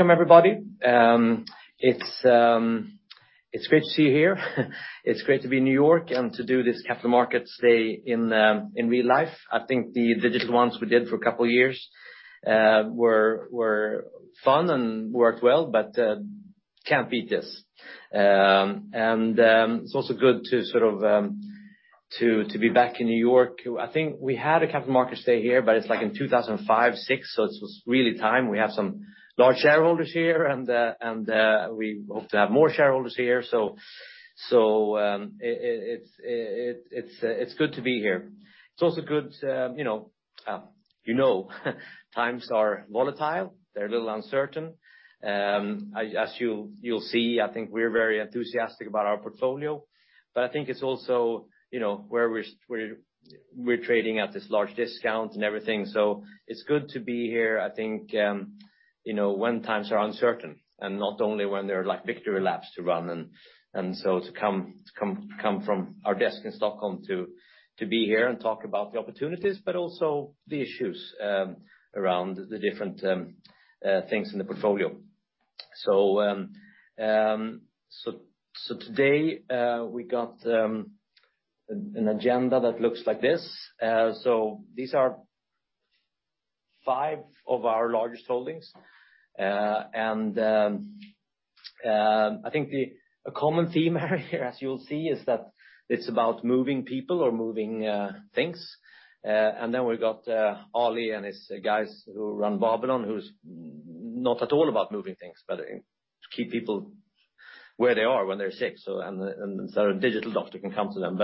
Welcome everybody. It's great to see you here. It's great to be in New York and to do this capital markets day in real life. I think the digital ones we did for a couple years were fun and worked well, but can't beat this. It's also good to be back in New York. I think we had a capital markets day here, but it's like in 2005, 2006, so it was really time. We have some large shareholders here and we hope to have more shareholders here. It's good to be here. It's also good, you know, times are volatile, they're a little uncertain. As you'll see, I think we're very enthusiastic about our portfolio, but I think it's also, you know, where we're trading at this large discount and everything, so it's good to be here, I think, you know, when times are uncertain and not only when there are like victory laps to run. To come from our desk in Stockholm to be here and talk about the opportunities, but also the issues around the different things in the portfolio. Today, we got an agenda that looks like this. These are five of our largest holdings. A common theme here, as you'll see, is that it's about moving people or moving things. We've got Ali and his guys who run Babylon, who's not at all about moving things, but keep people where they are when they're sick, so a digital doctor can come to them.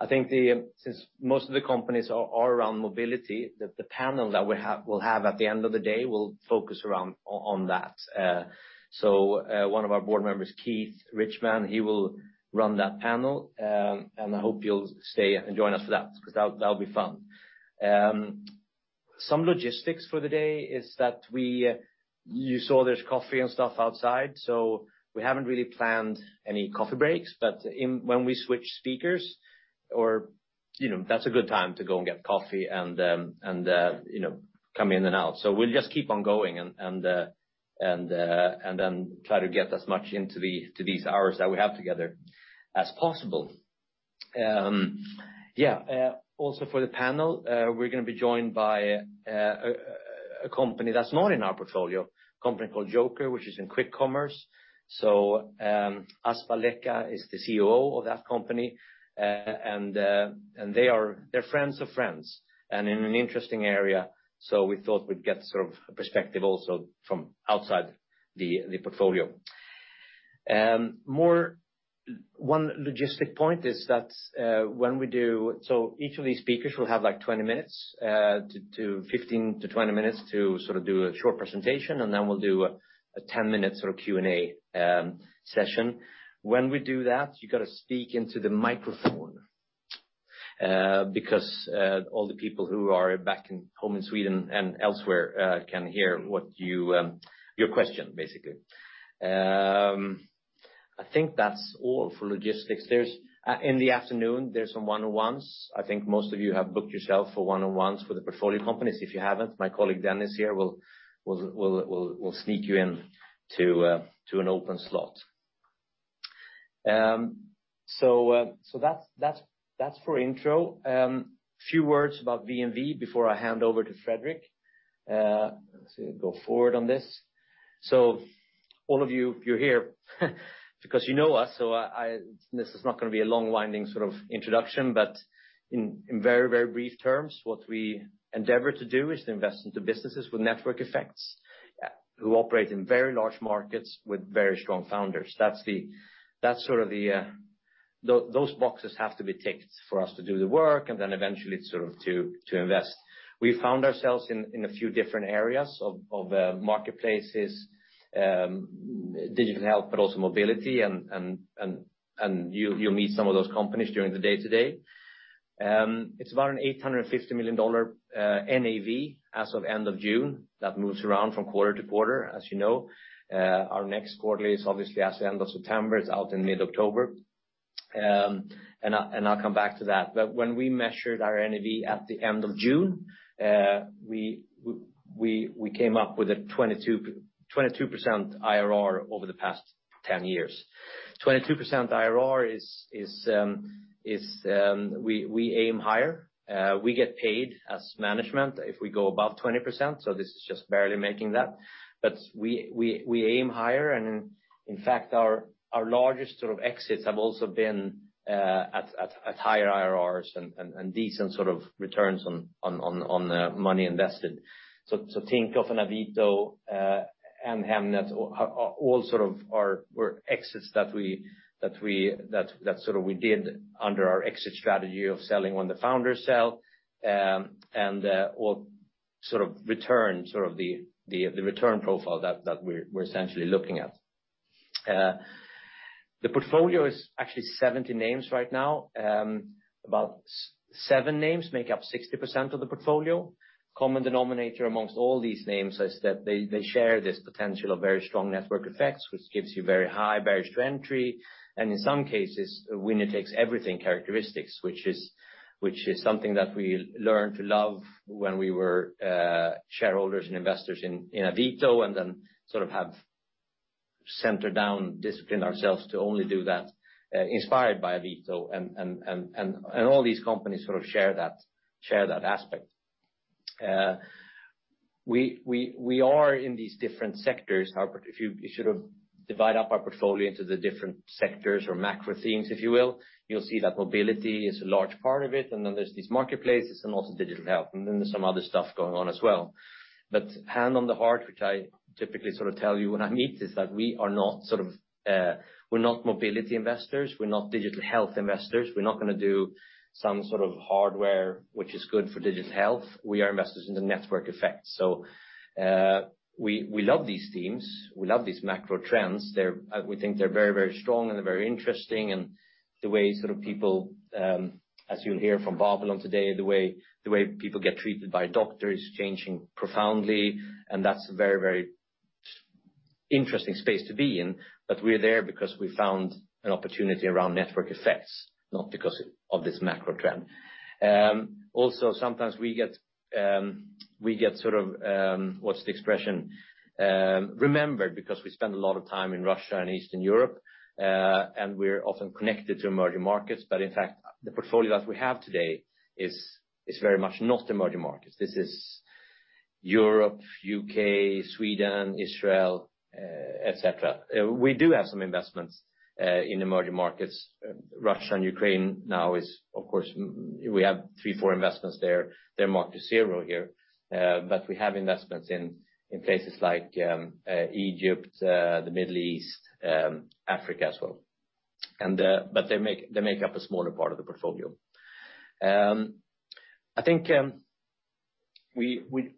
I think since most of the companies are around mobility, the panel that we'll have at the end of the day will focus on that. One of our board members, Keith Richman, he will run that panel. I hope you'll stay and join us for that, 'cause that'll be fun. Some logistics for the day is that you saw there's coffee and stuff outside, so we haven't really planned any coffee breaks. When we switch speakers or, you know, that's a good time to go and get coffee and, you know, come in and out. We'll just keep on going and then try to get as much into these hours that we have together as possible. Yeah. Also for the panel, we're gonna be joined by a company that's not in our portfolio, a company called JOKR, which is in quick commerce. Aspa Lekka is the CEO of that company. They are friends of friends and in an interesting area, so we thought we'd get sort of a perspective also from outside the portfolio. More. One logistic point is that, when we do. Each of these speakers will have like 15-20 minutes to sort of do a short presentation, and then we'll do a 10-minute sort of Q&A session. When we do that, you gotta speak into the microphone because all the people who are back home in Sweden and elsewhere can hear your question, basically. I think that's all for logistics. In the afternoon, there's some one-on-ones. I think most of you have booked yourself for one-on-ones with the portfolio companies. If you haven't, my colleague Daan is here and will sneak you in to an open slot. That's for intro. A few words about VNV before I hand over to Fredrik. Let's go forward on this. All of you're here because you know us. This is not gonna be a long-winding sort of introduction. In very brief terms, what we endeavor to do is to invest into businesses with network effects, who operate in very large markets with very strong founders. That's sort of the boxes that have to be ticked for us to do the work, and then eventually sort of to invest. We found ourselves in a few different areas of marketplaces, digital health, but also mobility, and you'll meet some of those companies during the day today. It's about a $850 million NAV as of end of June. That moves around from quarter to quarter, as you know. Our next quarterly is obviously as of the end of September. It's out in mid-October. I'll come back to that. When we measured our NAV at the end of June, we came up with a 22% IRR over the past 10 years. 22% IRR is. We aim higher. We get paid as management if we go above 20%, so this is just barely making that. We aim higher and in fact, our largest sort of exits have also been at higher IRRs and decent sort of returns on money invested. Think of Avito and Hemnet, all were exits that we did under our exit strategy of selling when the founders sell. Or sort of return, sort of the return profile that we're essentially looking at. The portfolio is actually 70 names right now. About seven names make up 60% of the portfolio. Common denominator amongst all these names is that they share this potential of very strong network effects, which gives you very high barriers to entry, and in some cases, winner-takes-everything characteristics, which is something that we learned to love when we were shareholders and investors in Avito, and then sort of have since then disciplined ourselves to only do that, inspired by Avito and all these companies sort of share that aspect. We are in these different sectors. If you sort of divide up our portfolio into the different sectors or macro themes, if you will, you'll see that mobility is a large part of it, and then there's these marketplaces, and also digital health, and then there's some other stuff going on as well. Hand on the heart, which I typically sort of tell you when I meet, is that we are not sort of, we're not mobility investors, we're not digital health investors, we're not gonna do some sort of hardware which is good for digital health. We are investors in the network effect. We love these teams. We love these macro trends. They're. We think they're very, very strong and they're very interesting, and the way sort of people, as you'll hear from Babylon today, the way people get treated by a doctor is changing profoundly, and that's a very, very interesting space to be in. We're there because we found an opportunity around network effects, not because of this macro trend. Also, sometimes we get sort of, what's the expression? We're remembered because we spend a lot of time in Russia and Eastern Europe, and we're often connected to emerging markets. In fact, the portfolio that we have today is very much not emerging markets. This is Europe, U.K., Sweden, Israel, et cetera. We do have some investments in emerging markets. Russia and Ukraine now is, of course, we have three or four investments there. They're marked to zero here. We have investments in places like Egypt, the Middle East, Africa as well. They make up a smaller part of the portfolio. I think when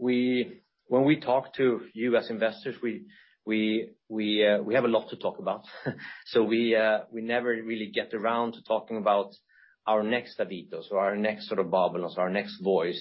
we talk to you as investors, we have a lot to talk about. We never really get around to talking about our next Avito, so our next sort of Babylon, our next Voi,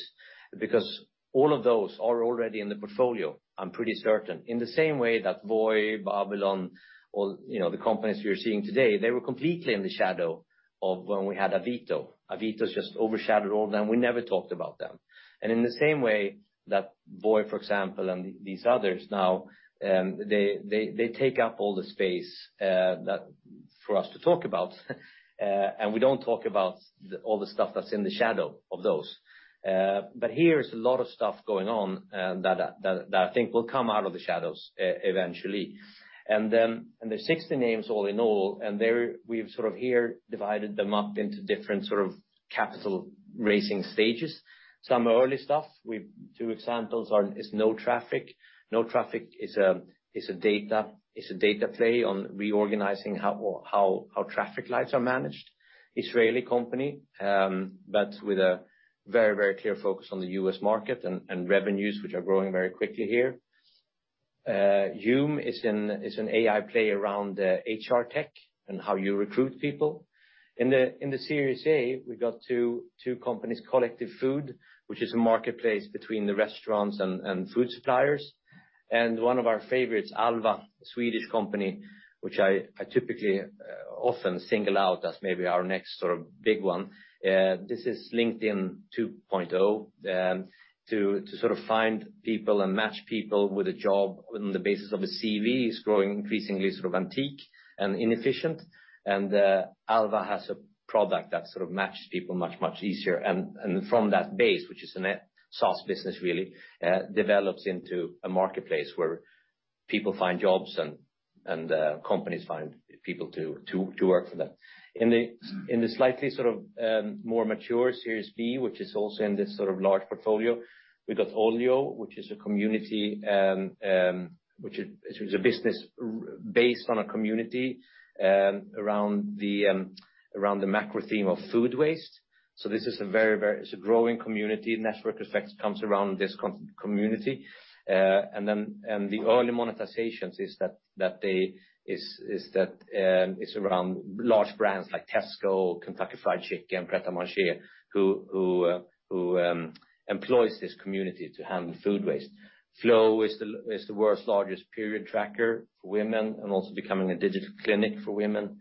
because all of those are already in the portfolio, I'm pretty certain. In the same way that Voi, Babylon, all, you know, the companies we are seeing today, they were completely in the shadow of when we had Avito. Avito's just overshadowed all of them. We never talked about them. In the same way that Voi, for example, and these others now, they take up all the space that for us to talk about, and we don't talk about all the stuff that's in the shadow of those. Here is a lot of stuff going on, that I think will come out of the shadows eventually. There's 60 names all in all, and we've sort of here divided them up into different sort of capital raising stages. Some early stuff. We've two examples are NoTraffic. NoTraffic is a data play on reorganizing how traffic lights are managed. Israeli company, but with a very clear focus on the U.S. market and revenues, which are growing very quickly here. Hume is an AI play around HR tech and how you recruit people. In the Series A, we've got two companies, Collective Food, which is a marketplace between the restaurants and food suppliers, and one of our favorites, Alva, a Swedish company, which I typically often single out as maybe our next sort of big one. This is LinkedIn 2.0, to sort of find people and match people with a job on the basis of a CV. It's growing increasingly sort of antiquated and inefficient. Alva has a product that sort of matches people much easier. From that base, which is a SaaS business really, develops into a marketplace where people find jobs and companies find people to work for them. In the slightly sort of more mature Series B, which is also in this sort of large portfolio, we've got OLIO, which is a community which is a business based on a community around the macro theme of food waste. This is a very growing community. Network effect comes around this community. The early monetizations is that it's around large brands like Tesco, Kentucky Fried Chicken, Pret A Manger, who employs this community to handle food waste. Flo is the world's largest period tracker for women and also becoming a digital clinic for women.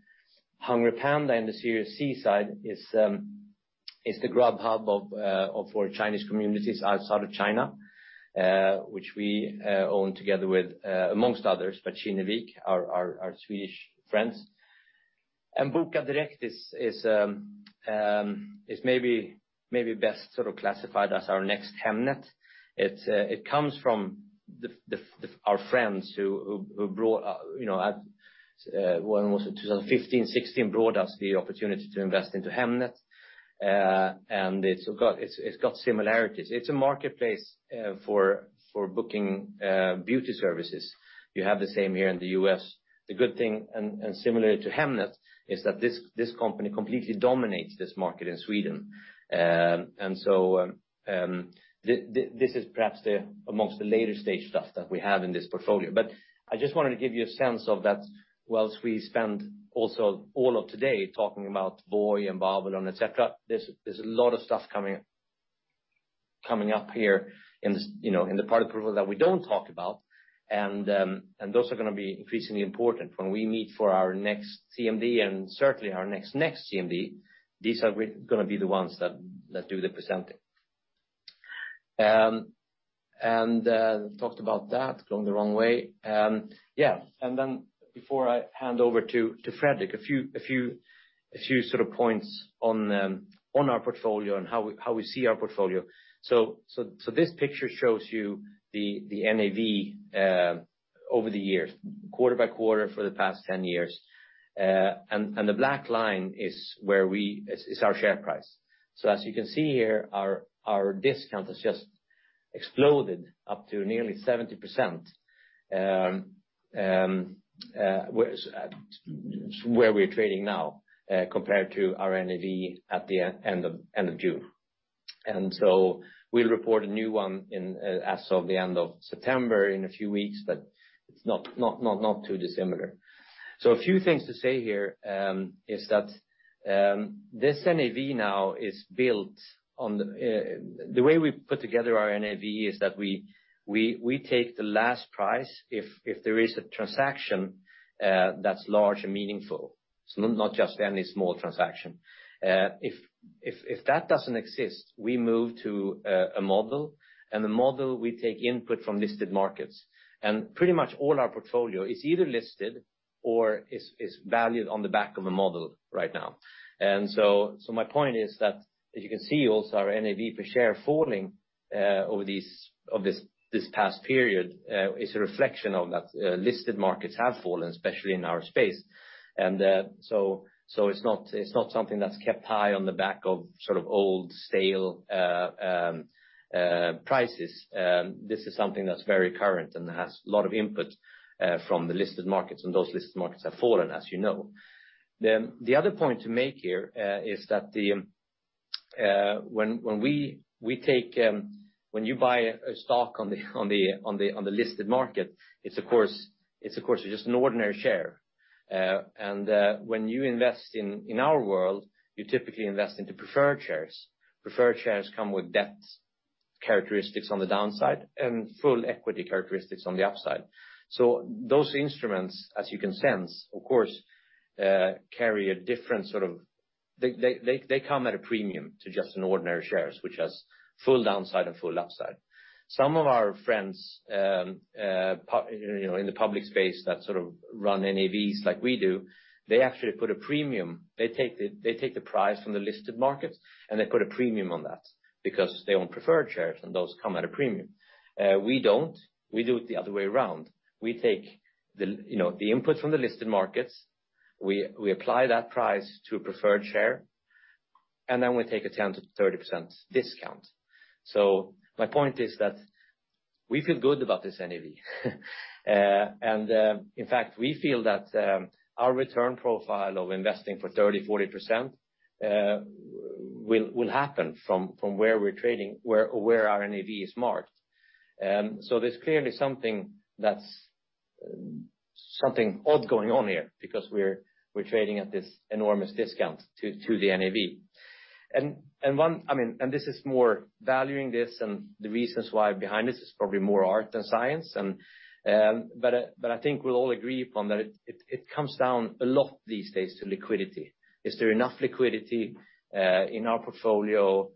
HungryPanda in the series C side is the Grubhub of all Chinese communities outside of China, which we own together with among others, but Kinnevik, our Swedish friends. Bokadirekt is maybe best sort of classified as our next Hemnet. It comes from our friends who brought us the opportunity to invest into Hemnet, you know, when was it? 2015, 2016. It's got similarities. It's a marketplace for booking beauty services. You have the same here in the US. The good thing, similar to Hemnet, is that this company completely dominates this market in Sweden. This is perhaps among the later stage stuff that we have in this portfolio. I just wanted to give you a sense of that, while we spend also all of today talking about Voi and Babylon, et cetera. There's a lot of stuff coming up here, you know, in the part of the portfolio that we don't talk about. Those are gonna be increasingly important when we meet for our next CMD and certainly our next CMD. These are gonna be the ones that do the presenting. Talked about that going the wrong way. Yeah. Before I hand over to Fredrik, a few sort of points on our portfolio and how we see our portfolio. This picture shows you the NAV over the years, quarter by quarter for the past 10 years. The black line is our share price. As you can see here, our discount has just exploded up to nearly 70%, where we're trading now, compared to our NAV at the end of June. We'll report a new one in, as of the end of September in a few weeks, but it's not too dissimilar. A few things to say here is that this NAV now is built on. The way we put together our NAV is that we take the last price if there is a transaction that's large and meaningful, so not just any small transaction. If that doesn't exist, we move to a model, and the model we take input from listed markets. Pretty much all our portfolio is either listed or is valued on the back of a model right now. My point is that, as you can see also our NAV per share falling over this past period is a reflection of that listed markets have fallen, especially in our space. It's not something that's kept high on the back of sort of old stale prices. This is something that's very current and has a lot of input from the listed markets, and those listed markets have fallen, as you know. The other point to make here is that when you buy a stock on the listed market, it's of course just an ordinary share. When you invest in our world, you typically invest into preferred shares. Preferred shares come with debt characteristics on the downside and full equity characteristics on the upside. Those instruments, as you can sense, of course, they come at a premium to just an ordinary shares, which has full downside and full upside. Some of our friends, you know, in the public space that sort of run NAVs like we do, they actually put a premium. They take the price from the listed markets, and they put a premium on that because they own preferred shares, and those come at a premium. We don't. We do it the other way around. We take the you know the input from the listed markets, we apply that price to a preferred share, and then we take a 10%-30% discount. My point is that we feel good about this NAV. In fact, we feel that our return profile of investing for 30%-40% will happen from where we're trading, where our NAV is marked. There's clearly something that's something odd going on here because we're trading at this enormous discount to the NAV. I mean, this is more valuing this and the reasons why behind this is probably more art than science, but I think we'll all agree upon that it comes down a lot these days to liquidity. Is there enough liquidity in our portfolio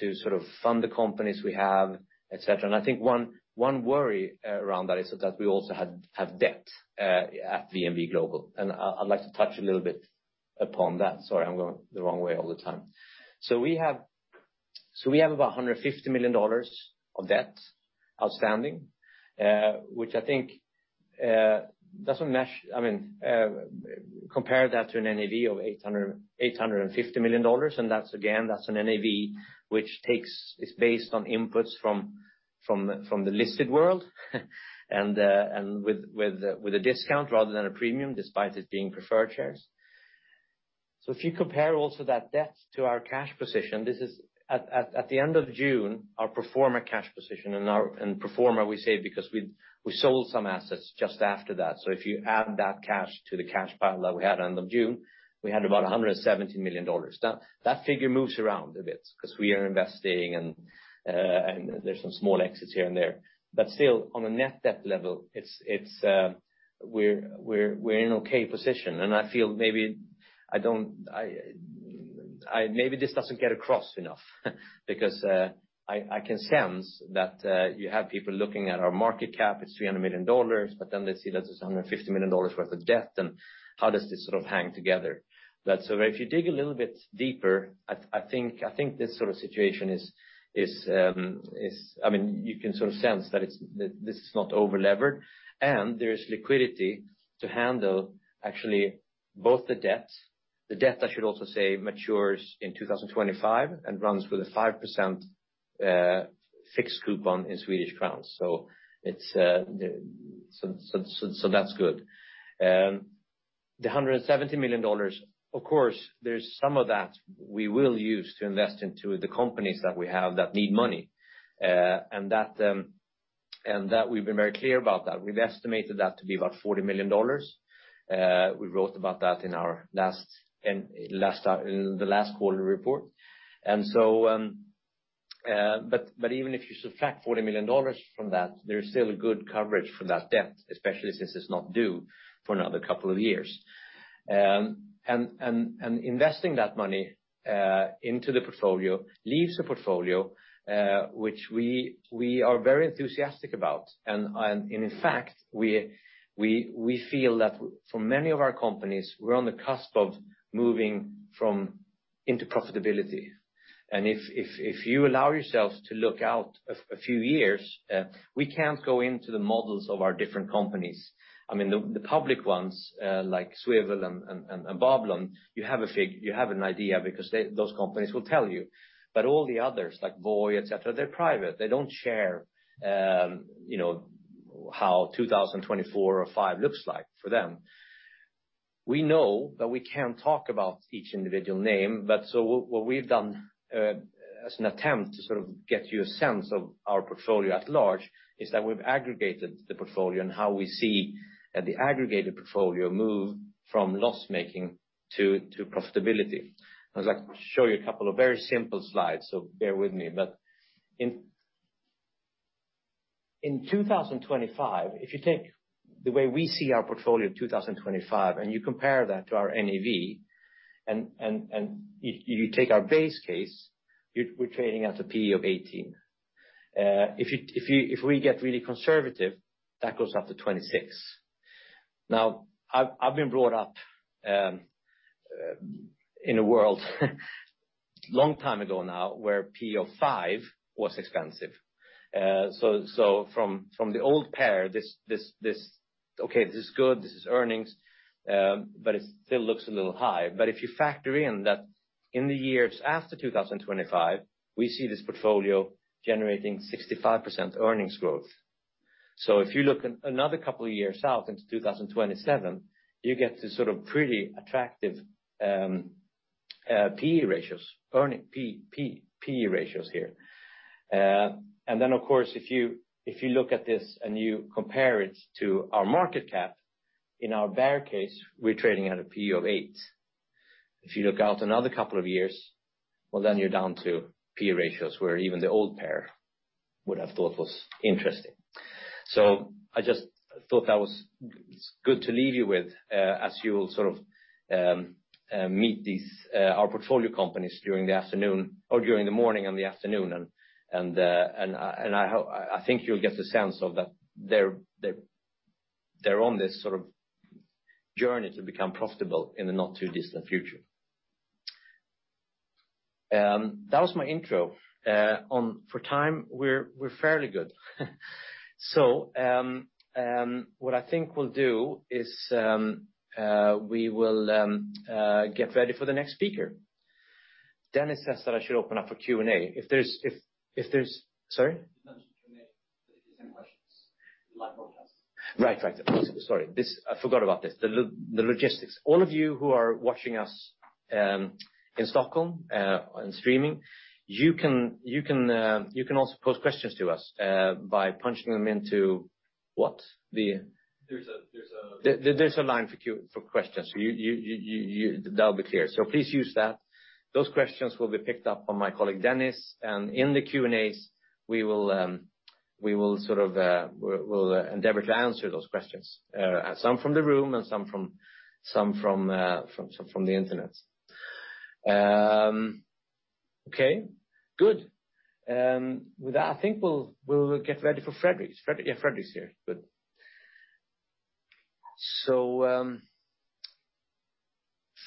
to sort of fund the companies we have, et cetera? I think one worry around that is that we also have debt at VNV Global, and I'd like to touch a little bit upon that. Sorry, I'm going the wrong way all the time. We have about $150 million of debt outstanding, which I think doesn't mesh. I mean, compare that to an NAV of $850 million, and that's again, that's an NAV which is based on inputs from the listed world and with a discount rather than a premium, despite it being preferred shares. If you compare also that debt to our cash position, this is at the end of June, our pro forma cash position, and pro forma we say because we sold some assets just after that. If you add that cash to the cash pile that we had end of June, we had about $170 million. That figure moves around a bit 'cause we are investing and there's some small exits here and there. Still, on a net debt level, it's we're in okay position and I feel maybe I don't. Maybe this doesn't get across enough because I can sense that you have people looking at our market cap, it's $300 million, but then they see that there's $150 million worth of debt and how does this sort of hang together. If you dig a little bit deeper, I think this sort of situation is. I mean, you can sort of sense that it's not over-levered and there is liquidity to handle actually both the debts. The debt, I should also say, matures in 2025 and runs with a 5% fixed coupon in Swedish crowns. It's good. The $170 million, of course, there's some of that we will use to invest into the companies that we have that need money. We've been very clear about that. We've estimated that to be about $40 million. We wrote about that in our last quarter report. Even if you subtract $40 million from that, there's still good coverage for that debt, especially since it's not due for another couple of years. Investing that money into the portfolio leaves a portfolio which we are very enthusiastic about. In fact, we feel that for many of our companies, we're on the cusp of moving into profitability. If you allow yourself to look out a few years, we can't go into the models of our different companies. I mean, the public ones, like Swvl and Babylon, you have an idea because those companies will tell you. All the others, like Voi, et cetera, they're private. They don't share, you know, how 2024 or 2025 looks like for them. We know that we can't talk about each individual name, but so what we've done, as an attempt to sort of get you a sense of our portfolio at large is that we've aggregated the portfolio and how we see the aggregated portfolio move from loss-making to profitability. I was like, show you a couple of very simple slides, so bear with me. In 2025, if you take the way we see our portfolio in 2025, and you compare that to our NAV, you take our base case, we're trading at a P/E of 18. If we get really conservative, that goes up to 26. Now, I've been brought up in a world long time ago now where P/E of five was expensive. From the old P/E, this is good, this is earnings, but it still looks a little high. If you factor in that in the years after 2025, we see this portfolio generating 65% earnings growth. If you look another couple of years out into 2027, you get this sort of pretty attractive P/E ratios here. Of course, if you look at this and you compare it to our market cap, in our bear case, we're trading at a P/E of eight. If you look out another couple of years, then you're down to P/E ratios where even the old Per would have thought was interesting. I just thought that was good to leave you with, as you'll sort of meet our portfolio companies during the afternoon or during the morning and the afternoon. I think you'll get the sense that they're on this sort of journey to become profitable in the not too distant future. That was my intro. On for time, we're fairly good. What I think we'll do is get ready for the next speaker. Dennis says that I should open up for Q&A. If there's. Sorry? You mentioned Q&A. If there's any questions, live broadcast. Right. Sorry, I forgot about this. The logistics. All of you who are watching us in Stockholm and streaming, you can also pose questions to us by punching them into what the- There's a. There's a line for questions. You'll. That'll be clear. Please use that. Those questions will be picked up by my colleague, Dennis. In the Q&As, we'll endeavor to answer those questions, some from the room and some from the internet. Okay, good. With that, I think we'll get ready for Fredrik. Yeah, Fredrik's here. Good.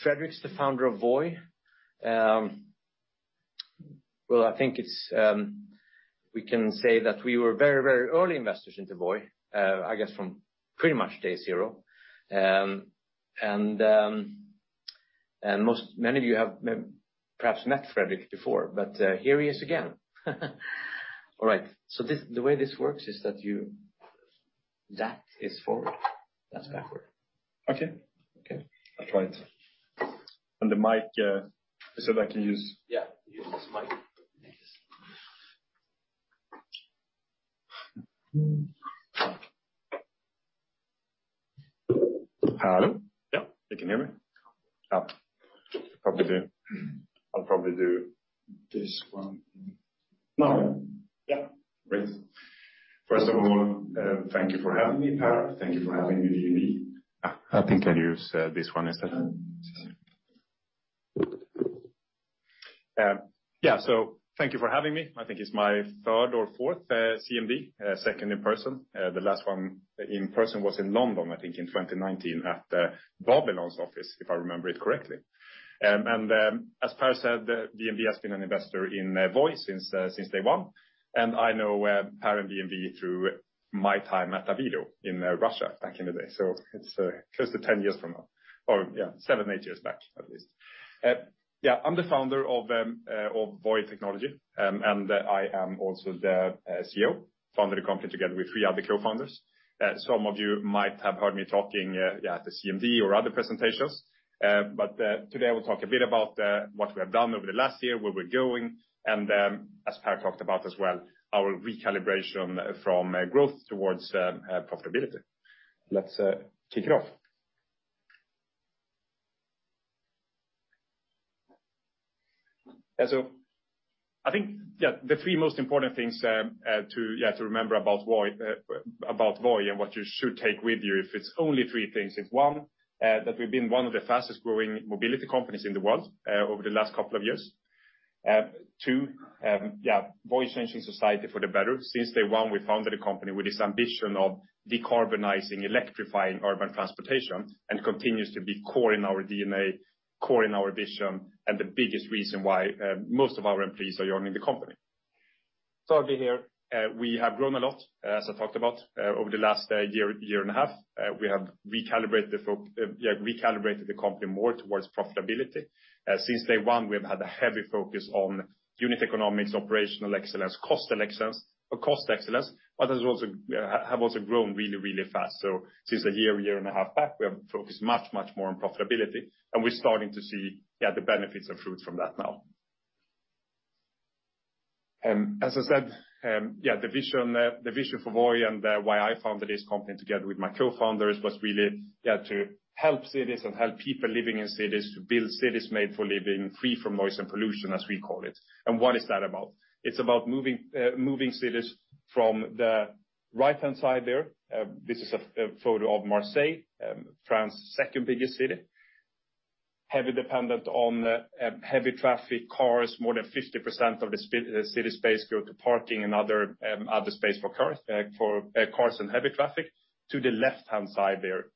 Fredrik's the founder of Voi. Well, I think we can say that we were very early investors into Voi, I guess from pretty much day zero. Many of you have perhaps met Fredrik before, but here he is again. All right. The way this works is that you. That is forward. That's backward. Okay. I'll try it. The mic, so that I can use- Yeah, use this mic. Hello? Yeah, you can hear me? Yeah. I'll probably do this one. No. Yeah. Great. First of all, thank you for having me, Per. Thank you for having me, VNV. I think I'll use this one instead. Yeah. Thank you for having me. I think it's my third or fourth CMD, second in person. The last one in person was in London, I think in 2019 at Babylon's office, if I remember it correctly. As Per said, VNV has been an investor in Voi since day one. I know Per and VNV through my time at Avito in Russia back in the day. It's close to 10 years from now, or yeah, seven, eight years back, at least. Yeah, I'm the founder of Voi Technology, and I am also the CEO. Founded the company together with three other co-founders. Some of you might have heard me talking at the CMD or other presentations. Today I will talk a bit about what we have done over the last year, where we're going, and, as Per talked about as well, our recalibration from growth towards profitability. Let's kick it off. I think the three most important things to remember about Voi and what you should take with you, if it's only three things, is one, that we've been one of the fastest growing mobility companies in the world over the last couple of years. Two, Voi's changing society for the better. Since day one, we founded a company with this ambition of decarbonizing, electrifying urban transportation, and continues to be core in our DNA, core in our vision, and the biggest reason why most of our employees are joining the company. Thirdly here, we have grown a lot, as I talked about, over the last year and a half. We have recalibrated the company more towards profitability. Since day one, we have had a heavy focus on unit economics, operational excellence, cost excellence, but have also grown really fast. Since a year and a half back, we have focused much more on profitability, and we're starting to see the benefits and fruits from that now. As I said, yeah, the vision for Voi and why I founded this company together with my cofounders was really, yeah, to help cities and people living in cities to build cities made for living free from noise and pollution, as we call it. What is that about? It's about moving cities from the right-hand side there. This is a photo of Marseille, France's second biggest city. Heavily dependent on heavy traffic, cars, more than 50% of the city space go to parking and other space for cars and heavy traffic, to the left-hand side there.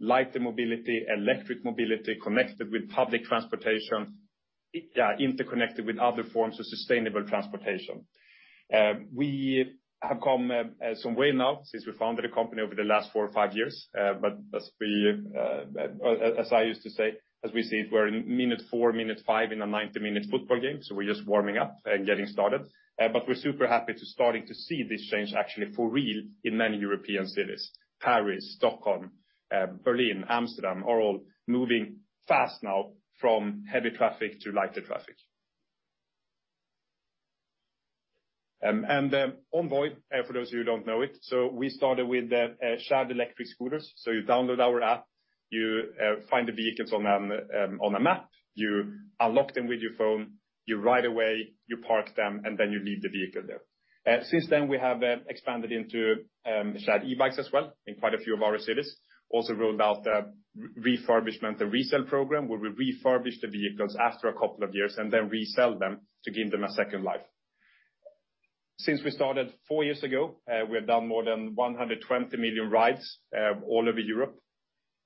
Lighter mobility, electric mobility, connected with public transportation, yeah, interconnected with other forms of sustainable transportation. We have come some way now since we founded the company over the last four or five years. As I used to say, as we see it, we're in minute four, minute five in a 90-minute football game, so we're just warming up and getting started. We're super happy to starting to see this change actually for real in many European cities. Paris, Stockholm, Berlin, Amsterdam, are all moving fast now from heavy traffic to lighter traffic. On Voi, for those of you who don't know it, we started with shared electric scooters. You download our app, you find the vehicles on a map, you unlock them with your phone, you ride away, you park them, and then you leave the vehicle there. Since then, we have expanded into shared e-bikes as well in quite a few of our cities. Also rolled out a refurbishment and resale program, where we refurbish the vehicles after a couple of years and then resell them to give them a second life. Since we started four years ago, we have done more than 100 million rides all over Europe.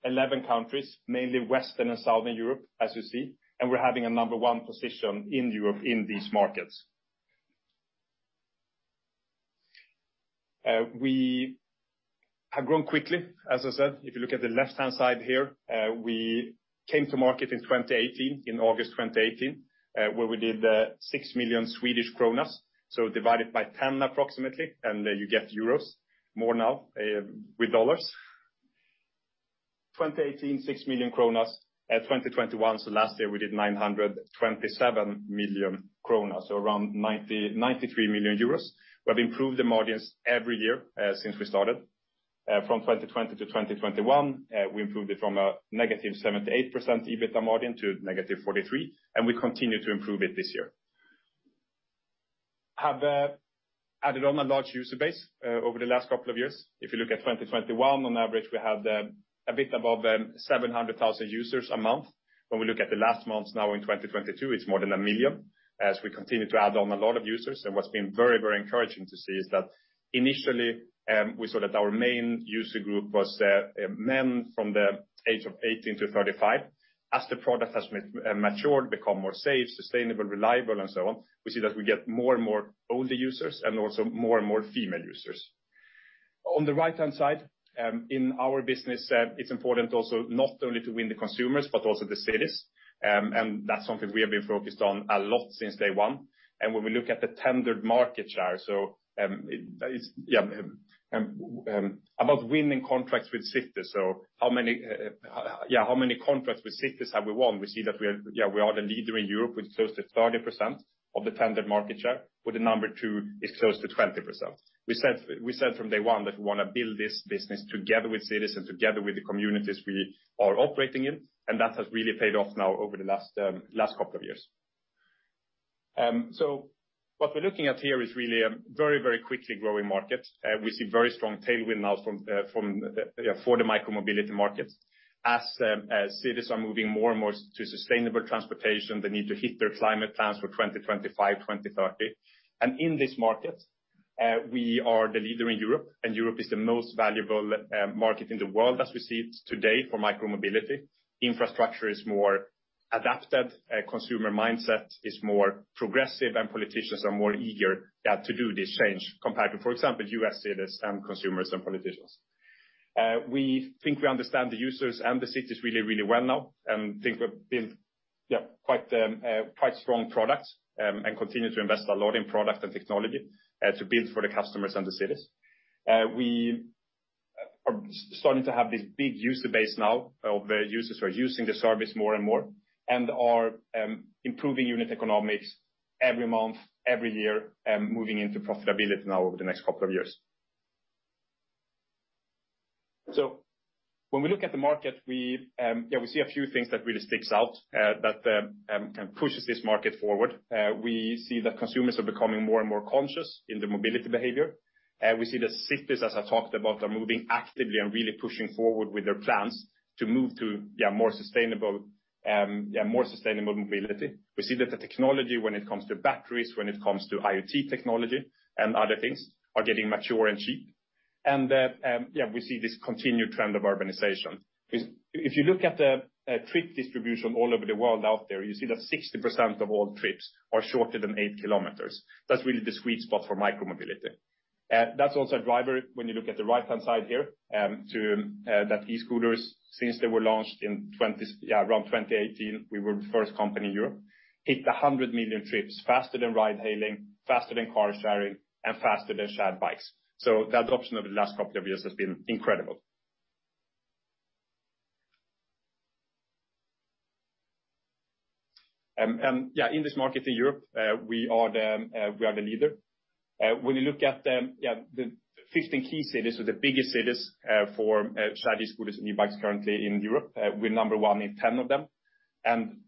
11 countries, mainly Western and Southern Europe, as you see, and we're having a number one position in Europe in these markets. We have grown quickly, as I said. If you look at the left-hand side here, we came to market in 2018, in August 2018, where we did 6 million Swedish kronor, so divided by ten approximately, and then you get euros, more now with dollars. 2018, 6 million kronas. 2021, so last year, we did 927 million kronor, so around 93 million euros. We have improved the margins every year since we started. From 2020 to 2021, we improved it from a negative 78% EBITDA margin to negative 43%, and we continue to improve it this year. We have added on a large user base over the last couple of years. If you look at 2021, on average, we have a bit above 700,000 users a month. When we look at the last months now in 2022, it's more than one million, as we continue to add on a lot of users. What's been very, very encouraging to see is that initially, we saw that our main user group was men from the age of 18-35. As the product has matured, become more safe, sustainable, reliable, and so on, we see that we get more and more older users and also more and more female users. On the right-hand side, in our business, it's important also not only to win the consumers, but also the cities, and that's something we have been focused on a lot since day one. When we look at the tendered market share, about winning contracts with cities, how many contracts with cities have we won? We see that we are the leader in Europe with close to 30% of the tendered market share, where the number two is close to 20%. We said from day one that we wanna build this business together with cities and together with the communities we are operating in, and that has really paid off now over the last couple of years. What we're looking at here is really a very, very quickly growing market. We see very strong tailwind now for the micromobility markets. As cities are moving more and more to sustainable transportation, they need to hit their climate plans for 2025, 2030. In this market, we are the leader in Europe, and Europe is the most valuable market in the world as we see it today for micromobility. Infrastructure is more adapted, consumer mindset is more progressive, and politicians are more eager to do this change compared to, for example, U.S. cities, consumers and politicians. We think we understand the users and the cities really, really well now, and think we've built quite strong products, and continue to invest a lot in product and technology to build for the customers and the cities. We are starting to have this big user base now of users who are using the service more and more and are improving unit economics every month, every year, moving into profitability now over the next couple of years. When we look at the market, we see a few things that really sticks out that pushes this market forward. We see that consumers are becoming more and more conscious in the mobility behavior. We see the cities, as I talked about, are moving actively and really pushing forward with their plans to move to more sustainable mobility. We see that the technology when it comes to batteries, when it comes to IoT technology and other things are getting mature and cheap, and that we see this continued trend of urbanization. If you look at the trip distribution all over the world out there, you see that 60% of all trips are shorter than 8 km. That's really the sweet spot for micromobility. That's also a driver when you look at the right-hand side here to that e-scooters since they were launched in 2018, we were the first company in Europe, hit 100 million trips faster than ride-hailing, faster than car-sharing, and faster than shared bikes. The adoption of the last couple of years has been incredible. In this market in Europe, we are the leader. When you look at the 15 key cities or the biggest cities for shared e-scooters and e-bikes currently in Europe, we're number one in 10 of them.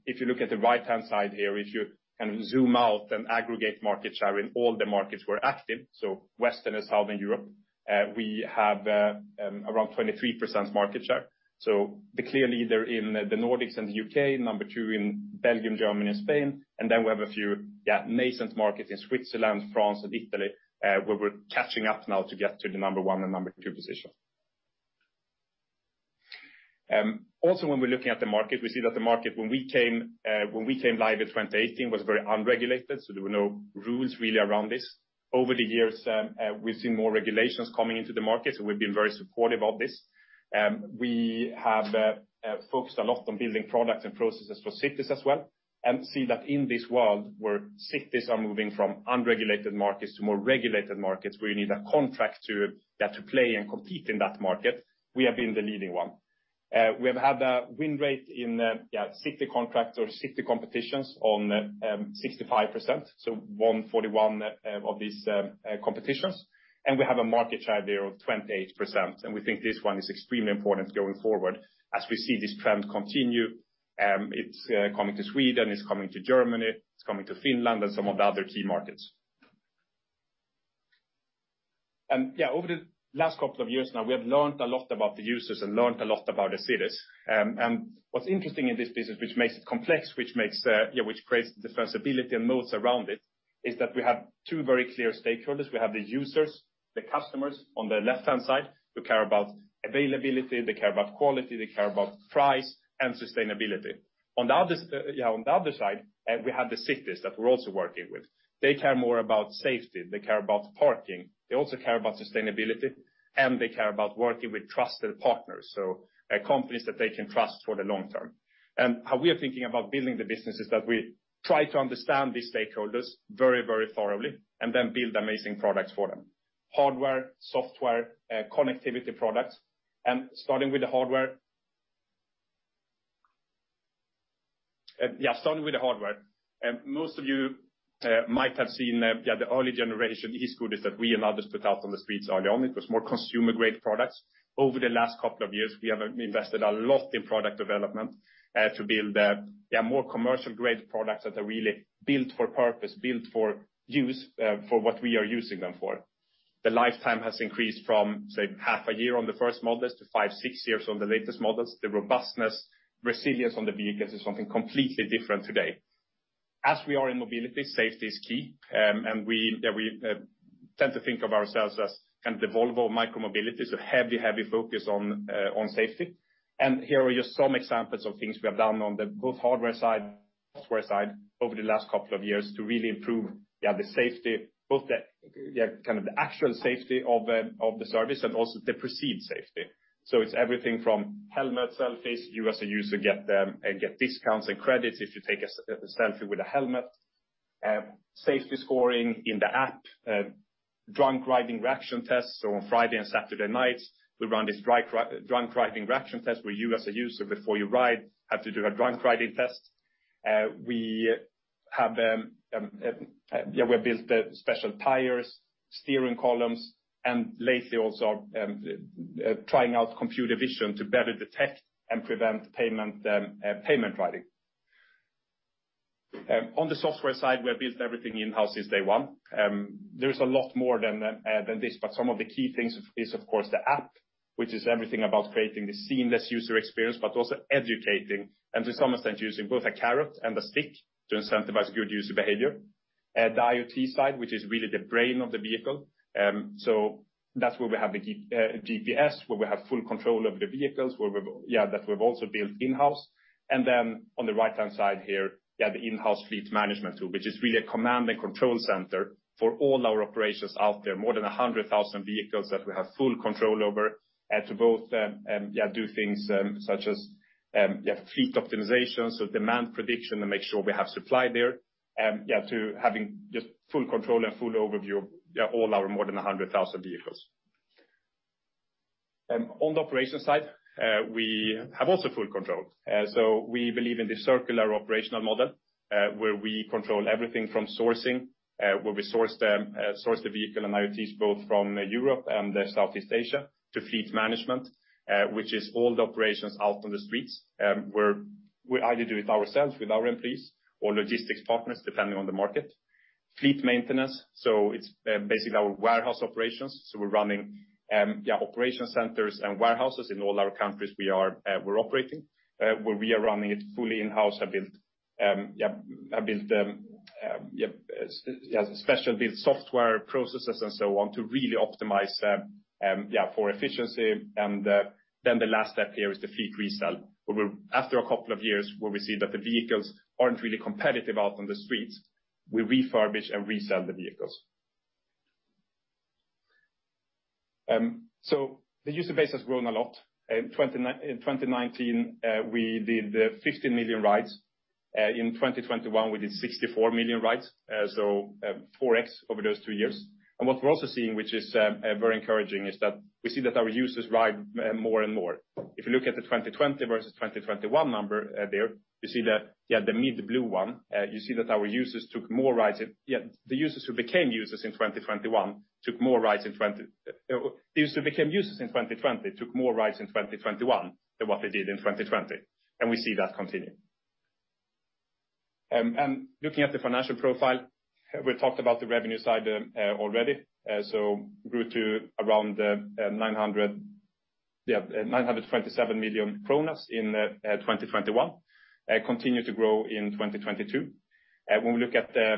If you look at the right-hand side here, if you kind of zoom out and aggregate market share in all the markets we're active, so Western and Southern Europe, we have around 23% market share. The clear leader in the Nordics and the U.K., number two in Belgium, Germany and Spain. Then we have a few nascent markets in Switzerland, France, and Italy where we're catching up now to get to the number one and number two position. Also when we're looking at the market, we see that the market when we came live in 2018 was very unregulated, so there were no rules really around this. Over the years, we've seen more regulations coming into the market, so we've been very supportive of this. We have focused a lot on building products and processes for cities as well, and see that in this world where cities are moving from unregulated markets to more regulated markets where you need a contract to play and compete in that market, we have been the leading one. We have had a win rate in city contracts or city competitions on 65%, so 141 of these competitions. We have a market share there of 28%, and we think this one is extremely important going forward as we see this trend continue. It's coming to Sweden, it's coming to Germany, it's coming to Finland and some of the other key markets. Over the last couple of years now, we have learned a lot about the users and learned a lot about the cities. What's interesting in this business, which makes it complex, which creates defensibility and moats around it, is that we have two very clear stakeholders. We have the users, the customers on the left-hand side who care about availability, they care about quality, they care about price and sustainability. On the other side, we have the cities that we're also working with. They care more about safety, they care about parking. They also care about sustainability, and they care about working with trusted partners, so, companies that they can trust for the long-term. How we are thinking about building the business is that we try to understand these stakeholders very, very thoroughly and then build amazing products for them. Hardware, software, connectivity products. Starting with the hardware. Most of you might have seen the early generation e-scooters that we and others put out on the streets early on. It was more consumer-grade products. Over the last couple of years, we have invested a lot in product development to build more commercial-grade products that are really built for purpose, built for use, for what we are using them for. The lifetime has increased from, say, half a year on the first models to five to six years on the latest models. The robustness, resilience on the vehicles is something completely different today. As we are in mobility, safety is key. We tend to think of ourselves as kind of the Volvo of micromobility, a heavy focus on safety. Here are just some examples of things we have done on both the hardware side and software side over the last couple of years to really improve the safety, both the actual safety of the service and also the perceived safety. It's everything from helmet selfies. You as a user get discounts and credits if you take a selfie with a helmet. Safety scoring in the app. Drunk riding reaction tests. On Friday and Saturday nights, we run this drunk riding reaction test where you as a user before you ride have to do a drunk riding test. We built the special tires, steering columns, and lately also trying out computer vision to better detect and prevent drunk riding. On the software side, we have built everything in-house since day one. There is a lot more than this, but some of the key things is of course the app, which is everything about creating the seamless user experience, but also educating and to some extent using both a carrot and a stick to incentivize good user behavior. The IoT side, which is really the brain of the vehicle. That's where we have the GPS, where we have full control of the vehicles, where we've also built in-house. On the right-hand side here, the in-house fleet management tool, which is really a command and control center for all our operations out there. More than 100,000 vehicles that we have full control over, to both do things such as fleet optimization, so demand prediction to make sure we have supply there. To having just full control and full overview of all our more than 100,000 vehicles. On the operations side, we have also full control. We believe in the circular operational model, where we control everything from sourcing where we source the vehicle and IoTs both from Europe and Southeast Asia to fleet management, which is all the operations out on the streets, where we either do it ourselves with our employees or logistics partners, depending on the market. Fleet maintenance, so it's basically our warehouse operations. We're running operation centers and warehouses in all our countries we're operating. Where we are running it fully in-house, we have built special-built software processes and so on to really optimize them for efficiency. The last step here is the fleet resell. After a couple of years where we see that the vehicles aren't really competitive out on the streets, we refurbish and resell the vehicles. The user base has grown a lot. In 2019, we did 15 million rides. In 2021, we did 64 million rides, so 4x over those two years. What we're also seeing, which is very encouraging, is that we see that our users ride more and more. If you look at the 2020 versus 2021 number, there you see the mid-blue one, you see that our users took more rides. The users who became users in 2021 took more rides in 2021. Users who became users in 2020 took more rides in 2021 than what they did in 2020, and we see that continue. Looking at the financial profile, we talked about the revenue side already. Grew to around 927 million kronor in 2021. Continue to grow in 2022. When we look at the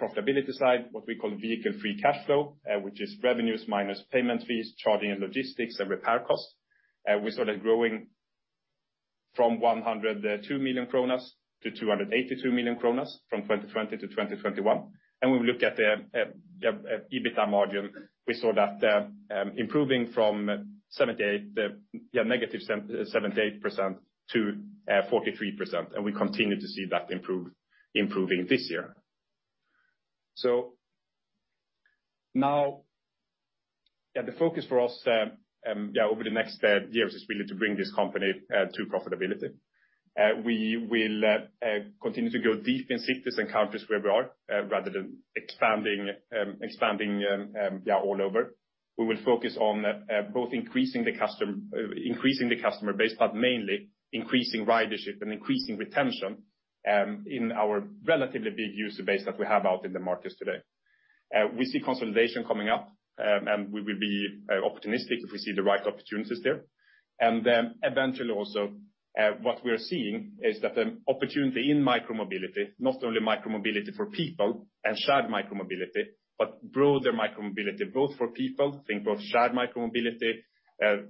profitability side, what we call vehicle free cash flow, which is revenues minus payment fees, charging and logistics and repair costs, we saw that growing from 102 million kronor to 282 million kronor from 2020 to 2021. When we look at the EBITDA margin, we saw that improving from negative 78% to 43%, and we continue to see that improving this year. Now the focus for us over the next years is really to bring this company to profitability. We will continue to go deep in cities and countries where we are rather than expanding all over. We will focus on both increasing the customer base, but mainly increasing ridership and increasing retention in our relatively big user base that we have out in the markets today. We see consolidation coming up, and we will be optimistic if we see the right opportunities there. Eventually also, what we're seeing is that the opportunity in micromobility, not only micromobility for people and shared micromobility, but broader micromobility, both for people, think of shared micromobility,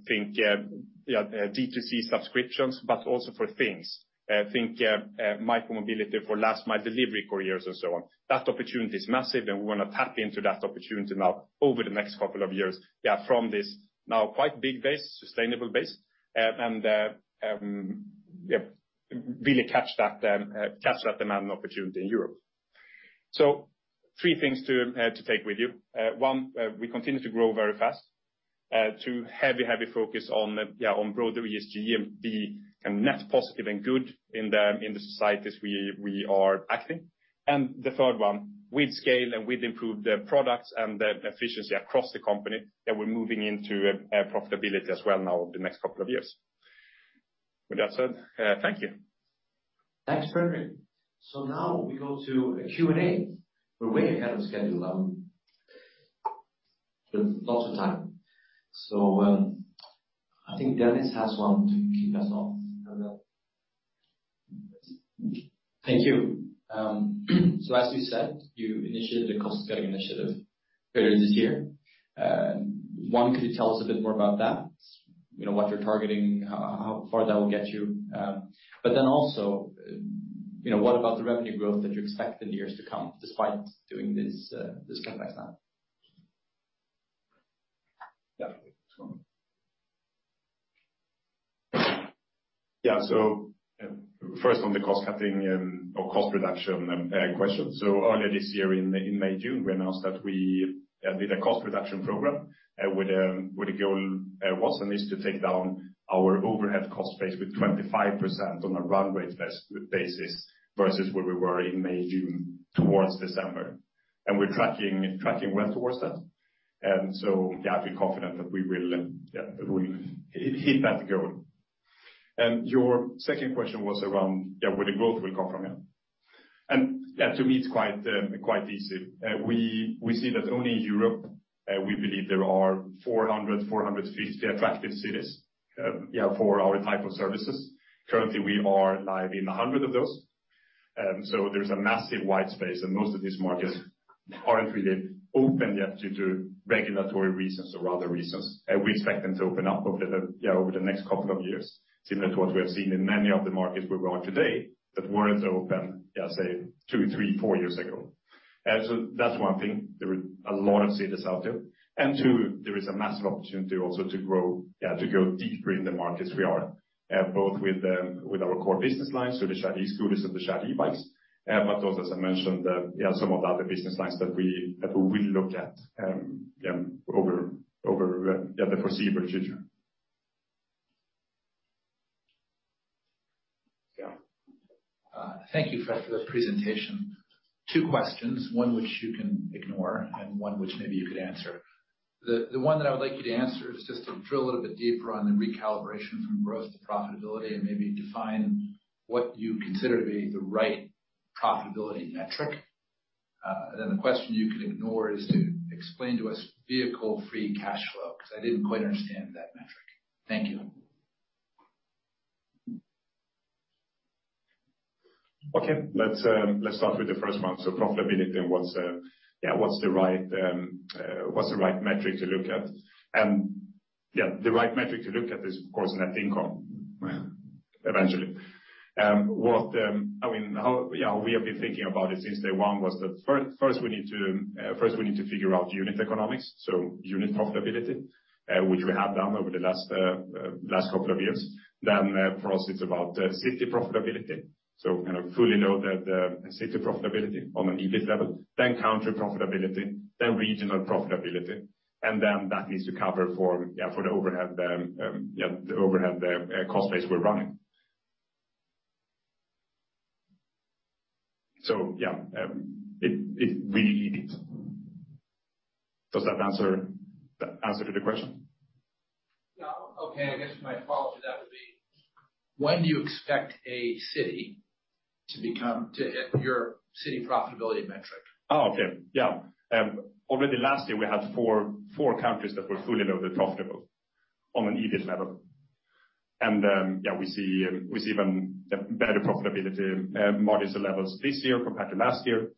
think of D2C subscriptions, but also for things. Think of micromobility for last mile delivery couriers and so on. That opportunity is massive, and we wanna tap into that opportunity now over the next couple of years, from this now quite big base, sustainable base, and really catch that demand and opportunity in Europe. Three things to take with you. One, we continue to grow very fast. Two, heavy focus on broader ESG and be net positive and good in the societies we are acting. The third one, with scale and with improved products and the efficiency across the company, that we're moving into profitability as well now over the next couple of years. With that said, thank you. Thanks, Fredrik. Now we go to Q&A. We're way ahead of schedule, with lots of time. I think Dennis has one to kick us off. I don't know. Thank you. As you said, you initiated a cost-cutting initiative earlier this year. One, could you tell us a bit more about that? You know, what you're targeting, how far that will get you. Then also, you know, what about the revenue growth that you expect in the years to come despite doing this cutback now? First on the cost-cutting, or cost reduction, question. Earlier this year in May/June, we announced that we did a cost reduction program with the goal was and is to take down our overhead cost base with 25% on a runway basis versus where we were in May/June toward December. We're tracking well toward that. I feel confident that we will, we'll hit that goal. Your second question was around where the growth will come from. To me, it's quite easy. We see that only in Europe, we believe there are 450 attractive cities for our type of services. Currently, we are live in 100 of those. There's a massive wide space, and most of these markets aren't really open yet due to regulatory reasons or other reasons. We expect them to open up over the next couple of years, similar to what we have seen in many of the markets we're on today that weren't open, say two, three, four years ago. That's one thing. There are a lot of cities out there. Two, there is a massive opportunity also to grow to go deeper in the markets we are, both with our core business lines, so the shared e-scooters and the shared e-bikes. Also, as I mentioned, some of the other business lines that we will look at over the foreseeable future. Thank you for the presentation. Two questions, one which you can ignore and one which maybe you could answer. The one that I would like you to answer is just to drill a little bit deeper on the recalibration from growth to profitability and maybe define what you consider to be the right profitability metric. The question you can ignore is to explain to us vehicle free cash flow, because I didn't quite understand that metric. Thank you. Okay. Let's start with the first one. Profitability and what's the right metric to look at? The right metric to look at is, of course, net income. Yeah. We have been thinking about it since day one. First we need to figure out unit economics. Unit profitability, which we have done over the last couple of years. For us it's about city profitability. You know, we fully know that city profitability on an EBIT level, then country profitability, then regional profitability, and then that needs to cover for the overhead cost base we're running. Yeah, it really EBIT. Does that answer the question? Yeah. Okay. I guess my follow-up to that would be when do you expect a city to become, to hit your city profitability metric? Already last year we had four countries that were fully loaded profitable on an EBIT level. We see even better profitability margins and levels this year compared to last year.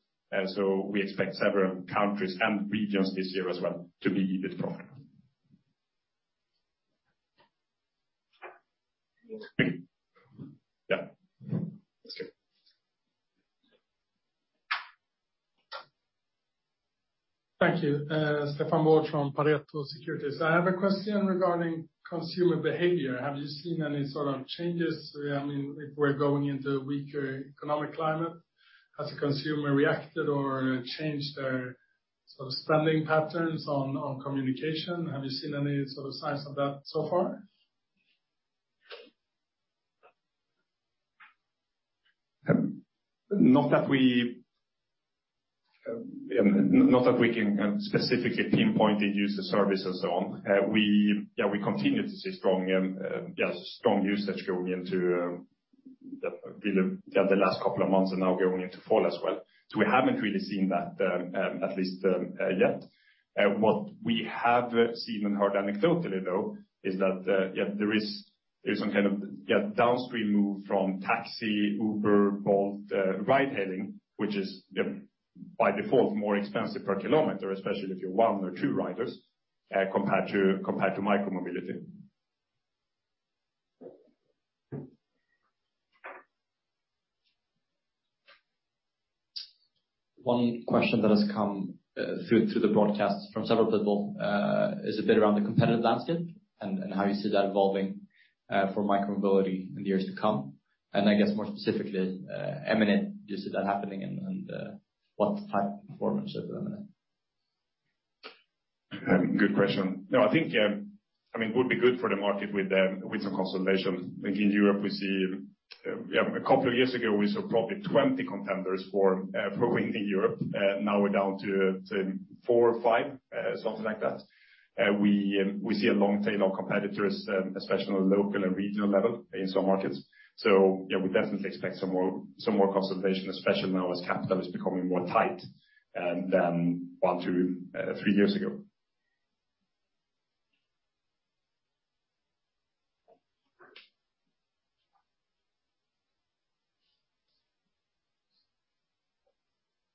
We expect several countries and regions this year as well to be EBIT profitable. That's good. Thank you. Stefan Bolt from Pareto Securities. I have a question regarding consumer behavior. Have you seen any sort of changes? I mean, if we're going into weaker economic climate, has the consumer reacted or changed their sort of spending patterns on communication? Have you seen any sort of signs of that so far? Not that we can specifically pinpoint its user service and so on. We continue to see strong usage going into the last couple of months and now going into fall as well. We haven't really seen that, at least. What we have seen and heard anecdotally, though, is that there's some kind of downstream move from taxi, Uber, Bolt, ride-hailing, which is by default more expensive per kilometer, especially if you're one or two riders, compared to micromobility. One question that has come through the broadcast from several people is about the competitive landscape and how you see that evolving for micromobility in the years to come. I guess more specifically, Eminent, do you see that happening and what type of performance is Eminent? Good question. No, I think, I mean, would be good for the market with some consolidation. I think in Europe we see a couple of years ago we saw probably 20 contenders for winning Europe. Now we're down to four or five, something like that. We see a long tail of competitors, especially on local and regional level in some markets. Yeah, we definitely expect some more consolidation, especially now as capital is becoming more tight than one to three years ago.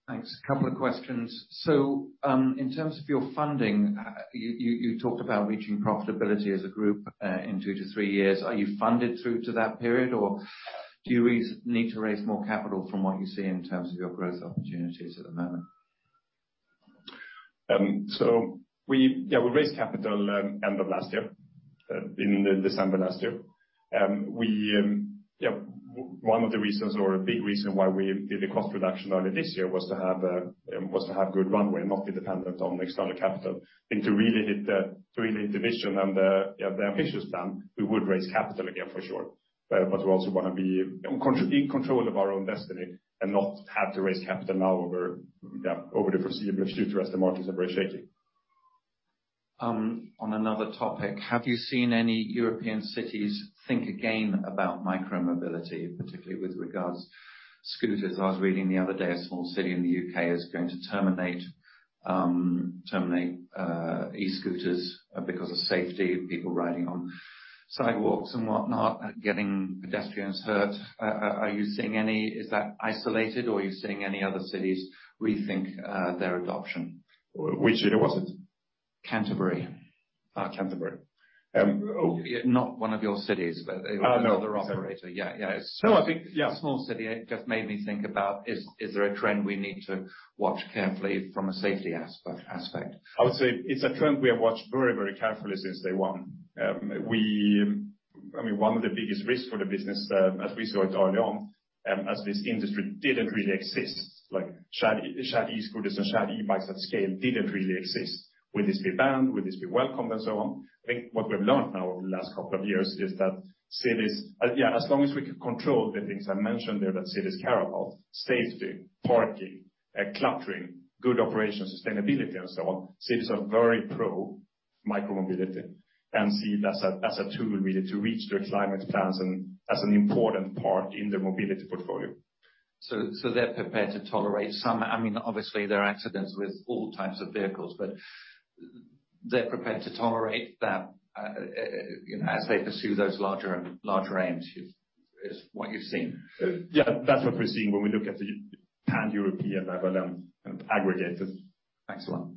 Thanks. A couple of questions. In terms of your funding, you talked about reaching profitability as a group in two to three years. Are you funded through to that period? Or do you need to raise more capital from what you see in terms of your growth opportunities at the moment? We raised capital end of last year in December last year. One of the reasons or a big reason why we did a cost reduction earlier this year was to have good runway, not be dependent on external capital. I think to really hit the vision and the ambitious plan, we would raise capital again for sure. We also wanna be in control of our own destiny and not have to raise capital now over the foreseeable future as the markets are very shaky. On another topic, have you seen any European cities think again about micromobility, particularly with regards scooters? I was reading the other day a small city in the U.K. is going to terminate e-scooters because of safety, people riding on sidewalks and whatnot, getting pedestrians hurt. Is that isolated or are you seeing any other cities rethink their adoption? Which city was it? Canterbury. Canterbury. Not one of your cities, but. No. Another operator. Yeah. Yeah. No, I think, yeah. Small city. It just made me think about, is there a trend we need to watch carefully from a safety aspect? I would say it's a trend we have watched very, very carefully since day one. I mean, one of the biggest risks for the business, as we saw it early on, as this industry didn't really exist, like shared e-scooters and shared e-bikes at scale didn't really exist. Will this be banned? Will this be welcomed, and so on? I think what we've learned now over the last couple of years is that cities, as long as we can control the things I mentioned there that cities care about, safety, parking, cluttering, good operation, sustainability, and so on, cities are very pro micromobility and see it as a tool really to reach their climate plans and as an important part in their mobility portfolio. They're prepared to tolerate some. I mean, obviously there are accidents with all types of vehicles, but they're prepared to tolerate that as they pursue those larger aims, is what you're seeing? Yeah. That's what we're seeing when we look at the pan-European level and aggregate it. Thanks a lot.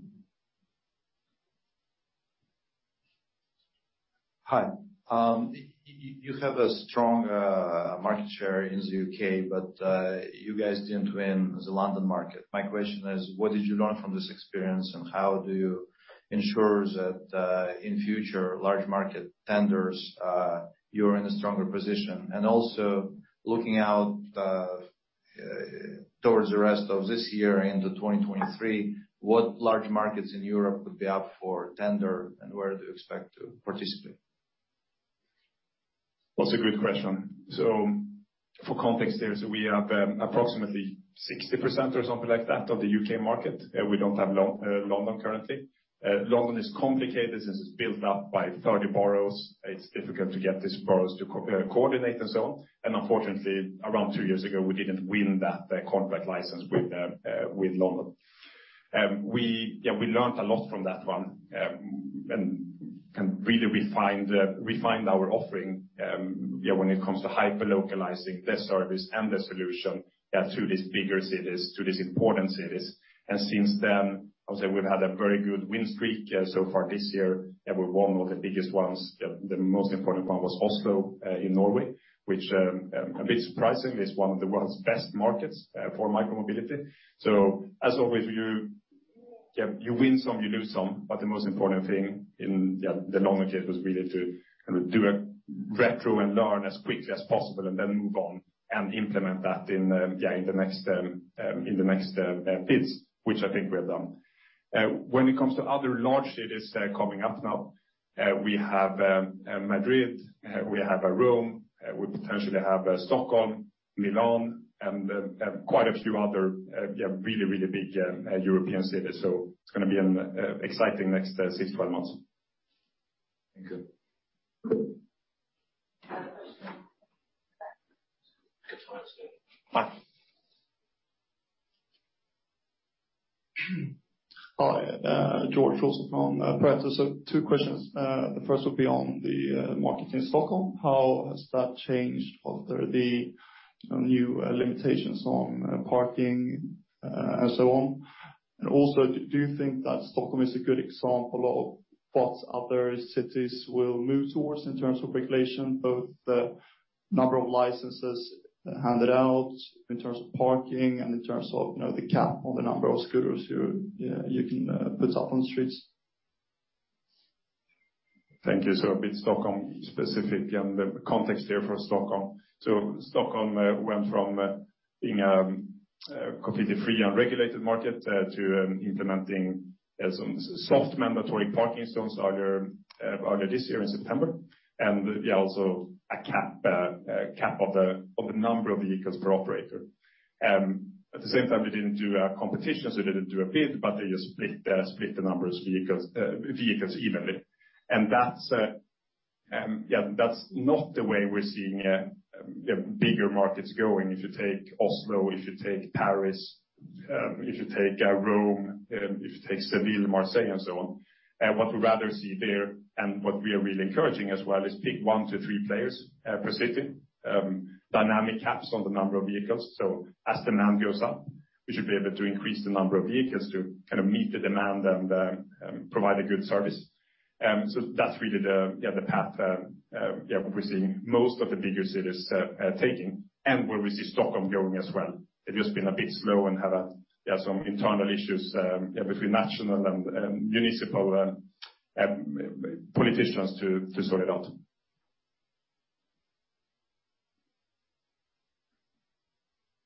Hi. You have a strong market share in the U.K., but you guys didn't win the London market. My question is, what did you learn from this experience, and how do you ensure that in future large market tenders you're in a stronger position? Also, looking out towards the rest of this year into 2023, what large markets in Europe could be up for tender, and where do you expect to participate? That's a good question. For context there, we have approximately 60% or something like that of the U.K. market. We don't have London currently. London is complicated since it's built up by 30 boroughs. It's difficult to get these boroughs to coordinate and so on. Unfortunately, around two years ago, we didn't win that contract license with London. Yeah, we learned a lot from that one and really refined our offering when it comes to hyper-localizing the service and the solution to these bigger cities, to these important cities. Since then, I would say we've had a very good win streak so far this year, and with one of the biggest ones, the most important one was Oslo in Norway, which a bit surprisingly is one of the world's best markets for micromobility. As always, you win some, you lose some, but the most important thing in the long-term was really to kind of do a retro and learn as quickly as possible and then move on and implement that in the next bids, which I think we have done. When it comes to other large cities coming up now, we have Madrid, we have Rome, we potentially have Stockholm, Milan, and quite a few other really big European cities. It's gonna be an exciting next six to 12 months. Thank you. Bye. Hi, George Wilson from press, two questions. The first will be on the market stock. How has that changed? Are there any limitations on parking and so on? And also, do you think that Stockholm is a good example of what other cities will move towards in terms of regulation of the number of licenses handed out in terms of parking and in terms of the cap on the number of scooters you can put up on streets? Thank you., of course.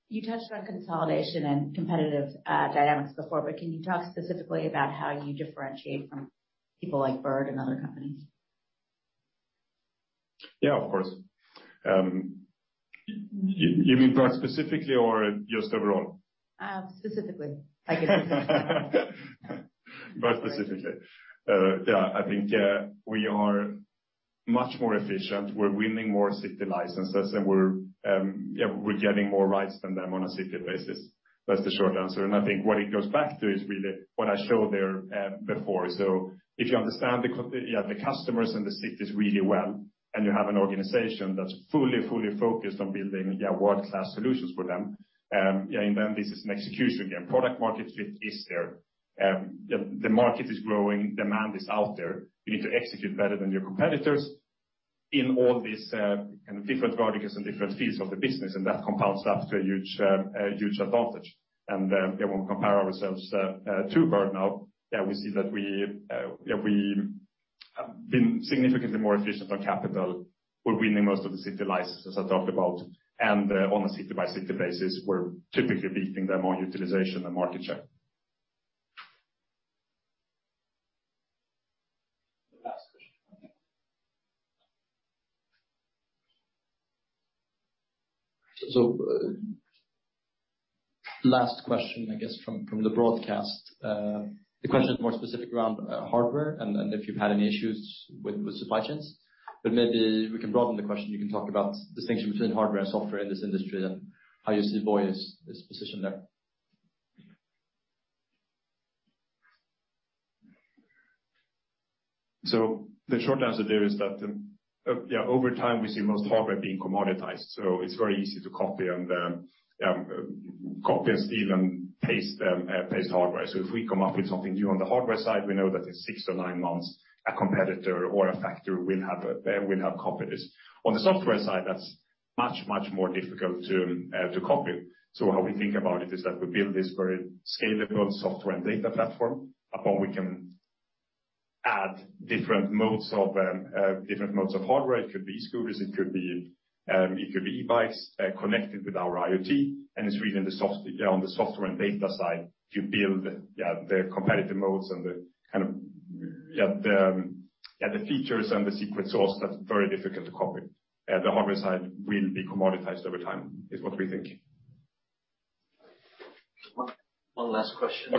You mean Bird specifically or just overall? Specifically. Bird specifically. I think we are much more efficient. We're winning more city licenses, and we're getting more rides than them on a city basis. That's the short answer. I think what it goes back to is really what I showed there before. If you understand the customers and the cities really well, and you have an organization that's fully focused on building world-class solutions for them, and then this is an execution. Again, product market fit is there. The market is growing. Demand is out there. You need to execute better than your competitors in all these different verticals and different phases of the business, and that compounds up to a huge advantage. When we compare ourselves to Bird now, we see that we have been significantly more efficient on capital. We're winning most of the city licenses I talked about. On a city-by-city basis, we're typically beating them on utilization and market share. The last question. Last question, I guess from the broadcast. The question is more specific around hardware and if you've had any issues with supply chains, but maybe we can broaden the question. You can talk about distinction between hardware and software in this industry and how you see Voi is positioned there. The short answer there is that, over time, we see most hardware being commoditized, so it's very easy to copy and steal and paste hardware. If we come up with something new on the hardware side, we know that in six to nine months a competitor or a factory will have copied this. On the software side, that's much, much more difficult to copy. How we think about it is that we build this very scalable software and data platform upon we can add different modes of hardware. It could be e-scooters, it could be e-bikes, connected with our IoT, and it's really on the software and data side to build the competitive modes and the kind of features and the secret sauce that's very difficult to copy. The hardware side will be commoditized over time, is what we think. One last question.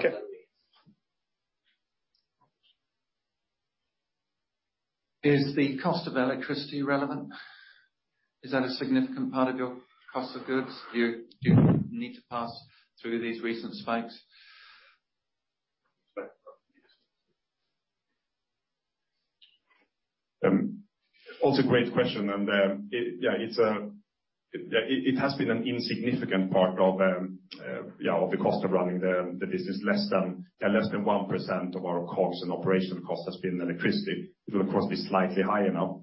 Okay. Is the cost of electricity relevant? Is that a significant part of your cost of goods? Do you need to pass through these recent spikes? Also great question. It has been an insignificant part of the cost of running the business. Less than 1% of our costs and operational cost has been electricity. It will of course be slightly higher now,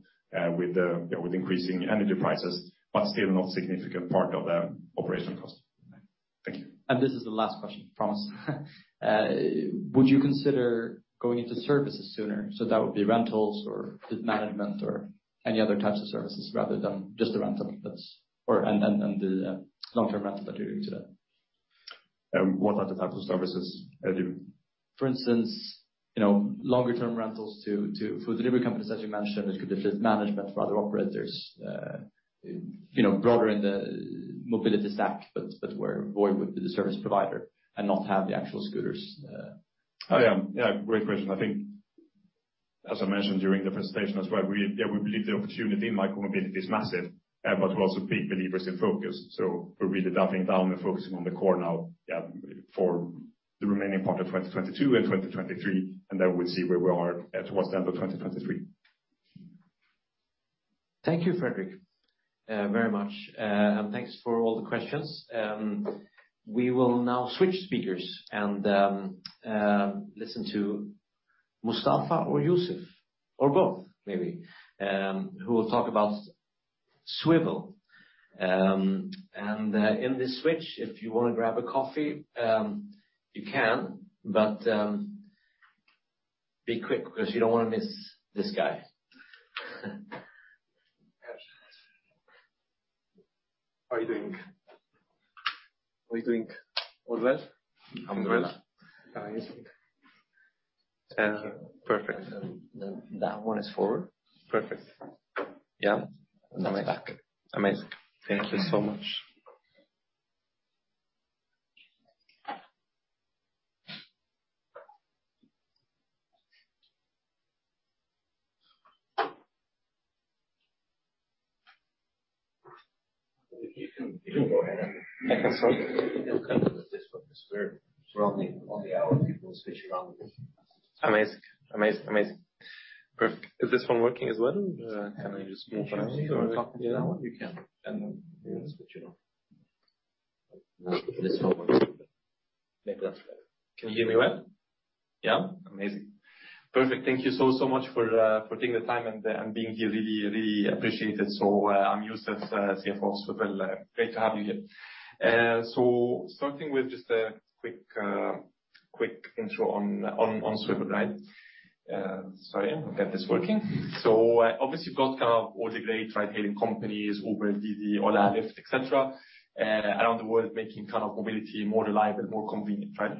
with you know increasing energy prices, but still not significant part of the operational cost. Thank you. This is the last question, promise. Would you consider going into services sooner? That would be rentals or fleet management or any other types of services rather than just the rental or the long-term rental that you're doing today? What are the types of services you- For instance, you know, longer-term rentals to. For delivery companies, as you mentioned, it could be fleet management for other operators. You know, broader in the mobility stack, but where Voi would be the service provider and not have the actual scooters. Oh, yeah. Yeah, great question. I think as I mentioned during the presentation as well, we believe the opportunity in micromobility is massive, but we're also big believers in focus, so we're really doubling down and focusing on the core now, yeah, for the remaining part of 2022 and 2023, and then we'll see where we are towards the end of 2023. Thank you, Fredrik, very much. Thanks for all the questions. We will now switch speakers and listen to Mustafa or Youssef or both maybe, who will talk about Swvl. In this switch, if you wanna grab a coffee, you can, but be quick 'cause you don't wanna miss this guy. How are you doing? All well? I'm great. Perfect. That one is forward. Perfect. Yeah. That's back. Amazing. Thank you so much. If you can go ahead. I can start? We'll cover the first one 'cause we're running on the hour. People switching on. Amazing. Perfect. Is this one working as well? Can I just switch on it? You wanna copy to that one? You can. We will switch it off. This one works. Make that better. Can you hear me well? Yeah? Amazing. Perfect. Thank you so much for taking the time and being here. Really appreciate it. I'm Youssef, CFO of Swvl. Great to have you here. Starting with just a quick intro on Swvl, right? Sorry, get this working. Obviously you've got kind of all the great ride-hailing companies, Uber, DiDi, Ola, Lyft, et cetera, around the world making kind of mobility more reliable, more convenient, right?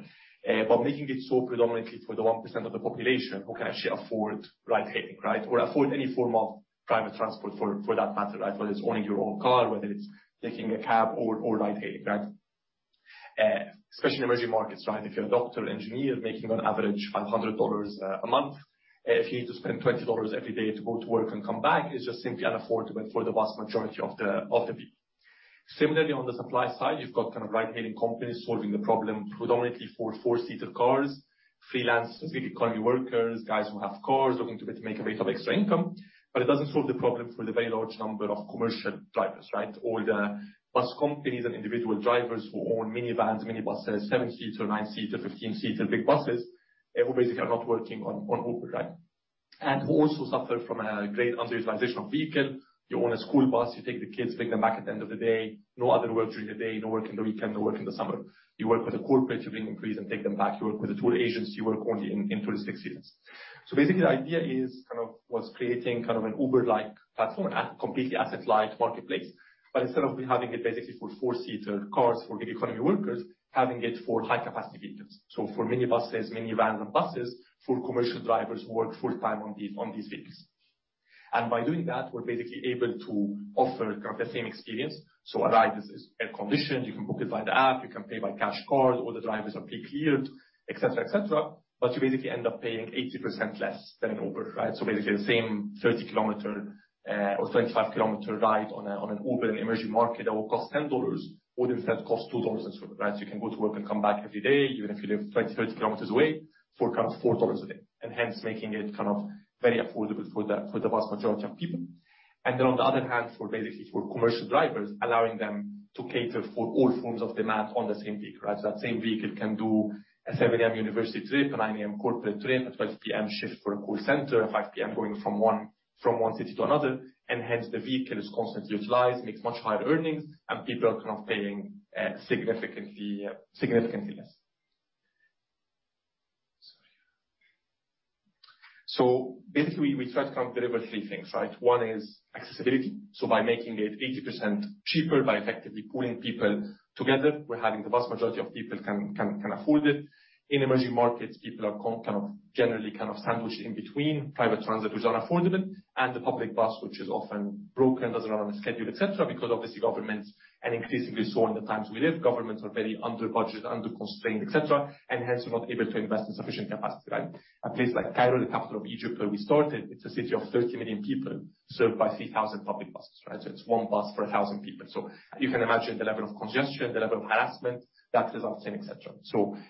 But making it so predominantly for the one percent of the population who can actually afford ride-hailing, right? Or afford any form of private transport for that matter, right? Whether it's owning your own car, whether it's taking a cab or ride-hailing, right? Especially in emerging markets, right? If you're a doctor, engineer making on average $500 a month, if you need to spend $20 every day to go to work and come back, it's just simply unaffordable for the vast majority of the people. Similarly, on the supply side, you've got kind of ride-hailing companies solving the problem predominantly for four-seater cars, freelance gig economy workers, guys who have cars looking to make a bit of extra income. But it doesn't solve the problem for the very large number of commercial drivers, right? All the bus companies and individual drivers who own minivans, mini buses, seven-seater, nine-seater, 15-seater big buses. Who basically are not working on Uber, right? Who also suffer from a great underutilization of vehicle. You own a school bus, you take the kids, bring them back at the end of the day. No other work during the day, no work in the weekend, no work in the summer. You work with a corporate, you bring employees and take them back. You work with the tour agents, you work only in tourist experience. Basically, the idea is kind of was creating kind of an Uber-like platform at completely asset-light marketplace. Instead of having it basically for four-seater cars for gig economy workers, having it for high capacity vehicles. For mini buses, mini vans and buses, for commercial drivers who work full-time on these vehicles. By doing that, we're basically able to offer kind of the same experience. A ride is air-conditioned, you can book it by the app, you can pay by cash, card, all the drivers are pre-cleared, et cetera, et cetera. You basically end up paying 80% less than an Uber, right? Basically, the same 30 km or 25 km ride on an Uber in emerging market that will cost $10 would instead cost $2 in Swvl, right? You can go to work and come back every day, even if you live 20, 30 km away for kind of $4 a day. Hence making it kind of very affordable for the vast majority of people. Then on the other hand, for commercial drivers, allowing them to cater for all forms of demand on the same vehicle, right? That same vehicle can do a 7:00 A.M. university trip, a 9:00 A.M. corporate trip, a 12:00 P.M. shift for a call center, a 5:00 P.M. going from one city to another. Hence, the vehicle is constantly utilized, makes much higher earnings, and people are kind of paying significantly less. Sorry. Basically, we try to kind of deliver three things, right? One is accessibility. By making it 80% cheaper by effectively pooling people together, we're having the vast majority of people can afford it. In emerging markets, people are kind of generally kind of sandwiched in between private transit, which is unaffordable, and the public bus, which is often broken, doesn't run on a schedule, et cetera. Because obviously governments, and increasingly so in the times we live, governments are very under budget, under constrained, et cetera, and hence not able to invest in sufficient capacity, right? A place like Cairo, the capital of Egypt, where we started, it's a city of 30 million people served by 3,000 public buses, right? It's one bus for 1,000 people. You can imagine the level of congestion, the level of harassment that results in, et cetera.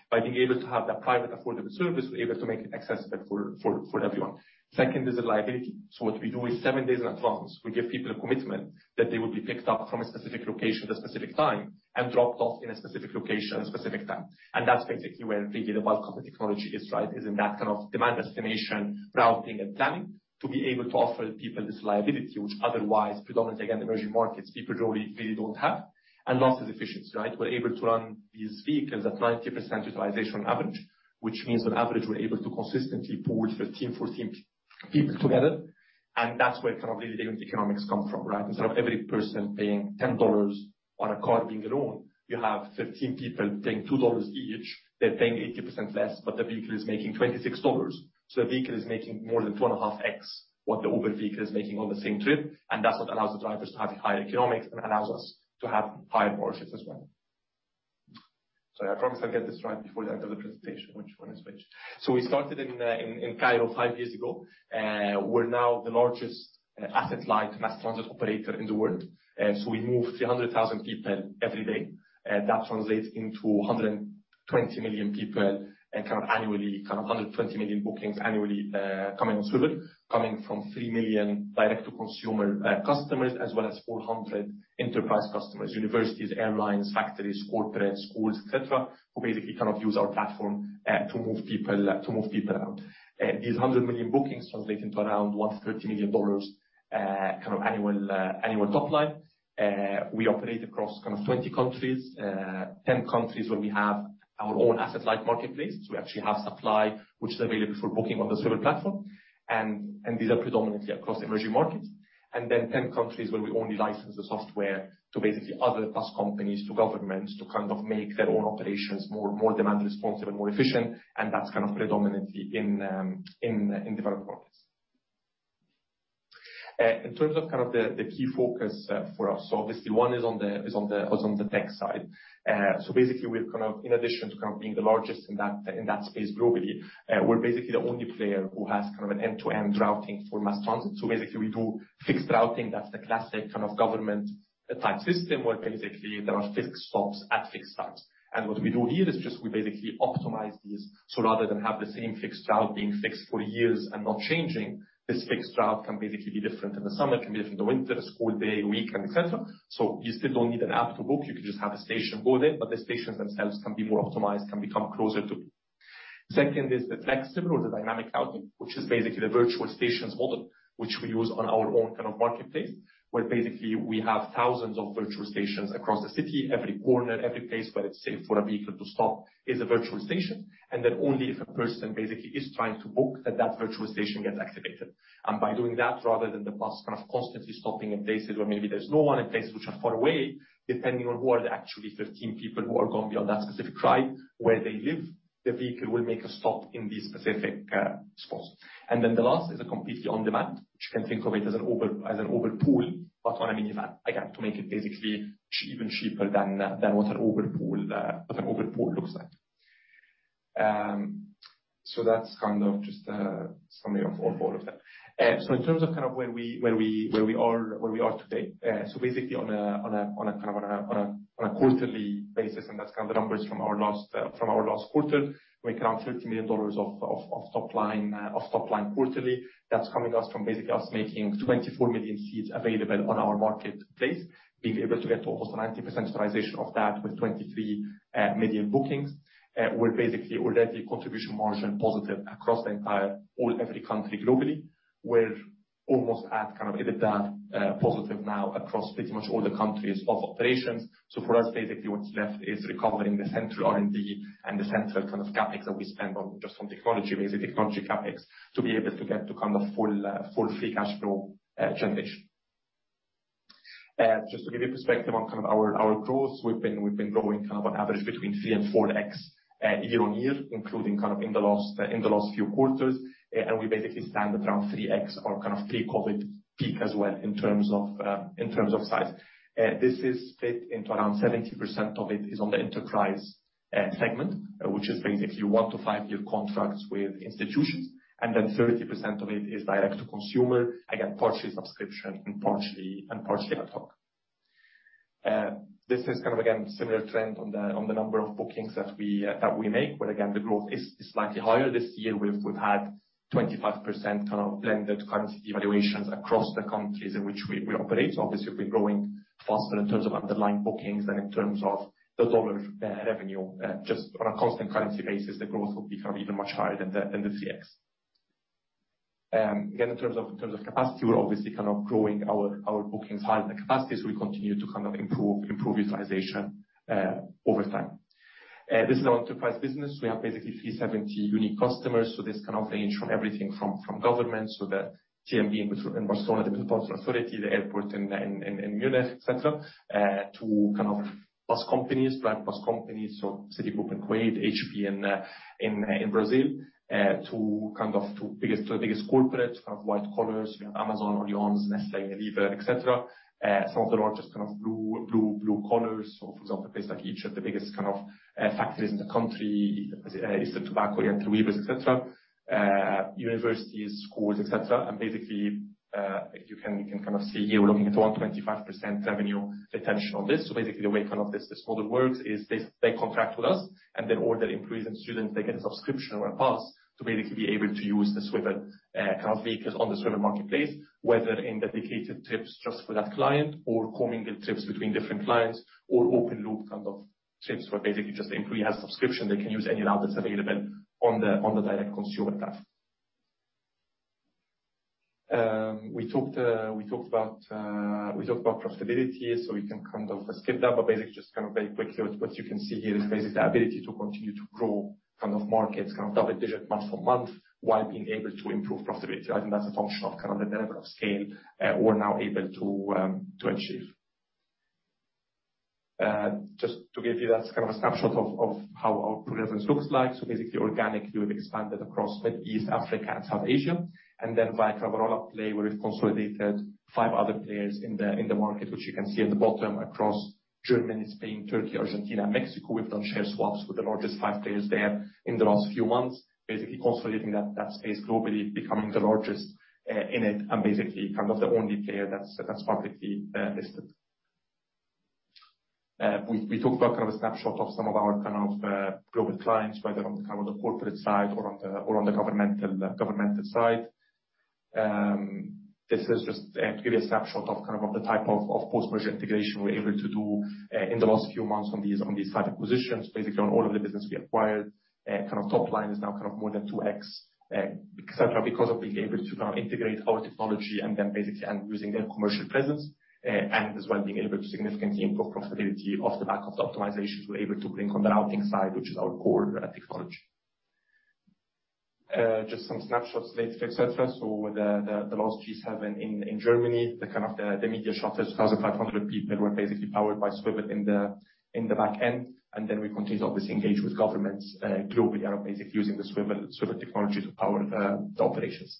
By being able to have that private affordable service, we're able to make it accessible for everyone. Second is reliability. What we do is seven days in advance, we give people a commitment that they will be picked up from a specific location at a specific time and dropped off in a specific location at a specific time. That's basically where really the bulk of the technology is, right? Is in that kind of demand estimation, routing, and planning to be able to offer people this reliability, which otherwise predominantly, again, emerging markets, people really don't have. Last is efficiency, right? We're able to run these vehicles at 90% utilization on average, which means on average, we're able to consistently pool 13, 14 people together, and that's where kind of really the economics come from, right? Instead of every person paying $10 on a car being alone, you have 13 people paying $2 each. They're paying 80% less, but the vehicle is making $26. The vehicle is making more than 2.5x what the Uber vehicle is making on the same trip. That's what allows the drivers to have higher economics and allows us to have higher margins as well. Sorry, I promise I'll get this right before the end of the presentation, which one is which. We started in Cairo five years ago. We're now the largest asset-light mass transit operator in the world. We move 300,000 people every day. That translates into 120 million people kind of annually. Kind of 120 million bookings annually coming on Swvl, coming from three million direct-to-consumer customers, as well as 400 enterprise customers. Universities, airlines, factories, corporate, schools, et cetera, who basically kind of use our platform to move people around. These 100 million bookings translate into around $130 million kind of annual top line. We operate across 20 countries. 10 countries where we have our own asset-light marketplace. We actually have supply which is available for booking on the Swvl platform. These are predominantly across emerging markets. 10 countries where we only license the software to basically other bus companies, to governments, to kind of make their own operations more demand responsive and more efficient. That's kind of predominantly in developed markets. In terms of kind of the key focus for us. Obviously, one is on the tech side. Basically we're kind of in addition to kind of being the largest in that space globally, we're basically the only player who has kind of an end-to-end routing for mass transit. Basically, we do fixed routing, that's the classic kind of government-type system, where basically there are fixed stops at fixed times. What we do here is just we basically optimize these. Rather than have the same fixed route being fixed for years and not changing, this fixed route can basically be different in the summer, it can be different in the winter, school day, weekend, et cetera. You still don't need an app to book. You can just have a station coded, but the stations themselves can be more optimized, can become closer to you. Second is the flexible or the dynamic routing, which is basically the virtual stations model, which we use on our own kind of marketplace. Where basically we have thousands of virtual stations across the city. Every corner, every place where it's safe for a vehicle to stop is a virtual station. Then only if a person basically is trying to book, that virtual station gets activated. By doing that, rather than the bus kind of constantly stopping in places where maybe there's no one, in places which are far away, depending on who are the actually 15 people who are gonna be on that specific ride, where they live, the vehicle will make a stop in these specific spots. The last is a completely on-demand. Which you can think of it as an Uber Pool, but on a minivan. Again, to make it basically even cheaper than what an Uber Pool looks like. That's kind of just a summary of all four of them. In terms of kind of where we are today. Basically on a quarterly basis, that's kind of the numbers from our last quarter. We make around $30 million of top line quarterly. That's coming from us basically making 24 million seats available on our marketplace. Being able to get to almost 90% utilization of that with 23 million bookings. We're basicaly already contribution margin positive across all countries globally. We're almost at EBITDA positive now across pretty much all the countries of operations. For us, basically what's left is recovering the central R&D and the central kind of CapEx that we spend on just on technology, basic technology CapEx, to be able to get to kind of full free cash flow generation. Just to give you perspective on kind of our growth, we've been growing kind of on average between 3x-4x year-over-year, including kind of in the last few quarters. We basically stand at around 3x our kind of pre-COVID peak as well in terms of size. This is split into around 70% of it is on the enterprise segment, which is basically one- to five-year contracts with institutions, and then 30% of it is direct to consumer. Again, partially subscription and partially ad hoc. This is kind of again similar trend on the number of bookings that we make, where the growth is slightly higher. This year we've had 25% kind of blended currency valuations across the countries in which we operate. So obviously we've been growing faster in terms of underlying bookings and in terms of the dollar revenue. Just on a constant currency basis, the growth will become even much higher than the 3x. Again, in terms of capacity, we're obviously kind of growing our bookings higher than capacities. We continue to kind of improve utilization over time. This is our enterprise business. We have basically 370 unique customers. This kind of range from everything from governments, the TMB in Barcelona, the transport authority, the airport in Munich, etc., to bus companies, private bus companies. Citigroup in Kuwait, HP in Brazil, to the biggest corporates, white-collar. We have Amazon, Orions, Nestlé, Unilever, etc. Some of the largest blue-collar. For example, places like Egypt, the biggest factories in the country, Eastern Tobacco, Oriental Weavers, etc., universities, schools, etc. Basically, you can see here we're looking at 125% revenue retention on this. Basically the way kind of this model works is they contract with us, and then all their employees and students get a subscription or a pass to basically be able to use the Swvl kind of vehicles on the Swvl marketplace, whether in dedicated trips just for that client or co-mingled trips between different clients or open loop kind of trips where basically just the employee has a subscription, they can use any route that's available on the direct consumer tab. We talked about profitability, so we can kind of skip that. Basically just kind of very quickly, what you can see here is basically the ability to continue to grow kind of markets kind of double-digit month-on-month while being able to improve profitability. I think that's a function of kind of the network of scale, we're now able to achieve. Just to give you that kind of a snapshot of how our presence looks like. Basically organically, we've expanded across Middle East, Africa, and South Asia, and then via kind of a roll-up play where we've consolidated five other players in the market, which you can see at the bottom across Germany, Spain, Turkey, Argentina, and Mexico. We've done share swaps with the largest five players there in the last few months. Basically consolidating that space globally, becoming the largest in it, and basically kind of the only player that's publicly listed. We talked about kind of a snapshot of some of our kind of global clients, whether on the corporate side or on the governmental side. This is just to give you a snapshot of kind of the type of post-merger integration we're able to do in the last few months on these five acquisitions. Basically on all of the business we acquired, top line is now kind of more than 2x, et cetera, because of being able to now integrate our technology and then basically and using their commercial presence and as well being able to significantly improve profitability off the back of the optimizations we're able to bring on the routing side, which is our core technology. Just some snapshots lately, et cetera. The last G7 in Germany, the media charter, 2,500 people were basically powered by Swvl in the back end. We continue to obviously engage with governments globally and basically using the Swvl technology to power the operations.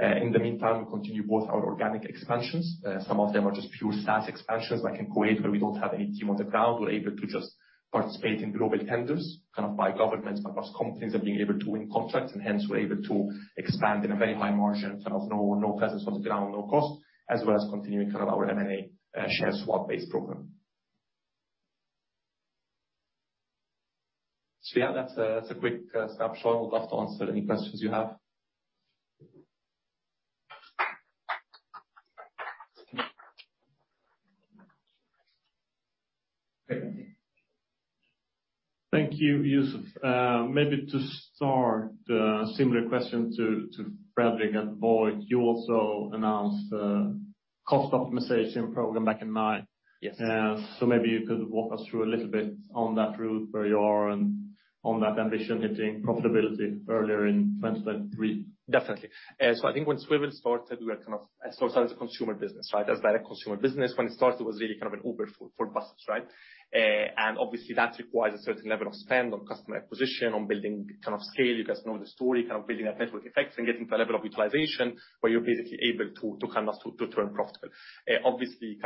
In the meantime, we continue both our organic expansions. Some of them are just pure SaaS expansions like in Kuwait, where we don't have any team on the ground. We're able to just participate in global tenders kind of by governments, by large companies and being able to win contracts, and hence we're able to expand in a very high margin, kind of no presence on the ground, no cost, as well as continuing kind of our M&A share swap-based program. Yeah, that's a quick snapshot. I would love to answer any questions you have. Thank you, Youssef. Maybe to start, similar question to Fredrik and Björn, you also announced a cost optimization program back in May. Yes. Maybe you could walk us through a little bit on that route, where you are and on that ambition hitting profitability earlier in 2023? Definitely. I think when Swvl started, it started as a consumer business, right? As direct consumer business. When it started, it was really kind of an Uber for buses, right? Obviously that requires a certain level of spend on customer acquisition, on building kind of scale. You guys know the story, kind of building that network effects and getting to a level of utilization where you're basically able to turn profitable. Obviously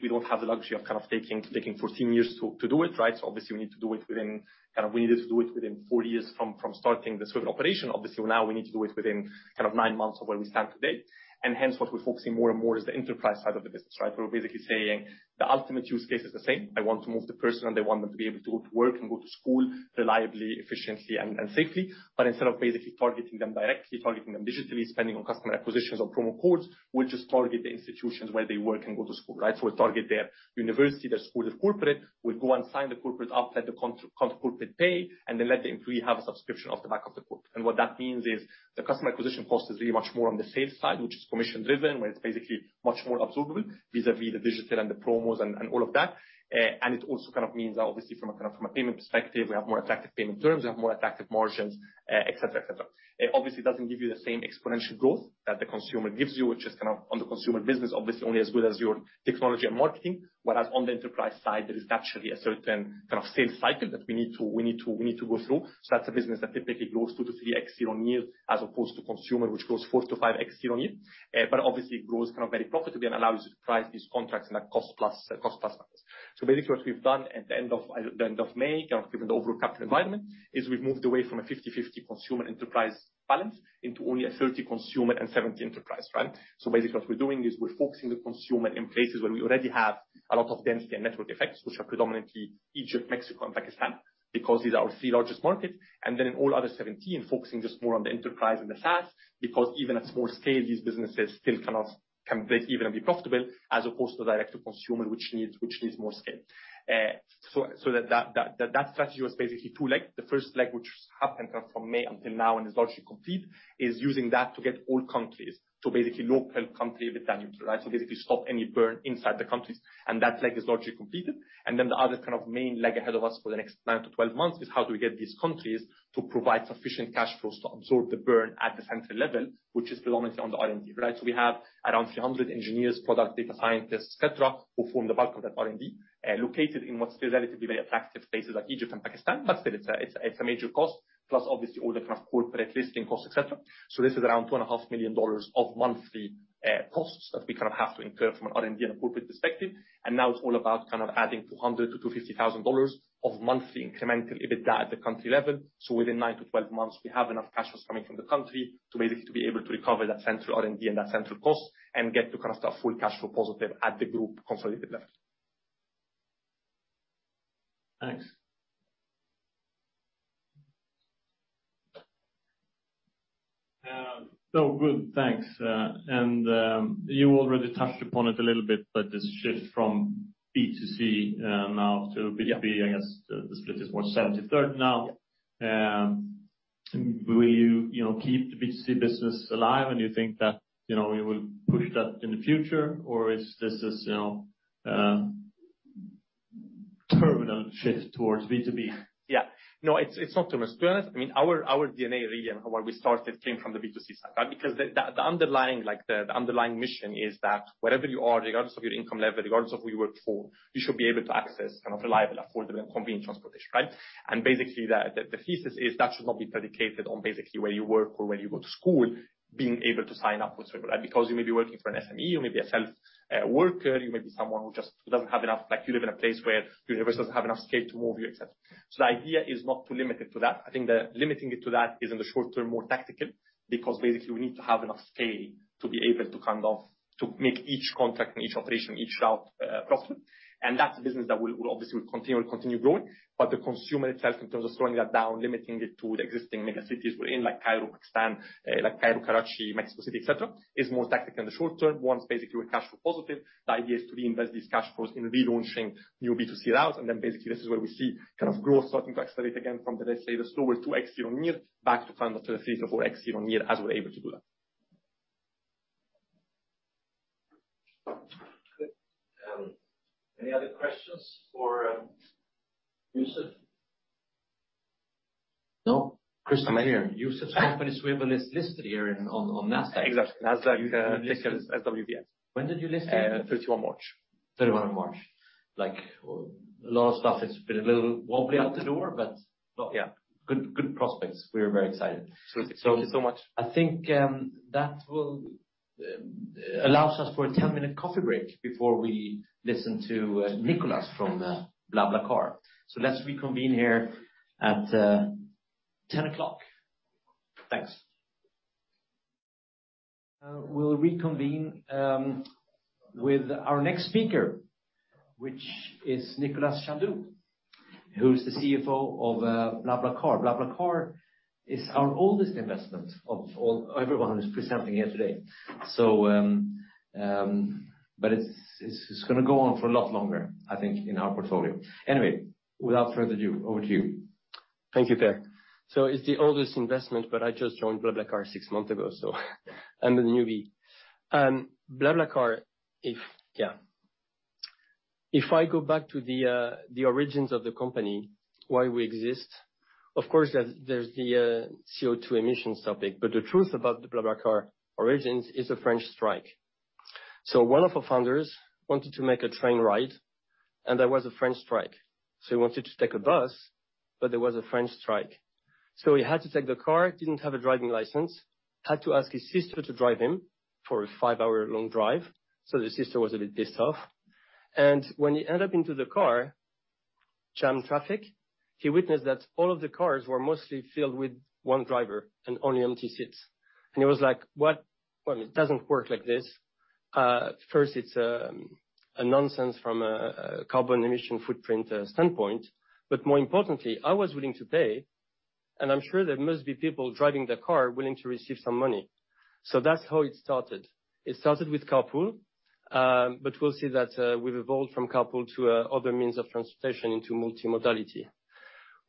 we don't have the luxury of kind of taking 14 years to do it, right? Obviously we need to do it within, kind of we needed to do it within four years from starting the Swvl operation. Obviously now we need to do it within kind of nine months of where we stand today. Hence what we're focusing more and more is the enterprise side of the business, right? We're basically saying the ultimate use case is the same. I want to move the person, and they want them to be able to go to work and go to school reliably, efficiently and safely. Instead of basically targeting them directly, targeting them digitally, spending on customer acquisitions or promo codes, we'll just target the institutions where they work and go to school, right? We target their university, their school, their corporate. We'll go and sign the corporate up, let the corporate pay, and then let the employee have a subscription off the back of the corporate. What that means is the customer acquisition cost is really much more on the sales side, which is commission-driven, where it's basically much more absorbable vis-à-vis the digital and the promos and all of that. It also kind of means that obviously from a payment perspective, we have more attractive payment terms, we have more attractive margins, et cetera. It obviously doesn't give you the same exponential growth that the consumer gives you, which is kind of on the consumer business, obviously only as good as your technology and marketing. Whereas on the enterprise side, there is actually a certain kind of sales cycle that we need to go through. That's a business that typically grows 2-3x year-on-year, as opposed to consumer, which grows 4-5x year-on-year. But obviously it grows kind of very profitably and allows you to price these contracts in a cost-plus basis. Basically what we've done at the end of May, kind of given the overall capital environment, is we've moved away from a 50/50 consumer enterprise balance into only a 30 consumer and 70 enterprise, right? Basically what we're doing is we're focusing the consumer in places where we already have a lot of density and network effects, which are predominantly Egypt, Mexico and Pakistan, because these are our three largest markets. In all other 17, focusing just more on the enterprise and the SaaS, because even at small scale, these businesses still cannot compete even and be profitable, as opposed to direct to consumer, which needs more scale. That strategy was basically two legs. The first leg, which happened from May until now and is largely complete, is using that to get all countries to basically local country EBITDA, right? Basically stop any burn inside the countries, and that leg is largely completed. The other kind of main leg ahead of us for the next 9-12 months is how do we get these countries to provide sufficient cash flows to absorb the burn at the central level, which is predominantly on the R&D, right? We have around 300 engineers, product data scientists, et cetera, who form the bulk of that R&D, located in what's still relatively very attractive places like Egypt and Pakistan. Still it's a major cost, plus obviously all the kind of corporate listing costs, et cetera. This is around $2.5 million of monthly costs that we kind of have to incur from an R&D and a corporate perspective. Now it's all about kind of adding $200 thousand-$250 thousand of monthly incremental EBITDA at the country level. Within 9-12 months, we have enough cash flows coming from the country to basically be able to recover that central R&D and that central cost and get to kind of a full cash flow positive at the group consolidated level. Thanks. Good, thanks. You already touched upon it a little bit, but this shift from B2C, now to B2B- Yeah. I guess the split is what, 70/30 now. Yeah. Will you know, keep the B2C business alive? You think that, you know, we will push that in the future? Or is this, you know, terminal shift towards B2B? Yeah. No, it's not terminal. To be honest, I mean, our DNA really and where we started came from the B2C side. The underlying mission is that wherever you are, regardless of your income level, regardless of who you work for, you should be able to access kind of reliable, affordable, and convenient transportation, right? Basically, the thesis is that should not be predicated on basically where you work or where you go to school, being able to sign up with Swvl, right? You may be working for an SME, you may be a self worker, you may be someone who just doesn't have enough. Like, you live in a place where Uber doesn't have enough scale to move you, et cetera. The idea is not to limit it to that. I think that limiting it to that is in the short term, more tactical, because basically we need to have enough scale to be able to kind of to make each contract and each operation, each route profitable. That's a business that we'll obviously continue growing. The consumer itself, in terms of slowing that down, limiting it to the existing mega cities we're in, like Cairo, Pakistan, Karachi, Mexico City, et cetera, is more tactical in the short term. Once basically we're cash flow positive, the idea is to reinvest these cash flows in relaunching new B2C routes, and then basically this is where we see kind of growth starting to accelerate again from the, let's say the slower 2x year-on-year back to kind of 3x-4x year-on-year as we're able to do that. Good. Any other questions for Youssef? No. Chris, I'm here. Youssef's company, Swvl, is listed here on Nasdaq. Exactly. Nasdaq, ticker is SWVL. When did you list it? 31 March. 31 March. Like, a lot of stuff, it's been a little wobbly out the door, but. Yeah. Good prospects. We are very excited. Thank you so much. I think that will allow us for a 10-minute coffee break before we listen to Nicolas from BlaBlaCar. Let's reconvene here at 10 o'clock. Thanks. We'll reconvene with our next speaker, which is Nicolas Brusson, who's the CEO of BlaBlaCar. BlaBlaCar is our oldest investment of all, everyone who's presenting here today. But it's gonna go on for a lot longer, I think, in our portfolio. Anyway, without further ado, over to you. Thank you, Per. It's the oldest investment, but I just joined BlaBlaCar six months ago, so I'm the newbie. If I go back to the origins of the company, why we exist, of course, there's the CO2 emissions topic, but the truth about the BlaBlaCar origins is a French strike. One of our founders wanted to make a train ride, and there was a French strike, so he wanted to take a bus, but there was a French strike. He had to take the car, didn't have a driving license, had to ask his sister to drive him for a five-hour long drive. The sister was a bit pissed off. When he ended up into the car, jammed traffic, he witnessed that all of the cars were mostly filled with one driver and only empty seats. He was like, "What? Well, it doesn't work like this. First, it's a nonsense from a carbon emission footprint standpoint, but more importantly, I was willing to pay, and I'm sure there must be people driving the car willing to receive some money." That's how it started. It started with carpool, but we'll see that we've evolved from carpool to other means of transportation into multimodality.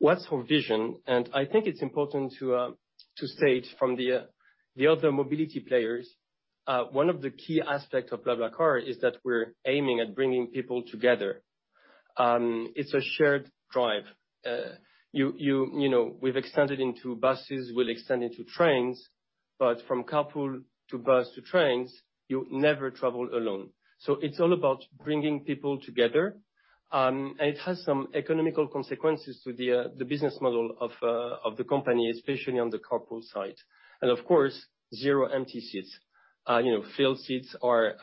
What's our vision? I think it's important to state from the other mobility players. One of the key aspects of BlaBlaCar is that we're aiming at bringing people together. It's a shared drive. You know, we've extended into buses, we'll extend into trains, but from carpool to bus to trains, you never travel alone. It's all about bringing people together. It has some economic consequences to the business model of the company, especially on the carpool side. Of course, zero empty seats. You know, filled seats are,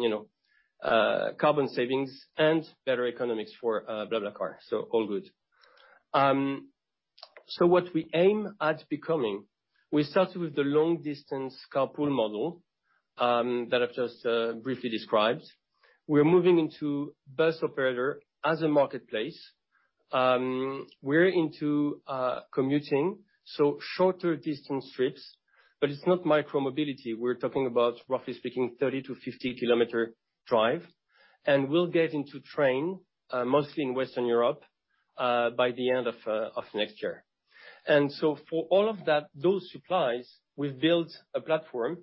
you know, carbon savings and better economics for BlaBlaCar. All good. What we aim at becoming, we started with the long-distance carpool model that I've just briefly described. We're moving into bus operator as a marketplace. We're into commuting, so shorter distance trips, but it's not micromobility. We're talking about, roughly speaking, 30-50 km drive. We'll get into train mostly in Western Europe by the end of next year. For all of that, those supplies, we've built a platform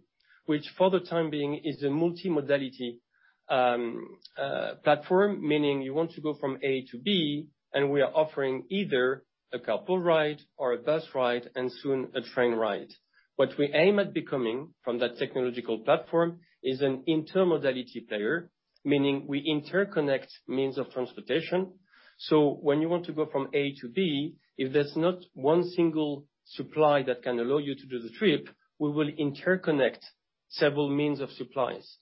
which for the time being is a multimodality platform, meaning you want to go from A to B, and we are offering either a carpool ride or a bus ride and soon a train ride. What we aim at becoming from that technological platform is an intermodality player, meaning we interconnect means of transportation. When you want to go from A to B, if there's not one single supply that can allow you to do the trip, we will interconnect several means of supplies.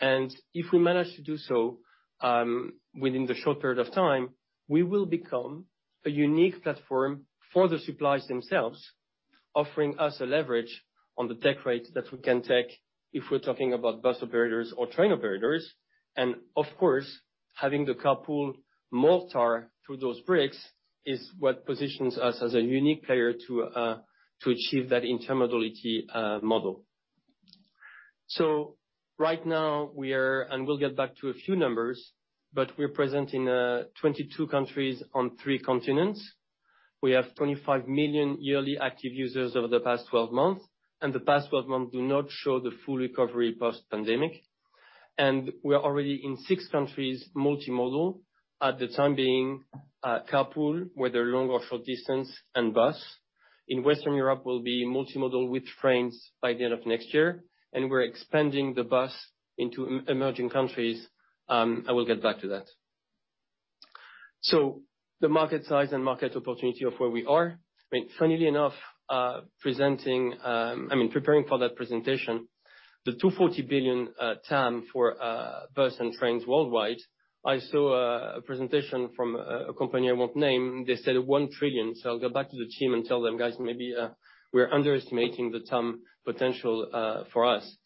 If we manage to do so, within the short period of time, we will become a unique platform for the suppliers themselves, offering us a leverage on the tech rates that we can take if we're talking about bus operators or train operators. Of course, having the carpool mortar through those bricks is what positions us as a unique player to achieve that intermodality model. Right now we'll get back to a few numbers, but we're present in 22 countries on three continents. We have 25 million yearly active users over the past 12 months, and the past 12 months do not show the full recovery post-pandemic. We are already in six countries multi-modal, for the time being, carpool, whether long or short distance, and bus. In Western Europe, we'll be multi-modal with trains by the end of next year, and we're expanding the bus into emerging countries, and we'll get back to that. The market size and market opportunity of where we are, I mean, funnily enough, preparing for that presentation, the $240 billion TAM for bus and trains worldwide, I saw a presentation from a company I won't name. They said $1 trillion. I'll go back to the team and tell them, "Guys, maybe we're underestimating the TAM potential for us."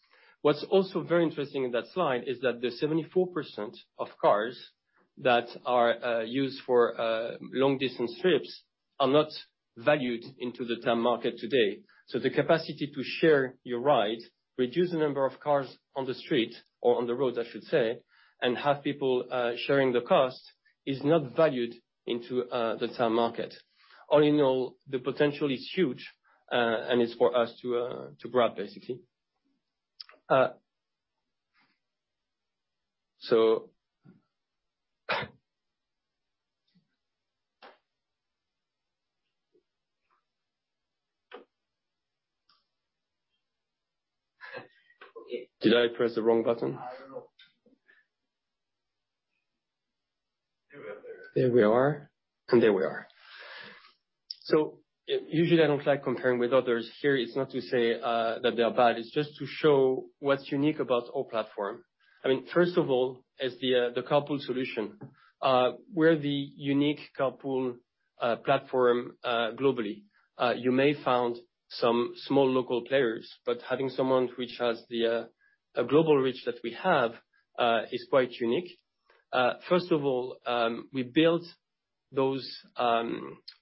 What's also very interesting in that slide is that the 74% of cars that are used for long distance trips are not valued into the TAM market today. The capacity to share your ride, reduce the number of cars on the street, or on the road, I should say, and have people sharing the cost is not valued into the TAM market. All in all, the potential is huge, and it's for us to grab basically. Did I press the wrong button? I don't know. There we are there. There we are. Usually I don't like comparing with others. Here it's not to say that they are bad, it's just to show what's unique about our platform. I mean, first of all, is the carpool solution. We're the unique carpool platform globally. You may find some small local players, but having something which has a global reach that we have is quite unique. First of all, we built those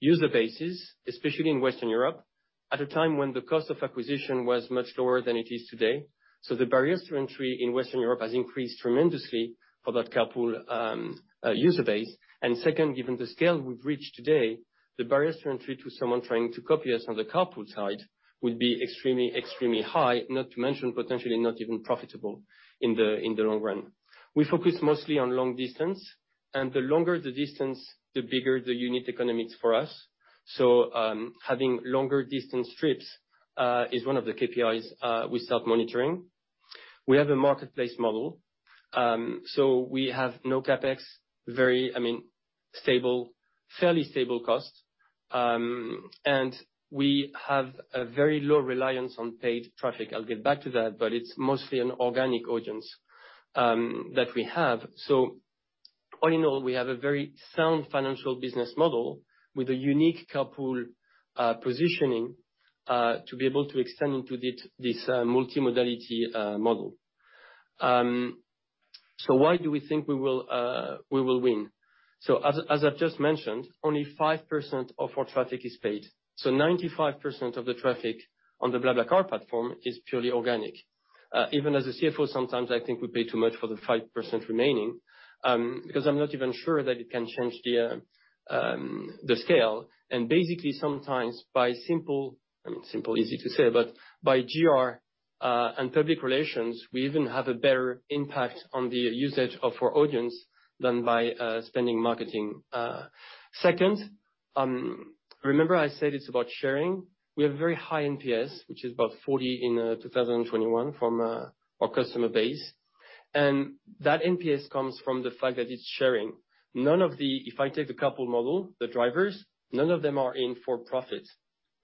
user bases, especially in Western Europe, at a time when the cost of acquisition was much lower than it is today. The barriers to entry in Western Europe has increased tremendously for that carpool user base. Second, given the scale we've reached today, the barriers to entry to someone trying to copy us on the carpool side would be extremely high, not to mention potentially not even profitable in the long run. We focus mostly on long distance, and the longer the distance, the bigger the unit economics for us. Having longer distance trips is one of the KPIs we start monitoring. We have a marketplace model, so we have no CapEx, very, I mean, stable, fairly stable cost. We have a very low reliance on paid traffic. I'll get back to that, but it's mostly an organic audience that we have. All in all, we have a very sound financial business model with a unique carpool positioning to be able to extend into this multimodality model. Why do we think we will win? As I've just mentioned, only 5% of our traffic is paid. 95% of the traffic on the BlaBlaCar platform is purely organic. Even as a CFO, sometimes I think we pay too much for the 5% remaining, because I'm not even sure that it can change the scale. Basically sometimes by simple, I mean, easy to say, but by PR and public relations, we even have a better impact on the usage of our audience than by spending marketing. Second, remember I said it's about sharing? We have very high NPS, which is about 40 in 2021 from our customer base. That NPS comes from the fact that it's sharing. None of the If I take the couple model, the drivers, none of them are in for profit.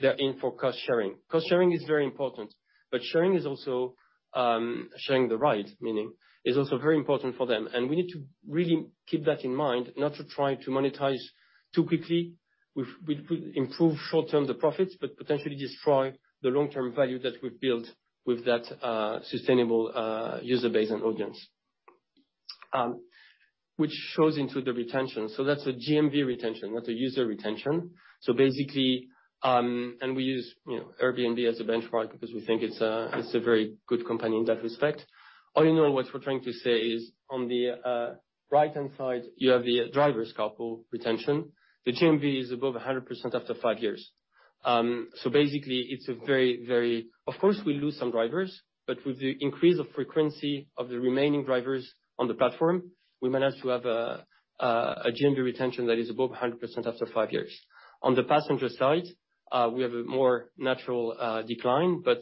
They're in for cost-sharing. Cost-sharing is very important, but sharing is also sharing the ride, meaning is also very important for them. We need to really keep that in mind not to try to monetize too quickly. We could improve short-term the profits, but potentially destroy the long-term value that we've built with that sustainable user base and audience. Which shows into the retention. That's a GMV retention, not a user retention. Basically, we use, you know, Airbnb as a benchmark because we think it's a very good company in that respect. All in all, what we're trying to say is on the right-hand side, you have the drivers carpool retention. The GMV is above 100% after five years. Basically, it's a very, very. Of course, we lose some drivers, but with the increase of frequency of the remaining drivers on the platform, we managed to have a GMV retention that is above 100% after five years. On the passenger side, we have a more natural decline, but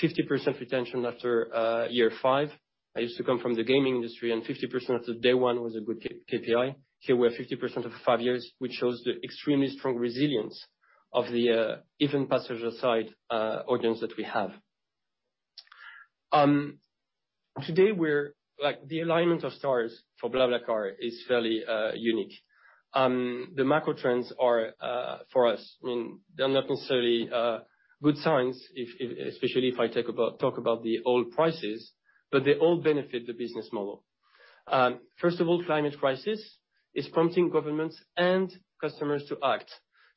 50% retention after year five. I used to come from the gaming industry, and 50% of day one was a good CA-KPI. Here we're 50% of five years, which shows the extremely strong resilience of the even passenger side audience that we have. Like, the alignment of stars for BlaBlaCar is fairly unique. The macro trends are for us, I mean, they're not necessarily good signs if. especially if I talk about the oil prices, but they all benefit the business model. First of all, climate crisis is prompting governments and customers to act.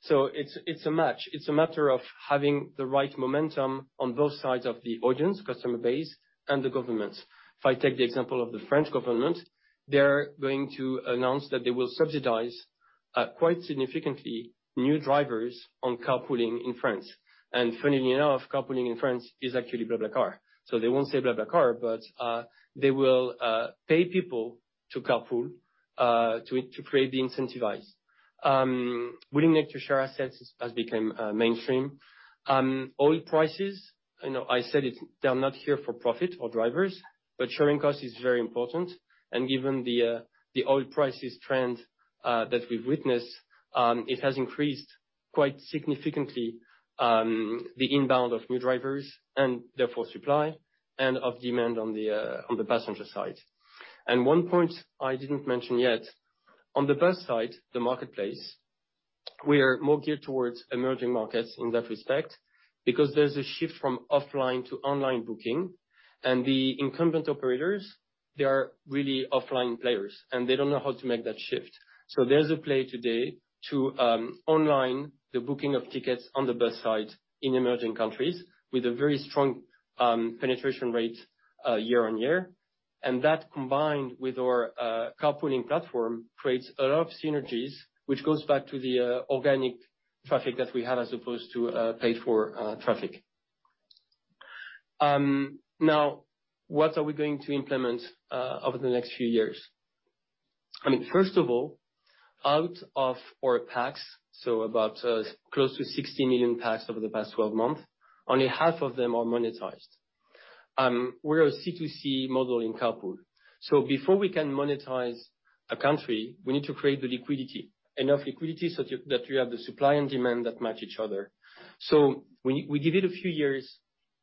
It's a match. It's a matter of having the right momentum on both sides of the audience, customer base, and the governments. If I take the example of the French government, they're going to announce that they will subsidize quite significantly new drivers on carpooling in France. Funnily enough, carpooling in France is actually BlaBlaCar. They won't say BlaBlaCar, but they will pay people to carpool to create the incentivize. Willing to share assets has become mainstream. Oil prices, you know, I said it, they are not here for profit or drivers, but sharing cost is very important. Given the oil prices trend that we've witnessed, it has increased quite significantly the inbound of new drivers and therefore supply and demand on the passenger side. One point I didn't mention yet, on the bus side, the marketplace, we are more geared towards emerging markets in that respect because there's a shift from offline to online booking. The incumbent operators, they are really offline players, and they don't know how to make that shift. There's a play today to online the booking of tickets on the bus side in emerging countries with a very strong penetration rate year on year. That combined with our carpooling platform creates a lot of synergies, which goes back to the organic traffic that we have as opposed to paid for traffic. Now what are we going to implement over the next few years? I mean, first of all, out of our packs, so about close to 60 million packs over the past 12 months, only half of them are monetized. We're a C2C model in carpool. Before we can monetize a country, we need to create the liquidity, enough liquidity such that we have the supply and demand that match each other. We give it a few years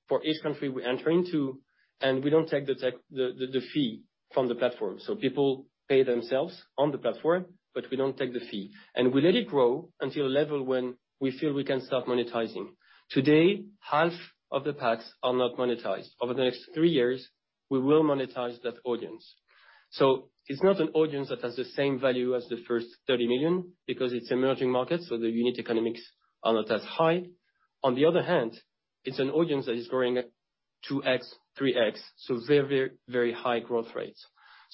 for each country we enter into, and we don't take the fee from the platform. People pay themselves on the platform, but we don't take the fee. We let it grow until a level when we feel we can start monetizing. Today, half of the packs are not monetized. Over the next three years, we will monetize that audience. It's not an audience that has the same value as the first 30 million because it's emerging markets, so the unit economics are not as high. On the other hand, it's an audience that is growing at 2x, 3x, so very, very, very high growth rates.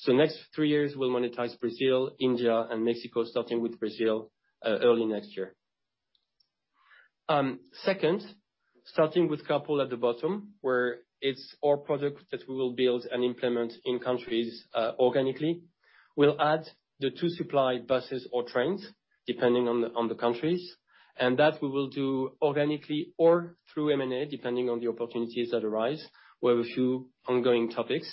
Next three years, we'll monetize Brazil, India, and Mexico, starting with Brazil, early next year. Second, starting with carpool at the bottom, where it's our product that we will build and implement in countries, organically. We'll add to supply buses or trains, depending on the countries. That we will do organically or through M&A, depending on the opportunities that arise. We have a few ongoing topics.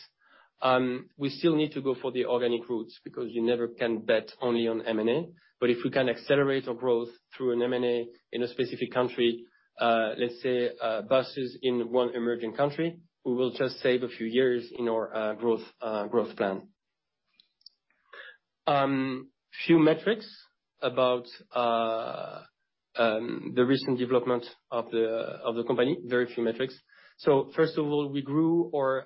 We still need to go for the organic routes because you never can bet only on M&A. If we can accelerate our growth through an M&A in a specific country, let's say, buses in one emerging country, we will just save a few years in our growth plan. Few metrics about the recent development of the company. Very few metrics. First of all, we grew our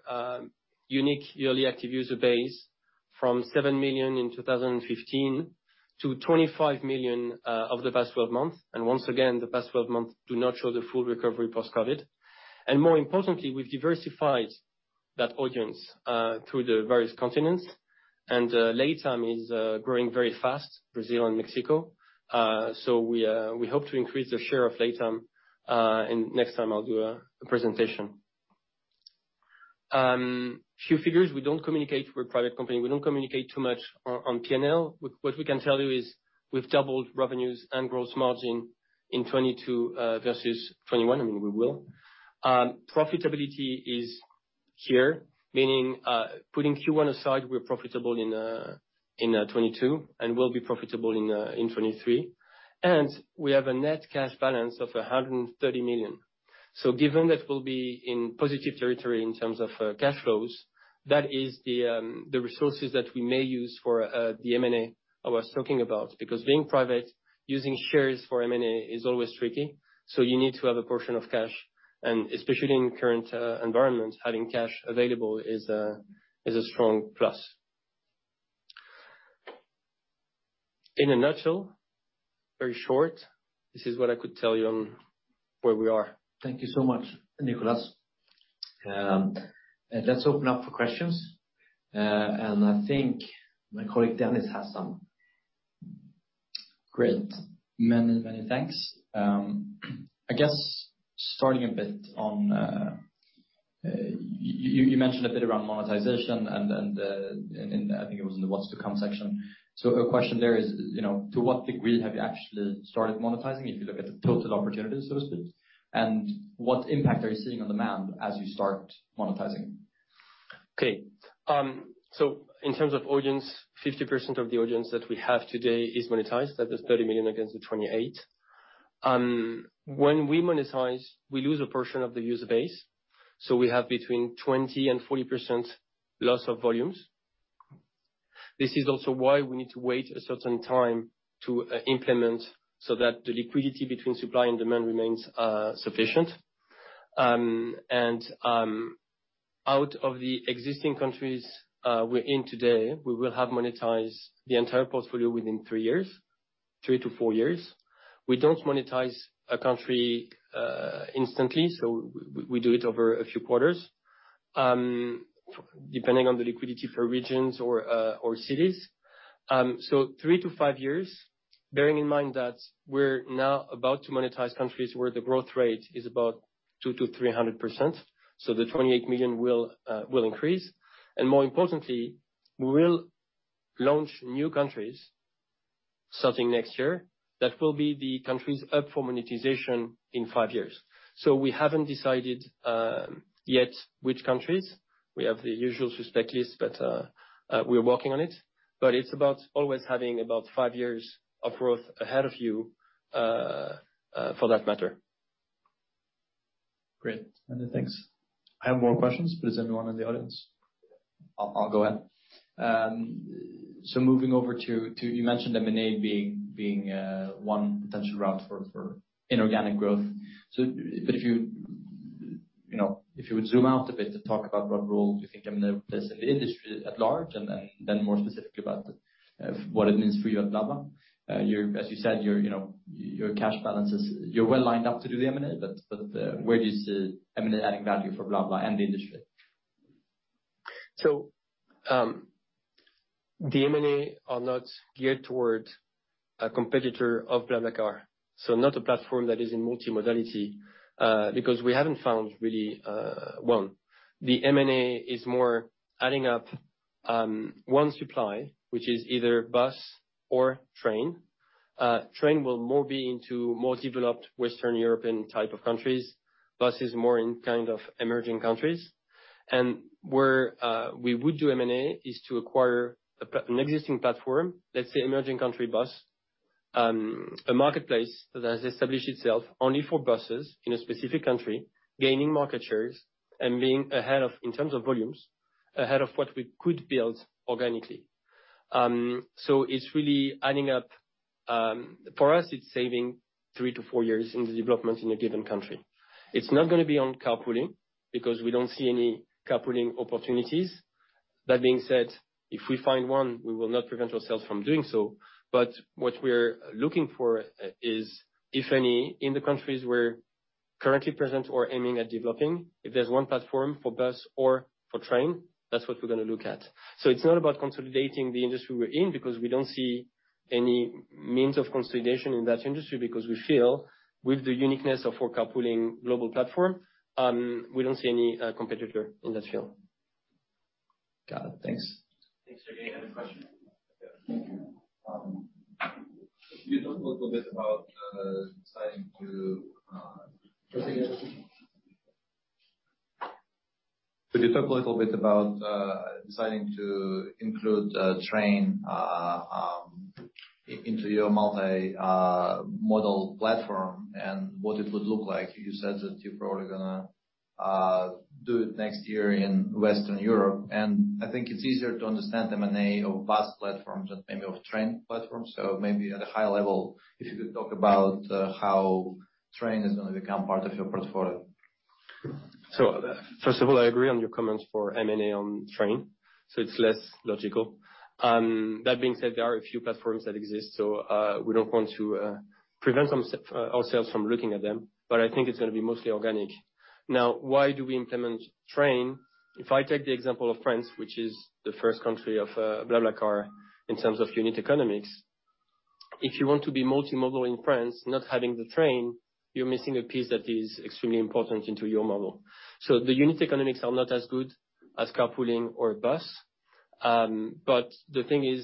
unique yearly active user base from seven million in 2015 to 25 million over the past 12 months. Once again, the past 12 months do not show the full recovery post-COVID. More importantly, we've diversified that audience through the various continents. LATAM is growing very fast, Brazil and Mexico. We hope to increase the share of LATAM, and next time I'll do a presentation. Few figures we don't communicate. We're a private company, we don't communicate too much on P&L. What we can tell you is we've doubled revenues and gross margin in 2022 versus 2021. I mean, we will. Profitability is here, meaning putting Q1 aside, we're profitable in 2022, and we'll be profitable in 2023. We have a net cash balance of 130 million. Given that we'll be in positive territory in terms of cash flows, that is the resources that we may use for the M&A I was talking about. Because being private, using shares for M&A is always tricky, so you need to have a portion of cash, and especially in current environments, having cash available is a strong plus. In a nutshell, very short, this is what I could tell you on where we are. Thank you so much, Nicolas. Let's open up for questions. I think my colleague, Dennis, has some. Great. Many, many thanks. I guess starting a bit on, you mentioned a bit around monetization and I think it was in the what's to come section. A question there is, you know, to what degree have you actually started monetizing, if you look at the total opportunities, so to speak? And what impact are you seeing on demand as you start monetizing? Okay. In terms of audience, 50% of the audience that we have today is monetized. That is 30 million against the 28. When we monetize, we lose a portion of the user base, so we have between 20%-40% loss of volumes. This is also why we need to wait a certain time to implement so that the liquidity between supply and demand remains sufficient. Out of the existing countries we're in today, we will have monetized the entire portfolio within three years, three to four years. We don't monetize a country instantly, so we do it over a few quarters, depending on the liquidity for regions or cities. three to five years, bearing in mind that we're now about to monetize countries where the growth rate is about 200%-300%, so the 28 million will increase. More importantly, we will launch new countries starting next year that will be the countries up for monetization in five years. We haven't decided yet which countries. We have the usual suspect list, but we are working on it, but it's about always having about five years of growth ahead of you, for that matter. Great. Many thanks. I have more questions. Please, anyone in the audience? I'll go ahead. Moving over to you mentioned M&A being one potential route for inorganic growth. If you know, if you would zoom out a bit to talk about what role you think M&A plays in the industry at large and then more specifically about what it means for you at BlaBlaCar. As you said, you know, your cash balances, you're well lined up to do the M&A, but where do you see M&A adding value for BlaBlaCar and the industry? The M&A are not geared toward a competitor of BlaBlaCar, so not a platform that is in multimodality, because we haven't found really one. The M&A is more adding up one supply, which is either bus or train. Train will more be into more developed Western European type of countries. Bus is more in kind of emerging countries. Where we would do M&A is to acquire an existing platform, let's say emerging country bus, a marketplace that has established itself only for buses in a specific country, gaining market shares and being ahead of, in terms of volumes, ahead of what we could build organically. It's really adding up. For us, it's saving three to four years in the development in a given country. It's not gonna be on carpooling because we don't see any carpooling opportunities. That being said, if we find one, we will not prevent ourselves from doing so. What we're looking for is, if any, in the countries we're currently present or aiming at developing, if there's one platform for bus or for train, that's what we're gonna look at. It's not about consolidating the industry we're in because we don't see any means of consolidation in that industry because we feel with the uniqueness of our carpooling global platform, we don't see any competitor in that field. Got it. Thanks. Thanks. Any other question? Yeah. Could you talk a little bit about deciding to? Say again. Could you talk a little bit about deciding to include train into your multimodal platform and what it would look like? You said that you're probably gonna do it next year in Western Europe, and I think it's easier to understand M&A of bus platforms than maybe of train platforms. Maybe at a high level, if you could talk about how train is gonna become part of your portfolio. First of all, I agree on your comments for M&A on train. It's less logical. That being said, there are a few platforms that exist, so we don't want to prevent ourselves from looking at them, but I think it's gonna be mostly organic. Now, why do we implement train? If I take the example of France, which is the first country of BlaBlaCar in terms of unit economics, if you want to be multimodal in France, not having the train, you're missing a piece that is extremely important into your model. The unit economics are not as good as carpooling or bus. The thing is,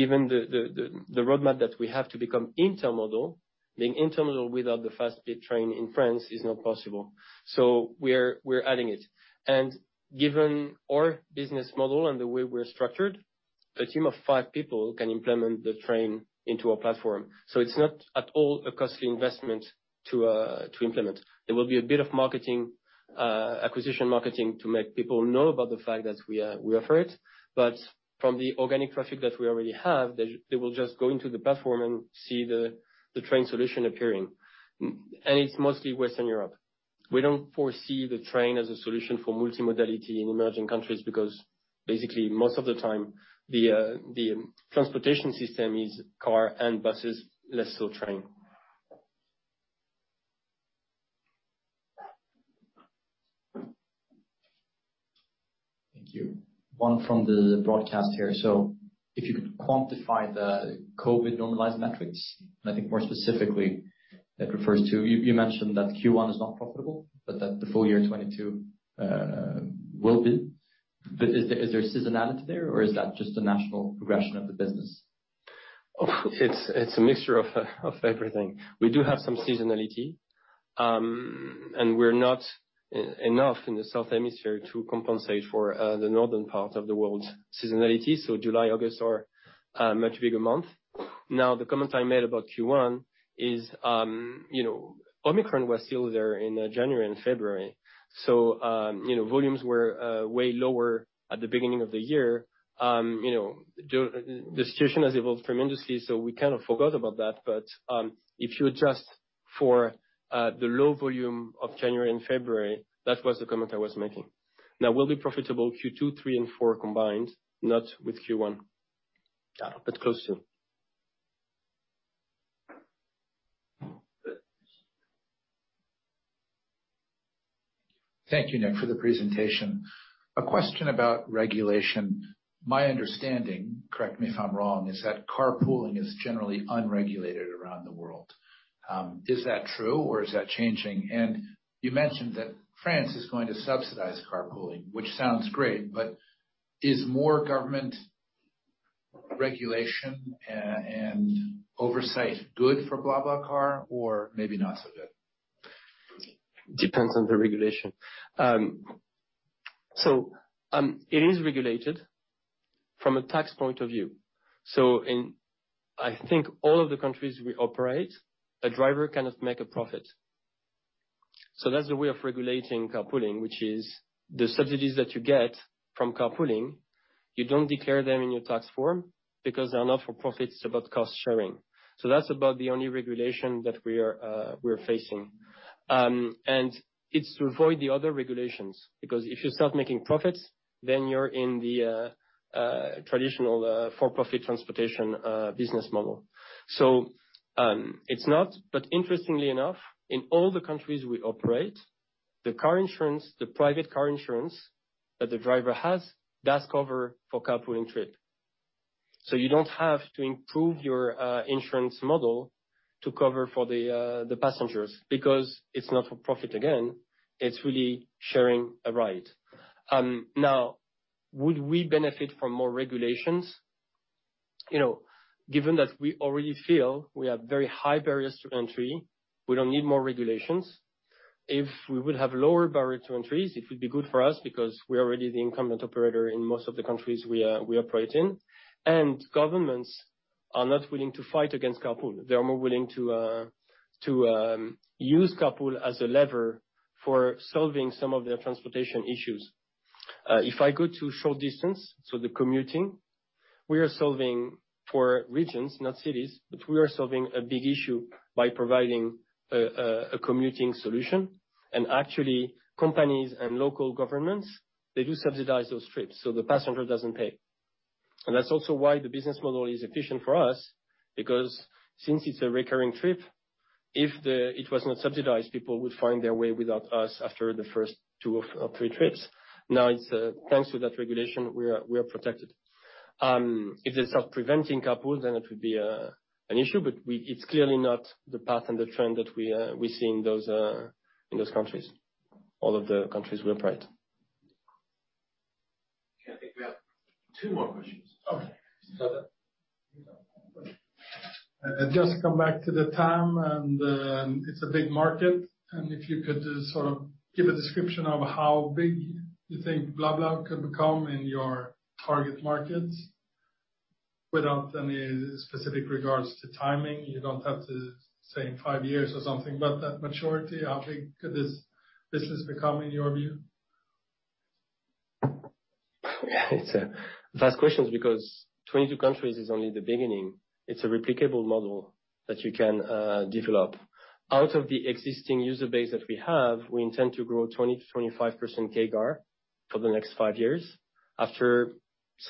given the roadmap that we have to become intermodal, being intermodal without the fast speed train in France is not possible, so we're adding it. Given our business model and the way we're structured, a team of five people can implement the train into a platform. It's not at all a costly investment to implement. There will be a bit of marketing, acquisition marketing to make people know about the fact that we offer it. From the organic traffic that we already have, they will just go into the platform and see the train solution appearing. And it's mostly Western Europe. We don't foresee the train as a solution for multimodality in emerging countries because basically, most of the time the transportation system is car and buses, less so train. Thank you. One from the broadcast here. If you could quantify the COVID normalized metrics, and I think more specifically that refers to you mentioned that Q1 is not profitable, but that the full year 2022 will be. Is there seasonality there, or is that just a natural progression of the business? It's a mixture of everything. We do have some seasonality, and we're not enough in the southern hemisphere to compensate for the northern part of the world's seasonality, so July, August are much bigger months. Now, the comment I made about Q1 is, you know, Omicron was still there in January and February. You know, volumes were way lower at the beginning of the year. You know, the situation has evolved tremendously, so we kind of forgot about that. If you adjust for the low volume of January and February, that was the comment I was making. Now, we'll be profitable Q2, Q3 and Q4 combined, not with Q1. Close to. Thank you, Nick, for the presentation. A question about regulation. My understanding, correct me if I'm wrong, is that carpooling is generally unregulated around the world. Is that true, or is that changing? You mentioned that France is going to subsidize carpooling, which sounds great, but is more government regulation and oversight good for BlaBlaCar or maybe not so good? depends on the regulation. It is regulated from a tax point of view. In, I think, all of the countries we operate, a driver cannot make a profit. That's the way of regulating carpooling, which is the subsidies that you get from carpooling, you don't declare them in your tax form because they're not for profit, it's about cost sharing. That's about the only regulation that we're facing. It's to avoid the other regulations, because if you start making profits, then you're in the traditional for-profit transportation business model. Interestingly enough, in all the countries we operate, the car insurance, the private car insurance that the driver has does cover for carpooling trip. You don't have to improve your insurance model to cover for the passengers because it's not for profit, again, it's really sharing a ride. Now, would we benefit from more regulations? You know, given that we already feel we have very high barriers to entry, we don't need more regulations. If we would have lower barrier to entries, it would be good for us because we are already the incumbent operator in most of the countries we operate in. Governments are not willing to fight against carpool. They are more willing to use carpool as a lever for solving some of their transportation issues. If I go to short distance, so the commuting, we are solving for regions, not cities, but we are solving a big issue by providing a commuting solution. Actually, companies and local governments, they do subsidize those trips, so the passenger doesn't pay. That's also why the business model is efficient for us because since it's a recurring trip, if it was not subsidized, people would find their way without us after the first two or three trips. Now, it's thanks to that regulation, we are protected. If they start preventing carpool, then it would be an issue, but it's clearly not the path and the trend that we see in those countries, all of the countries we operate. Okay. I think we have two more questions. Okay. Here you go. Just to come back to the TAM, and it's a big market. If you could just sort of give a description of how big you think BlaBla could become in your target markets without any specific regards to timing. You don't have to say in five years or something, but that maturity, how big could this business become in your view? It's a vast question because 22 countries is only the beginning. It's a replicable model that you can develop. Out of the existing user base that we have, we intend to grow 20%-25% CAGR for the next five years after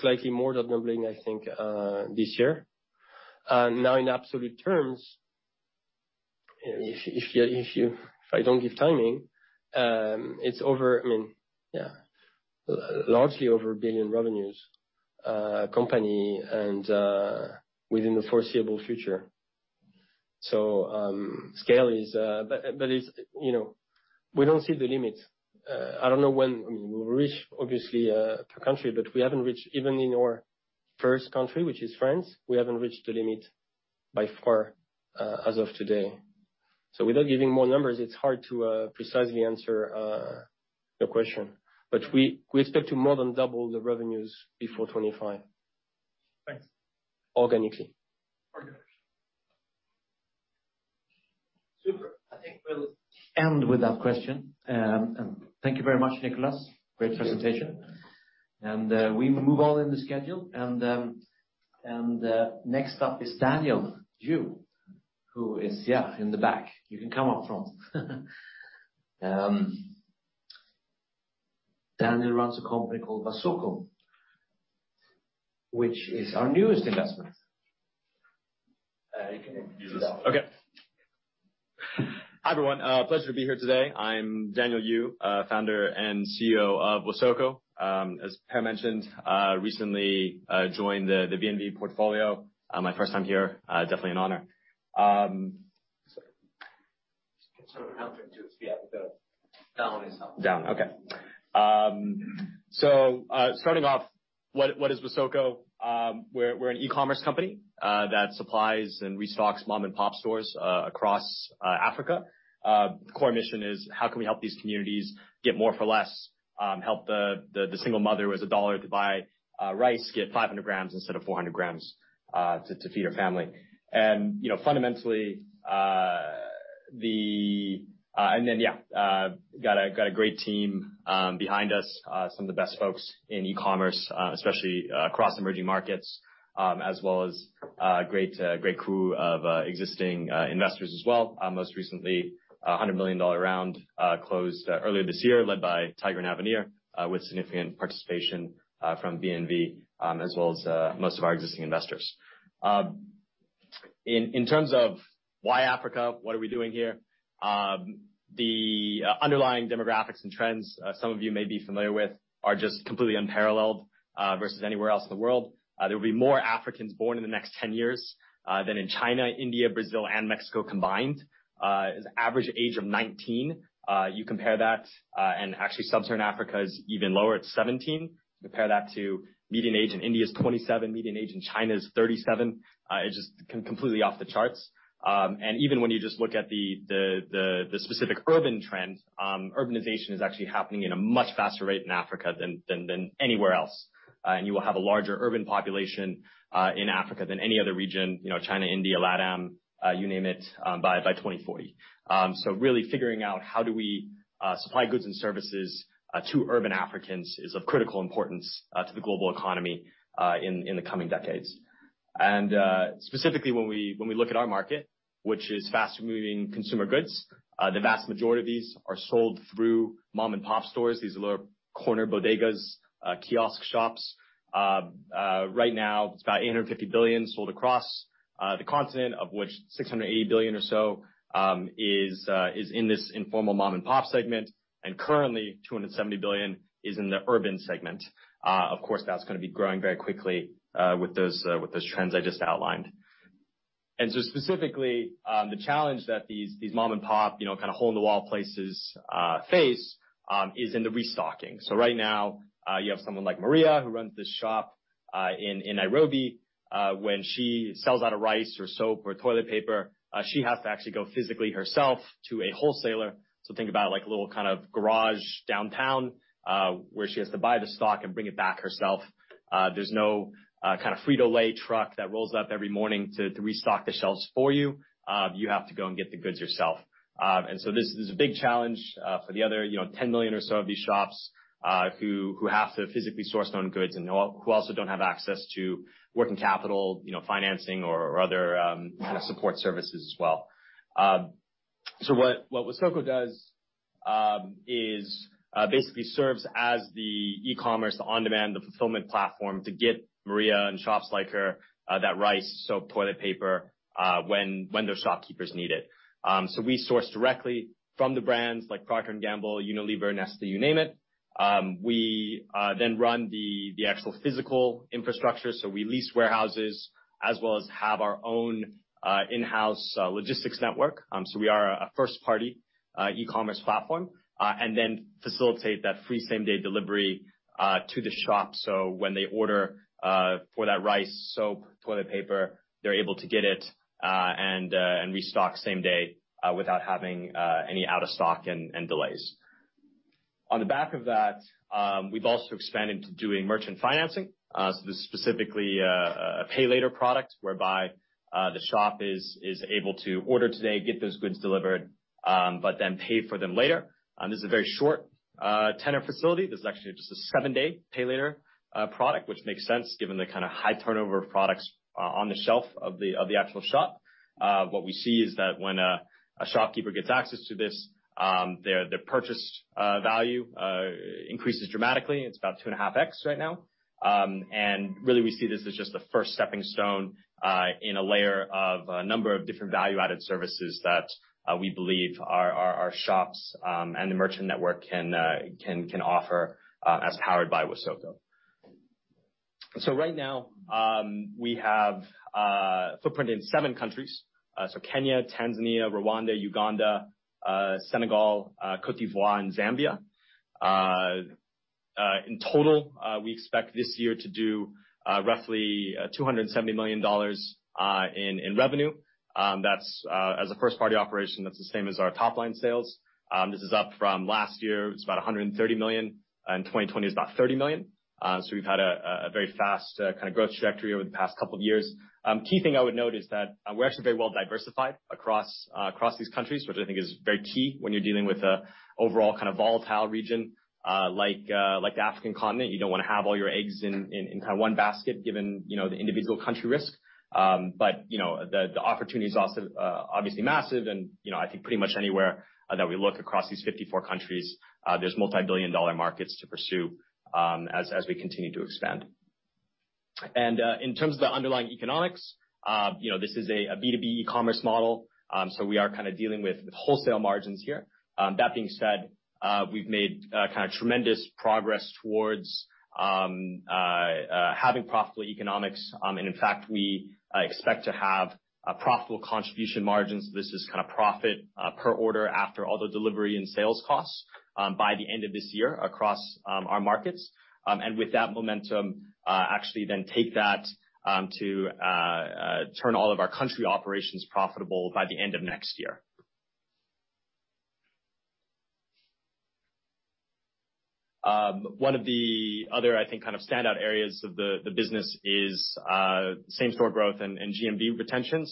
slightly more than doubling, I think, this year. Now, in absolute terms, if I don't give timing, it's over, I mean, yeah, largely over 1 billion revenues company and within the foreseeable future. Scale is, but is, you know, we don't see the limit. I don't know when we'll reach obviously per country, but we haven't reached even in our first country, which is France, we haven't reached the limit by far, as of today. Without giving more numbers, it's hard to precisely answer your question. We expect to more than double the revenues before 25. Thanks. Organically. Organically. Super. I think we'll end with that question. Thank you very much, Nicolas. Great presentation. We move on in the schedule. Next up is Daniel Yu, who is, yeah, in the back. You can come up front. Daniel runs a company called Wasoko, which is our newest investment. You can use that one. Okay. Hi, everyone. Pleasure to be here today. I'm Daniel Yu, founder and CEO of Wasoko. As Per mentioned, recently joined the VNV portfolio. My first time here, definitely an honor. Sort of help him to, yeah. Down is help. Starting off, what is Wasoko? We're an e-commerce company that supplies and restocks mom-and-pop stores across Africa. The core mission is how can we help these communities get more for less, help the single mother with $1 to buy rice get 500 grams instead of 400 grams to feed her family. You know, fundamentally, got a great team behind us, some of the best folks in e-commerce, especially across emerging markets, as well as a great crew of existing investors as well. Most recently, a $100 million round closed earlier this year, led by Tiger and Avenir, with significant participation from VNV, as well as most of our existing investors. In terms of why Africa, what are we doing here? The underlying demographics and trends, some of you may be familiar with, are just completely unparalleled versus anywhere else in the world. There will be more Africans born in the next 10 years than in China, India, Brazil and Mexico combined. Average age of 19, you compare that, and actually, Sub-Saharan Africa is even lower at 17. Compare that to median age in India is 27, median age in China is 37. It's just completely off the charts. Even when you just look at the specific urban trend, urbanization is actually happening at a much faster rate in Africa than anywhere else. You will have a larger urban population in Africa than any other region, you know, China, India, LATAM, you name it, by 2040. Really figuring out how do we supply goods and services to urban Africans is of critical importance to the global economy in the coming decades. Specifically when we look at our market, which is fast-moving consumer goods, the vast majority of these are sold through mom-and-pop stores, these little corner bodegas, kiosk shops. Right now it's about $850 billion sold across the continent, of which $680 billion or so is in this informal mom-and-pop segment, and currently $270 billion is in the urban segment. Of course, that's gonna be growing very quickly with those trends I just outlined. Specifically, the challenge that these mom-and-pop, you know, kinda hole-in-the-wall places face is in the restocking. Right now, you have someone like Maria who runs this shop in Nairobi. When she sells out of rice or soap or toilet paper, she has to actually go physically herself to a wholesaler. Think about, like, a little kind of garage downtown where she has to buy the stock and bring it back herself. There's no kinda Frito-Lay truck that rolls up every morning to restock the shelves for you. You have to go and get the goods yourself. This is a big challenge for the other, you know, 10 million or so of these shops, who have to physically source their own goods and who also don't have access to working capital, you know, financing or other kinda support services as well. What Wasoko does is basically serves as the e-commerce, the on-demand, the fulfillment platform to get Maria and shops like her that rice, soap, toilet paper when their shopkeepers need it. We source directly from the brands like Procter & Gamble, Unilever, Nestlé, you name it. We run the actual physical infrastructure, so we lease warehouses as well as have our own in-house logistics network, so we are a first-party e-commerce platform, and then facilitate that free same-day delivery to the shop. When they order for that rice, soap, toilet paper, they're able to get it and restock same day without having any out of stock and delays. On the back of that, we've also expanded to doing merchant financing. This is specifically a pay later product whereby the shop is able to order today, get those goods delivered, but then pay for them later. This is a very short tenor facility. This is actually just a seven-day pay later product, which makes sense given the kinda high turnover of products on the shelf of the actual shop. What we see is that when a shopkeeper gets access to this, their purchase value increases dramatically. It's about 2.5x right now. Really, we see this as just the first stepping stone in a layer of a number of different value-added services that we believe our shops and the merchant network can offer as powered by Wasoko. Right now, we have a footprint in 7 countries. Kenya, Tanzania, Rwanda, Uganda, Senegal, Côte d'Ivoire and Zambia. In total, we expect this year to do roughly $270 million in revenue. That's as a first-party operation, that's the same as our top-line sales. This is up from last year. It was about $130 million. In 2020 it was about $30 million. We've had a very fast kinda growth trajectory over the past couple of years. Key thing I would note is that we're actually very well diversified across these countries, which I think is very key when you're dealing with an overall kind of volatile region like the African continent. You don't wanna have all your eggs in kind of one basket given, you know, the individual country risk. The opportunity is also obviously massive and, you know, I think pretty much anywhere that we look across these 54 countries, there's multibillion-dollar markets to pursue, as we continue to expand. In terms of the underlying economics, you know, this is a B2B e-commerce model, so we are kinda dealing with wholesale margins here. That being said, we've made kinda tremendous progress towards having profitable economics. In fact, we expect to have a profitable contribution margins. This is kinda profit per order after all the delivery and sales costs, by the end of this year across our markets. With that momentum, turn all of our country operations profitable by the end of next year. One of the other, I think, kind of standout areas of the business is same-store growth and GMV retention.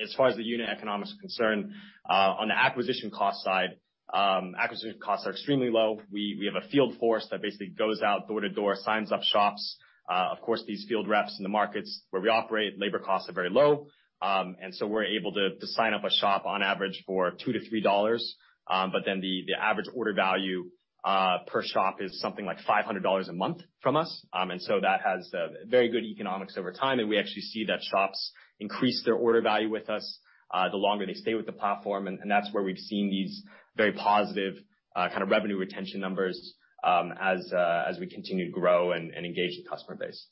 As far as the unit economics are concerned, on the acquisition cost side, acquisition costs are extremely low. We have a field force that basically goes out door to door, signs up shops. Of course, these field reps in the markets where we operate, labor costs are very low. We're able to sign up a shop on average for $2-$3. The average order value per shop is something like $500 a month from us. That has very good economics over time, and we actually see that shops increase their order value with us, the longer they stay with the platform. That's where we've seen these very positive kind of revenue retention numbers, as we continue to grow and engage the customer base.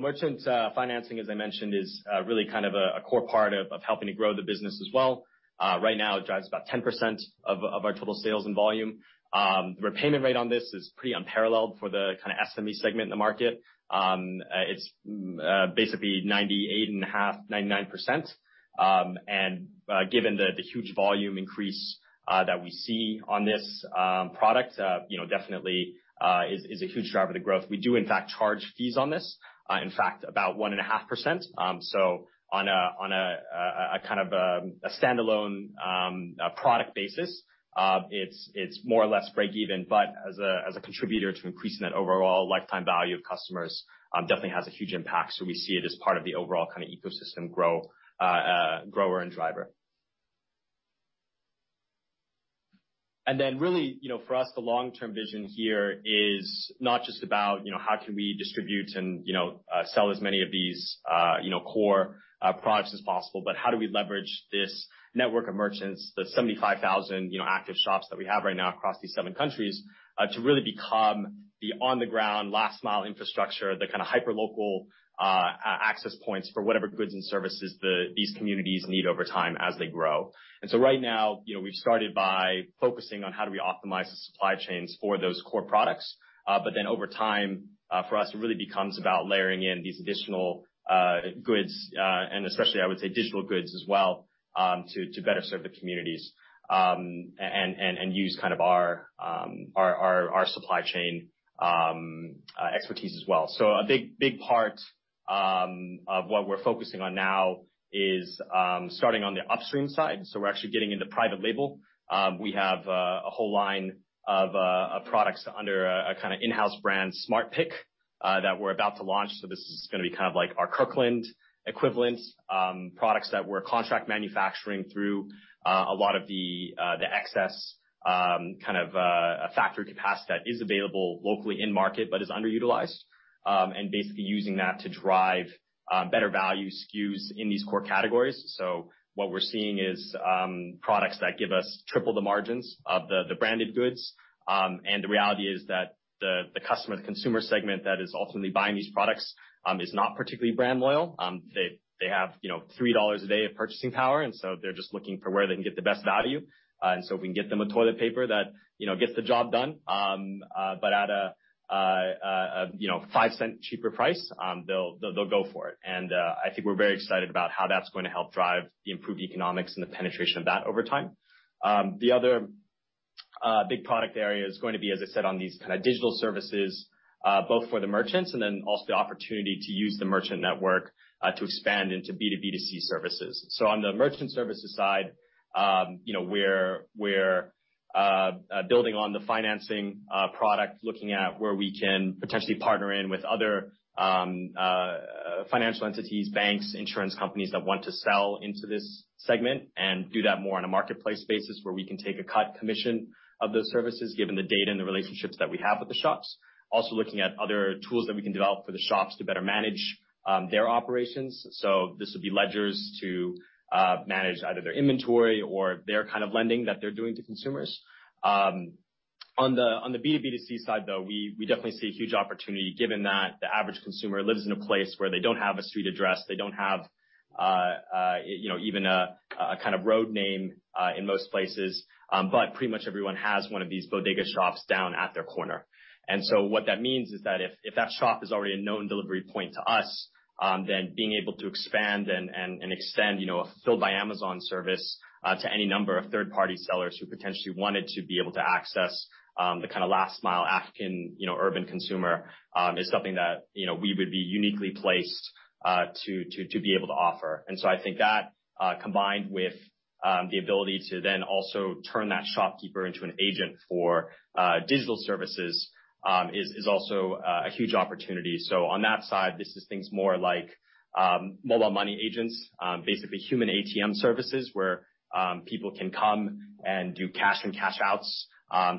Merchant financing, as I mentioned, is really kind of a core part of helping to grow the business as well. Right now it drives about 10% of our total sales and volume. The repayment rate on this is pretty unparalleled for the kinda SME segment in the market. It's basically 98.5%-99%. Given the huge volume increase that we see on this product, you know, definitely is a huge driver to growth. We do in fact charge fees on this, in fact about 1.5%. On a kind of standalone product basis, it's more or less break even. As a contributor to increasing that overall lifetime value of customers, definitely has a huge impact. We see it as part of the overall kinda ecosystem grower and driver. Really, you know, for us, the long-term vision here is not just about, you know, how can we distribute and, you know, sell as many of these, you know, core products as possible, but how do we leverage this network of merchants, the 75,000, you know, active shops that we have right now across these seven countries, to really become the on-the-ground last-mile infrastructure, the kinda hyperlocal access points for whatever goods and services these communities need over time as they grow. Right now, you know, we've started by focusing on how do we optimize the supply chains for those core products. Over time, for us, it really becomes about layering in these additional goods, and especially I would say digital goods as well, to better serve the communities, and use kind of our supply chain expertise as well. A big part of what we're focusing on now is starting on the upstream side. We're actually getting into private label. We have a whole line of products under a kinda in-house brand, Smart Pick, that we're about to launch. This is gonna be kind of like our Kirkland equivalent, products that we're contract manufacturing through a lot of the excess kind of factory capacity that is available locally in market but is underutilized. Basically using that to drive better value SKUs in these core categories. What we're seeing is products that give us triple the margins of the branded goods. The reality is that the customer, the consumer segment that is ultimately buying these products is not particularly brand loyal. They have, you know, $3 a day of purchasing power, and so they're just looking for where they can get the best value. If we can get them toilet paper that, you know, gets the job done but at a, you know, $0.05 cheaper price, they'll go for it. I think we're very excited about how that's going to help drive the improved economics and the penetration of that over time. The other big product area is going to be, as I said, on these kind of digital services, both for the merchants and then also the opportunity to use the merchant network, to expand into B2B2C services. On the merchant services side, you know, we're building on the financing product, looking at where we can potentially partner in with other financial entities, banks, insurance companies that want to sell into this segment and do that more on a marketplace basis where we can take a cut commission of those services, given the data and the relationships that we have with the shops. Also, looking at other tools that we can develop for the shops to better manage their operations. This would be ledgers to manage either their inventory or their kind of lending that they're doing to consumers. On the B2B2C side, though, we definitely see a huge opportunity given that the average consumer lives in a place where they don't have a street address, they don't have you know even a kind of road name in most places. But pretty much everyone has one of these bodega shops down at their corner. What that means is that if that shop is already a known delivery point to us, then being able to expand and extend, you know, a Fulfilled by Amazon service to any number of third-party sellers who potentially wanted to be able to access the kinda last mile African, you know, urban consumer is something that, you know, we would be uniquely placed to be able to offer. I think that, combined with the ability to then also turn that shopkeeper into an agent for digital services, is also a huge opportunity. On that side, this is things more like mobile money agents, basically human ATM services where people can come and do cash and cash outs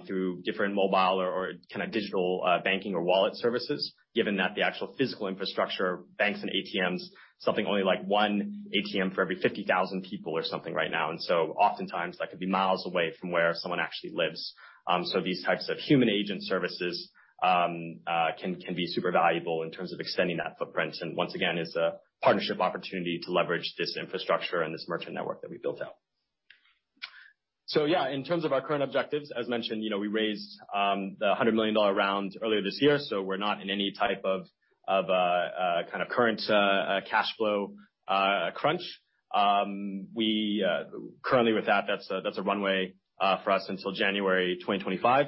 through different mobile or kinda digital banking or wallet services, given that the actual physical infrastructure, banks and ATMs, something only like one ATM for every 50,000 people or something right now. Oftentimes that could be miles away from where someone actually lives. These types of human agent services can be super valuable in terms of extending that footprint. Once again, it's a partnership opportunity to leverage this infrastructure and this merchant network that we built out. Yeah, in terms of our current objectives, as mentioned, you know, we raised $100 million round earlier this year, so we're not in any type of kind of current cash flow crunch. We currently with that's a runway for us until January 2025.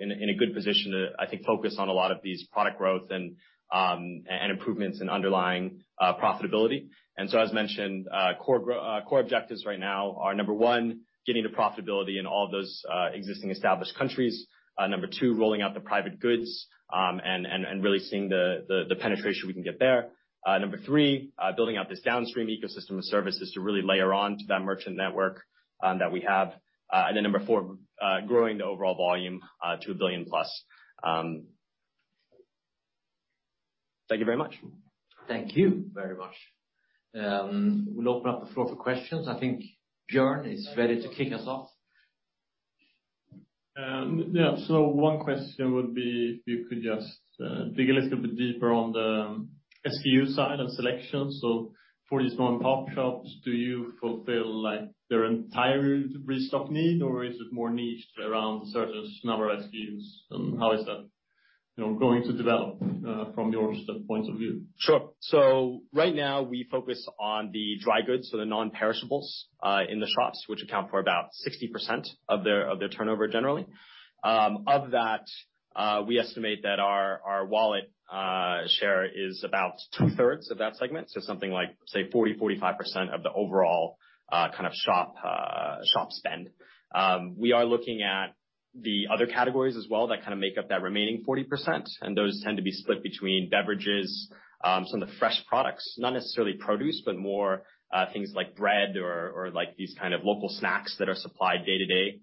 In a good position to, I think, focus on a lot of these product growth and improvements in underlying profitability. As mentioned, core objectives right now are, number one, getting to profitability in all those existing established countries. Number two, rolling out the private goods and really seeing the penetration we can get there. Number three, building out this downstream ecosystem of services to really layer on to that merchant network, that we have. Number four, growing the overall volume to one billion plus. Thank you very much. Thank you very much. We'll open up the floor for questions. I think Björn is ready to kick us off. One question would be if you could just dig a little bit deeper on the SKU side and selection. For these small pop shops, do you fulfill like their entire restock need, or is it more niched around certain number of SKUs? And how is that, you know, going to develop from your sort of point of view? Sure. Right now we focus on the dry goods, so the non-perishables, in the shops, which account for about 60% of their turnover generally. Of that, we estimate that our wallet share is about 2/3 of that segment. Something like, say, 40%-45% of the overall, kind of shop spend. We are looking at the other categories as well that kinda make up that remaining 40%, and those tend to be split between beverages, some of the fresh products, not necessarily produce, but more, things like bread or like these kind of local snacks that are supplied day to day.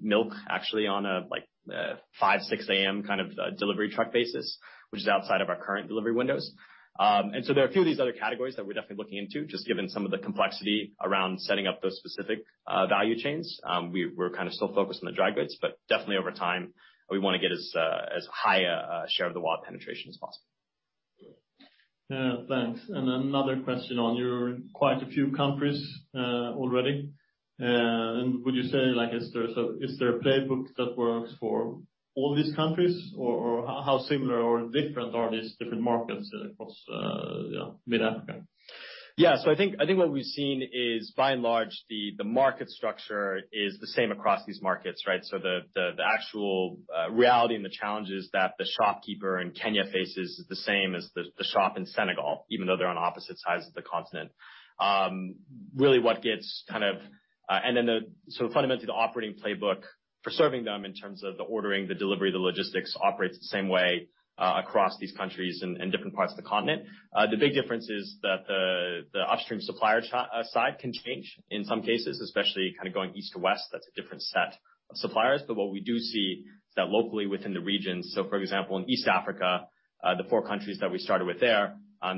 Milk actually on a like a 5-6 A.M. kind of delivery truck basis, which is outside of our current delivery windows. There are a few of these other categories that we're definitely looking into just given some of the complexity around setting up those specific value chains. We're kinda still focused on the dry goods, but definitely over time, we wanna get as high a share of the wallet penetration as possible. Yeah. Thanks. Another question on, you're in quite a few countries already, and would you say like is there a playbook that works for all these countries or how similar or different are these different markets across, yeah, mid-Africa? Yeah. I think what we've seen is by and large, the market structure is the same across these markets, right? The actual reality and the challenges that the shopkeeper in Kenya faces is the same as the shop in Senegal, even though they're on opposite sides of the continent. Really what gets kind of fundamentally, the operating playbook for serving them in terms of the ordering, the delivery, the logistics operates the same way across these countries in different parts of the continent. The big difference is that the upstream supplier side can change in some cases, especially kinda going east to west, that's a different set of suppliers. What we do see is that locally within the region, so for example, in East Africa, the four countries that we started with there,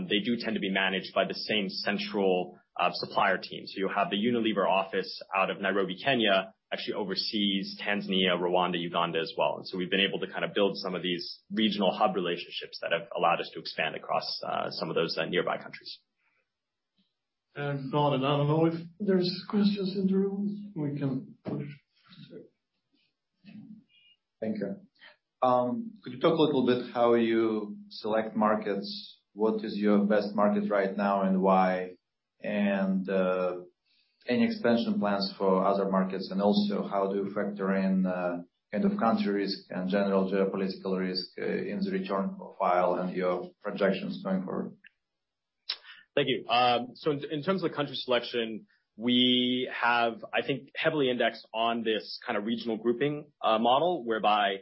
they do tend to be managed by the same central supplier team. You'll have the Unilever office out of Nairobi, Kenya, actually oversees Tanzania, Rwanda, Uganda as well. We've been able to kinda build some of these regional hub relationships that have allowed us to expand across some of those nearby countries. Björn, I don't know if there's questions in the room we can put. Thank you. Could you talk a little bit how you select markets? What is your best market right now and why? Any expansion plans for other markets, and also how do you factor in kind of country risk and general geopolitical risk in the return profile and your projections going forward? Thank you. In terms of country selection, we have, I think, heavily indexed on this kind of regional grouping model, whereby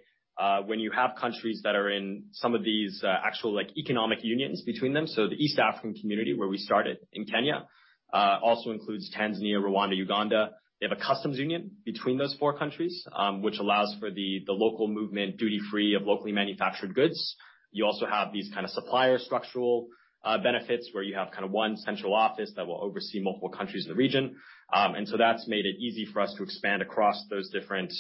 when you have countries that are in some of these actual, like, economic unions between them, the East African Community where we started in Kenya also includes Tanzania, Rwanda, Uganda. They have a customs union between those four countries, which allows for the local movement duty-free of locally manufactured goods. You also have these kind of supplier structural benefits, where you have kind of one central office that will oversee multiple countries in the region. That's made it easy for us to expand across those different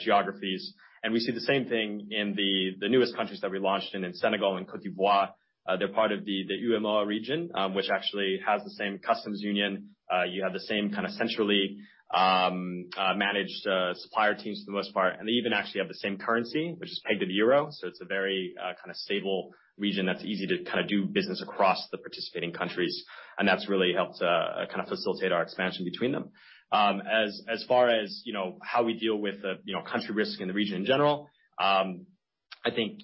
geographies. We see the same thing in the newest countries that we launched in Senegal and Côte d'Ivoire. They're part of the UEMOA region, which actually has the same customs union. You have the same kind of centrally managed supplier teams for the most part. They even actually have the same currency, which is pegged to the euro, so it's a very kind of stable region that's easy to kinda do business across the participating countries. That's really helped kind of facilitate our expansion between them. As far as, you know, how we deal with the country risk in the region in general, I think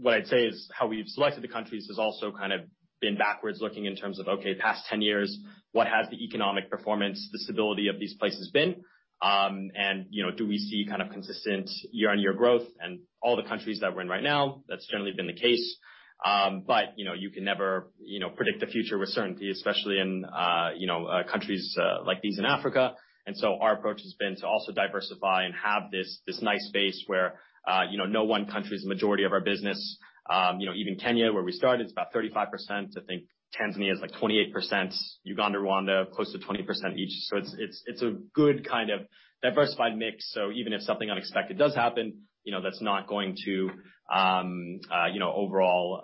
what I'd say is how we've selected the countries has also kind of been backward-looking in terms of past 10 years, what has the economic performance, the stability of these places been? You know, do we see kind of consistent year-on-year growth? All the countries that we're in right now, that's generally been the case. But, you know, you can never, you know, predict the future with certainty, especially in, you know, countries, like these in Africa. Our approach has been to also diversify and have this nice space where, you know, no one country is the majority of our business. You know, even Kenya, where we started, is about 35%. I think Tanzania is, like, 28%. Uganda, Rwanda, close to 20% each. It's a good kind of diversified mix, so even if something unexpected does happen, you know, that's not going to, you know, overall,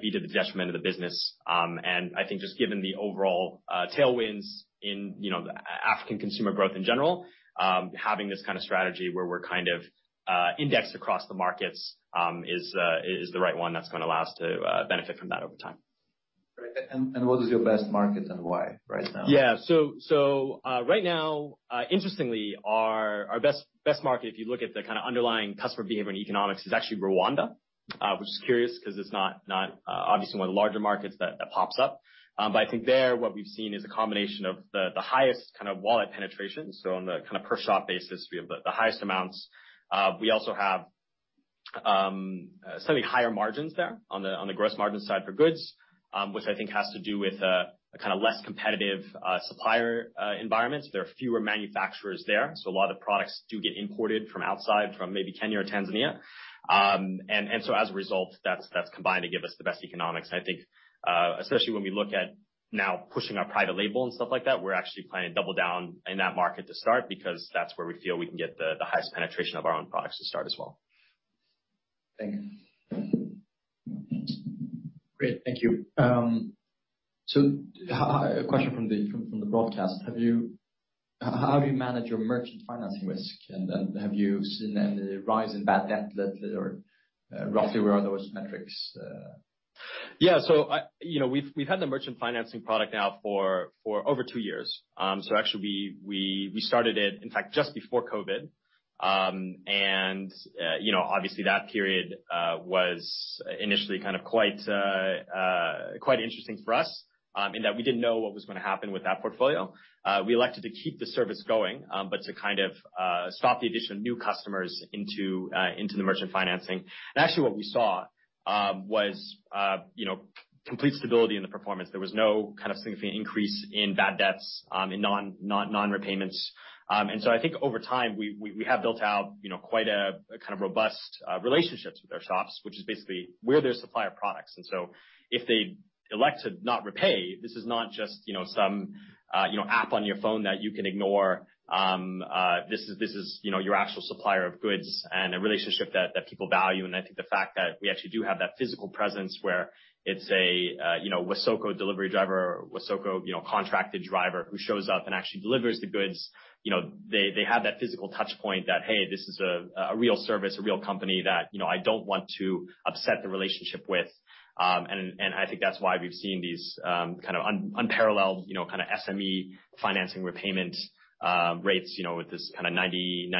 be to the detriment of the business. I think just given the overall tailwinds in, you know, African consumer growth in general, having this kind of strategy where we're kind of indexed across the markets is the right one that's gonna allow us to benefit from that over time. Great. What is your best market and why right now? Yeah, right now, interestingly, our best market, if you look at the kind of underlying customer behavior and economics, is actually Rwanda, which is curious 'cause it's not obviously one of the larger markets that pops up. I think there what we've seen is a combination of the highest kind of wallet penetration, so on the kind of per shop basis, we have the highest amounts. We also have slightly higher margins there on the gross margin side for goods, which I think has to do with a kind of less competitive supplier environment. There are fewer manufacturers there, so a lot of the products do get imported from outside, from maybe Kenya or Tanzania. As a result, that's combined to give us the best economics. I think, especially when we look at now pushing our private label and stuff like that, we're actually planning to double down in that market to start because that's where we feel we can get the highest penetration of our own products to start as well. Thank you. Great. Thank you. A question from the broadcast: How do you manage your merchant financing risk? Have you seen any rise in bad debt, or roughly where are those metrics? Yeah. I, you know, we've had the merchant financing product now for over two years. Actually we started it, in fact, just before COVID. You know, obviously that period was initially kind of quite interesting for us, in that we didn't know what was gonna happen with that portfolio. We elected to keep the service going, but to kind of stop the addition of new customers into the merchant financing. Actually what we saw was you know, complete stability in the performance. There was no kind of significant increase in bad debts, in non-repayments. I think over time, we have built out, you know, quite a kind of robust relationships with our shops, which is basically we're their supplier of products. If they elect to not repay, this is not just, you know, some app on your phone that you can ignore. This is, you know, your actual supplier of goods and a relationship that people value. I think the fact that we actually do have that physical presence where it's a, you know, Wasoko delivery driver or Wasoko, you know, contracted driver who shows up and actually delivers the goods, you know, they have that physical touch point that, "Hey, this is a real service, a real company that, you know, I don't want to upset the relationship with." I think that's why we've seen these kind of unparalleled, you know, kind of SME financing repayment rates, you know, with this kind of 90,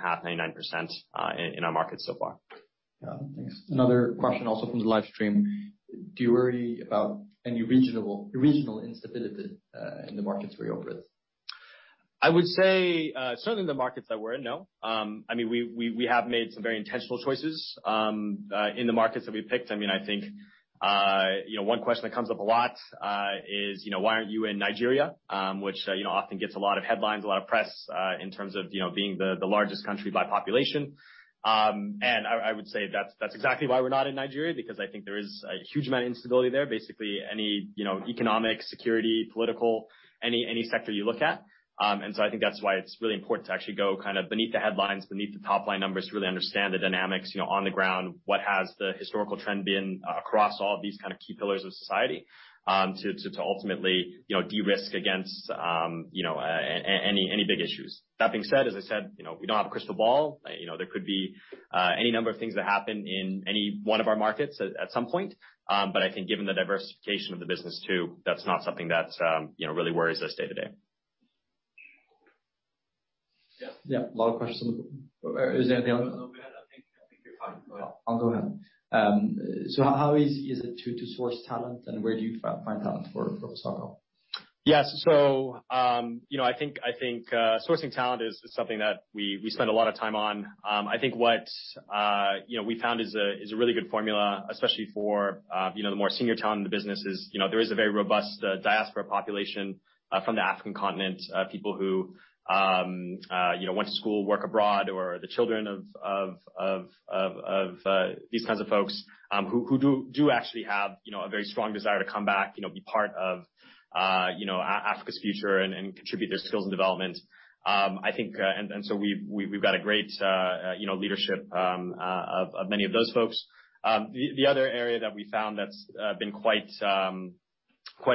98.5, 99% in our markets so far. Yeah. Thanks. Another question also from the live stream. Do you worry about any regional instability in the markets where you operate? I would say certainly the markets that we're in, no. I mean, we have made some very intentional choices in the markets that we picked. I mean, I think you know, one question that comes up a lot is you know, "Why aren't you in Nigeria?" which you know, often gets a lot of headlines, a lot of press in terms of you know, being the largest country by population. I would say that's exactly why we're not in Nigeria, because I think there is a huge amount of instability there, basically any you know, economic, security, political, any sector you look at. I think that's why it's really important to actually go kind of beneath the headlines, beneath the top-line numbers to really understand the dynamics, you know, on the ground. What has the historical trend been across all of these kind of key pillars of society, to ultimately, you know, de-risk against, you know, any big issues. That being said, as I said, you know, we don't have a crystal ball. You know, there could be any number of things that happen in any one of our markets at some point. I think given the diversification of the business, too, that's not something that, you know, really worries us day to day. Yeah. A lot of questions on the board. Is there anything? No, I think you're fine. Go ahead. I'll go ahead. How easy is it to source talent, and where do you find talent for Wasoko? Yeah. I think sourcing talent is something that we spend a lot of time on. I think what we found is a really good formula, especially for the more senior talent in the business, you know, there is a very robust diaspora population from the African continent. People who, you know, went to school, work abroad or are the children of these kinds of folks who do actually have, you know, a very strong desire to come back, you know, be part of Africa's future and contribute their skills and development. I think we've got a great you know leadership of many of those folks. The other area that we found that's been quite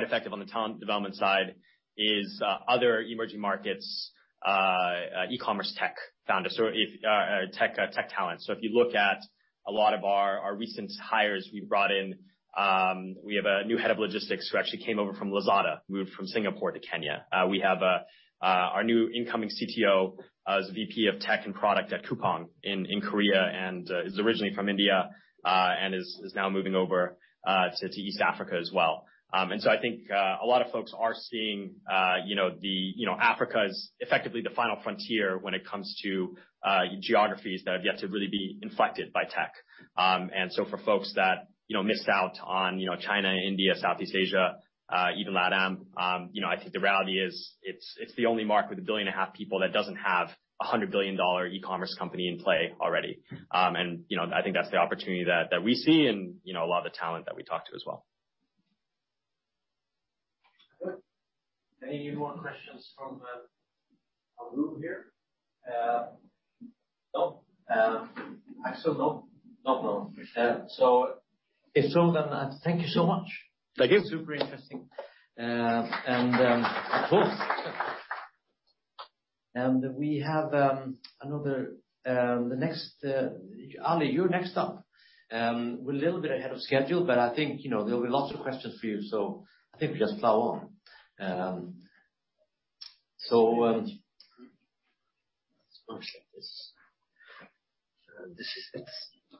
effective on the talent development side is other emerging markets e-commerce tech founders or tech talent. If you look at a lot of our recent hires we brought in, we have a new head of logistics who actually came over from Lazada, moved from Singapore to Kenya. We have our new incoming CTO was VP of tech and product at Coupang in Korea and is originally from India and is now moving over to East Africa as well. I think a lot of folks are seeing, you know, the you know Africa is effectively the final frontier when it comes to geographies that have yet to really be infected by tech. For folks that, you know, missed out on, you know, China, India, Southeast Asia, even LATAM, you know, I think the reality is it's the only market with 1.5 billion people that doesn't have a $100 billion e-commerce company in play already. I think that's the opportunity that we see and, you know, a lot of the talent that we talk to as well. Good. Any more questions from the room here? No? Axel, no? Not now. If so, then thank you so much. Thank you. Super interesting. We have another, the next, Ali, you're next up. We're a little bit ahead of schedule, but I think, you know, there will be lots of questions for you, so I think we just plow on. Let's launch this. This is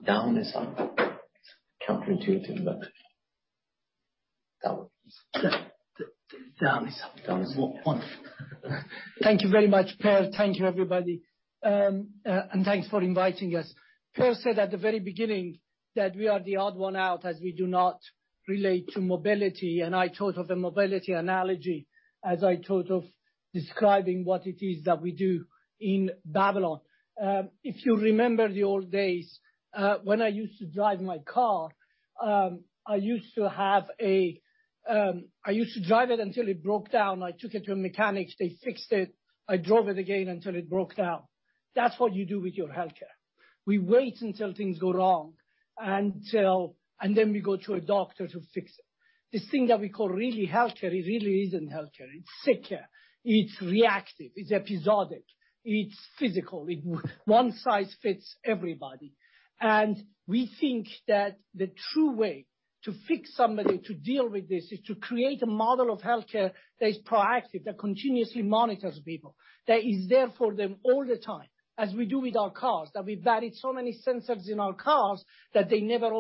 down, and somewhat counterintuitive, but that one. Down is up. That is the main point. Thank you very much, Per. Thank you, everybody. Thanks for inviting us. Per said at the very beginning that we are the odd one out as we do not relate to mobility, and I thought of the mobility analogy as I thought of describing what it is that we do in Babylon. If you remember the old days, when I used to drive my car, I used to drive it until it broke down. I took it to a mechanic, they fixed it. I drove it again until it broke down. That's what you do with your healthcare. We wait until things go wrong and then we go to a doctor to fix it. This thing that we call really healthcare, it really isn't healthcare. It's sick care. It's reactive. It's episodic. It's physical. One size fits everybody. We think that the true way to fix somebody to deal with this is to create a model of healthcare that is proactive, that continuously monitors people, that is there for them all the time, as we do with our cars, that we buried so many sensors in our cars that they never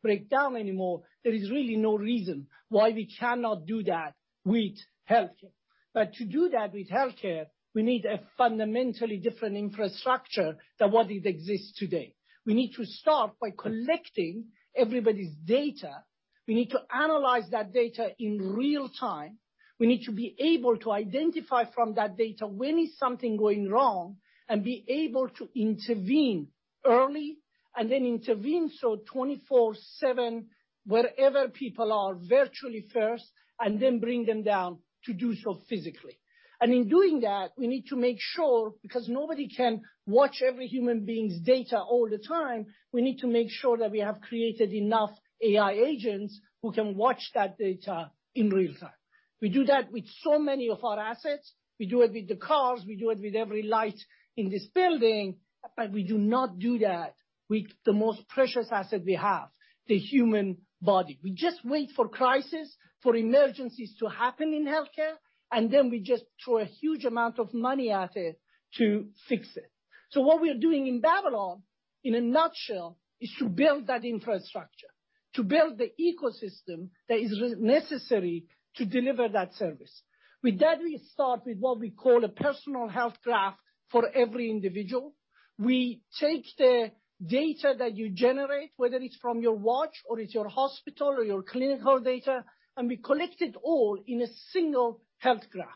almost break down anymore. There is really no reason why we cannot do that with healthcare. To do that with healthcare, we need a fundamentally different infrastructure than what exists today. We need to start by collecting everybody's data. We need to analyze that data in real-time. We need to be able to identify from that data when is something going wrong and be able to intervene early and then intervene so 24/7 wherever people are virtually first, and then bring them down to do so physically. In doing that, we need to make sure, because nobody can watch every human being's data all the time, we need to make sure that we have created enough AI agents who can watch that data in real-time. We do that with so many of our assets. We do it with the cars, we do it with every light in this building, but we do not do that with the most precious asset we have, the human body. We just wait for crises, for emergencies to happen in healthcare, and then we just throw a huge amount of money at it to fix it. What we are doing in Babylon, in a nutshell, is to build that infrastructure, to build the ecosystem that is necessary to deliver that service. With that, we start with what we call a personal health graph for every individual. We take the data that you generate, whether it's from your watch or it's your hospital or your clinical data, and we collect it all in a single health graph.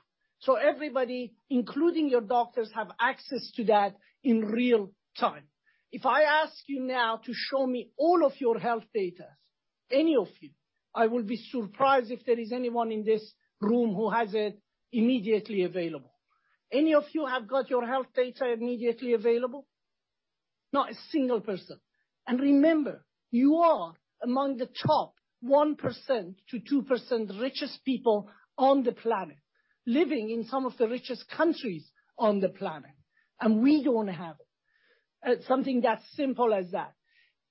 Everybody, including your doctors, have access to that in real-time. If I ask you now to show me all of your health data, any of you, I will be surprised if there is anyone in this room who has it immediately available. Any of you have got your health data immediately available? Not a single person. Remember, you are among the top 1%-2% richest people on the planet, living in some of the richest countries on the planet, and we don't have it. Something that's simple as that.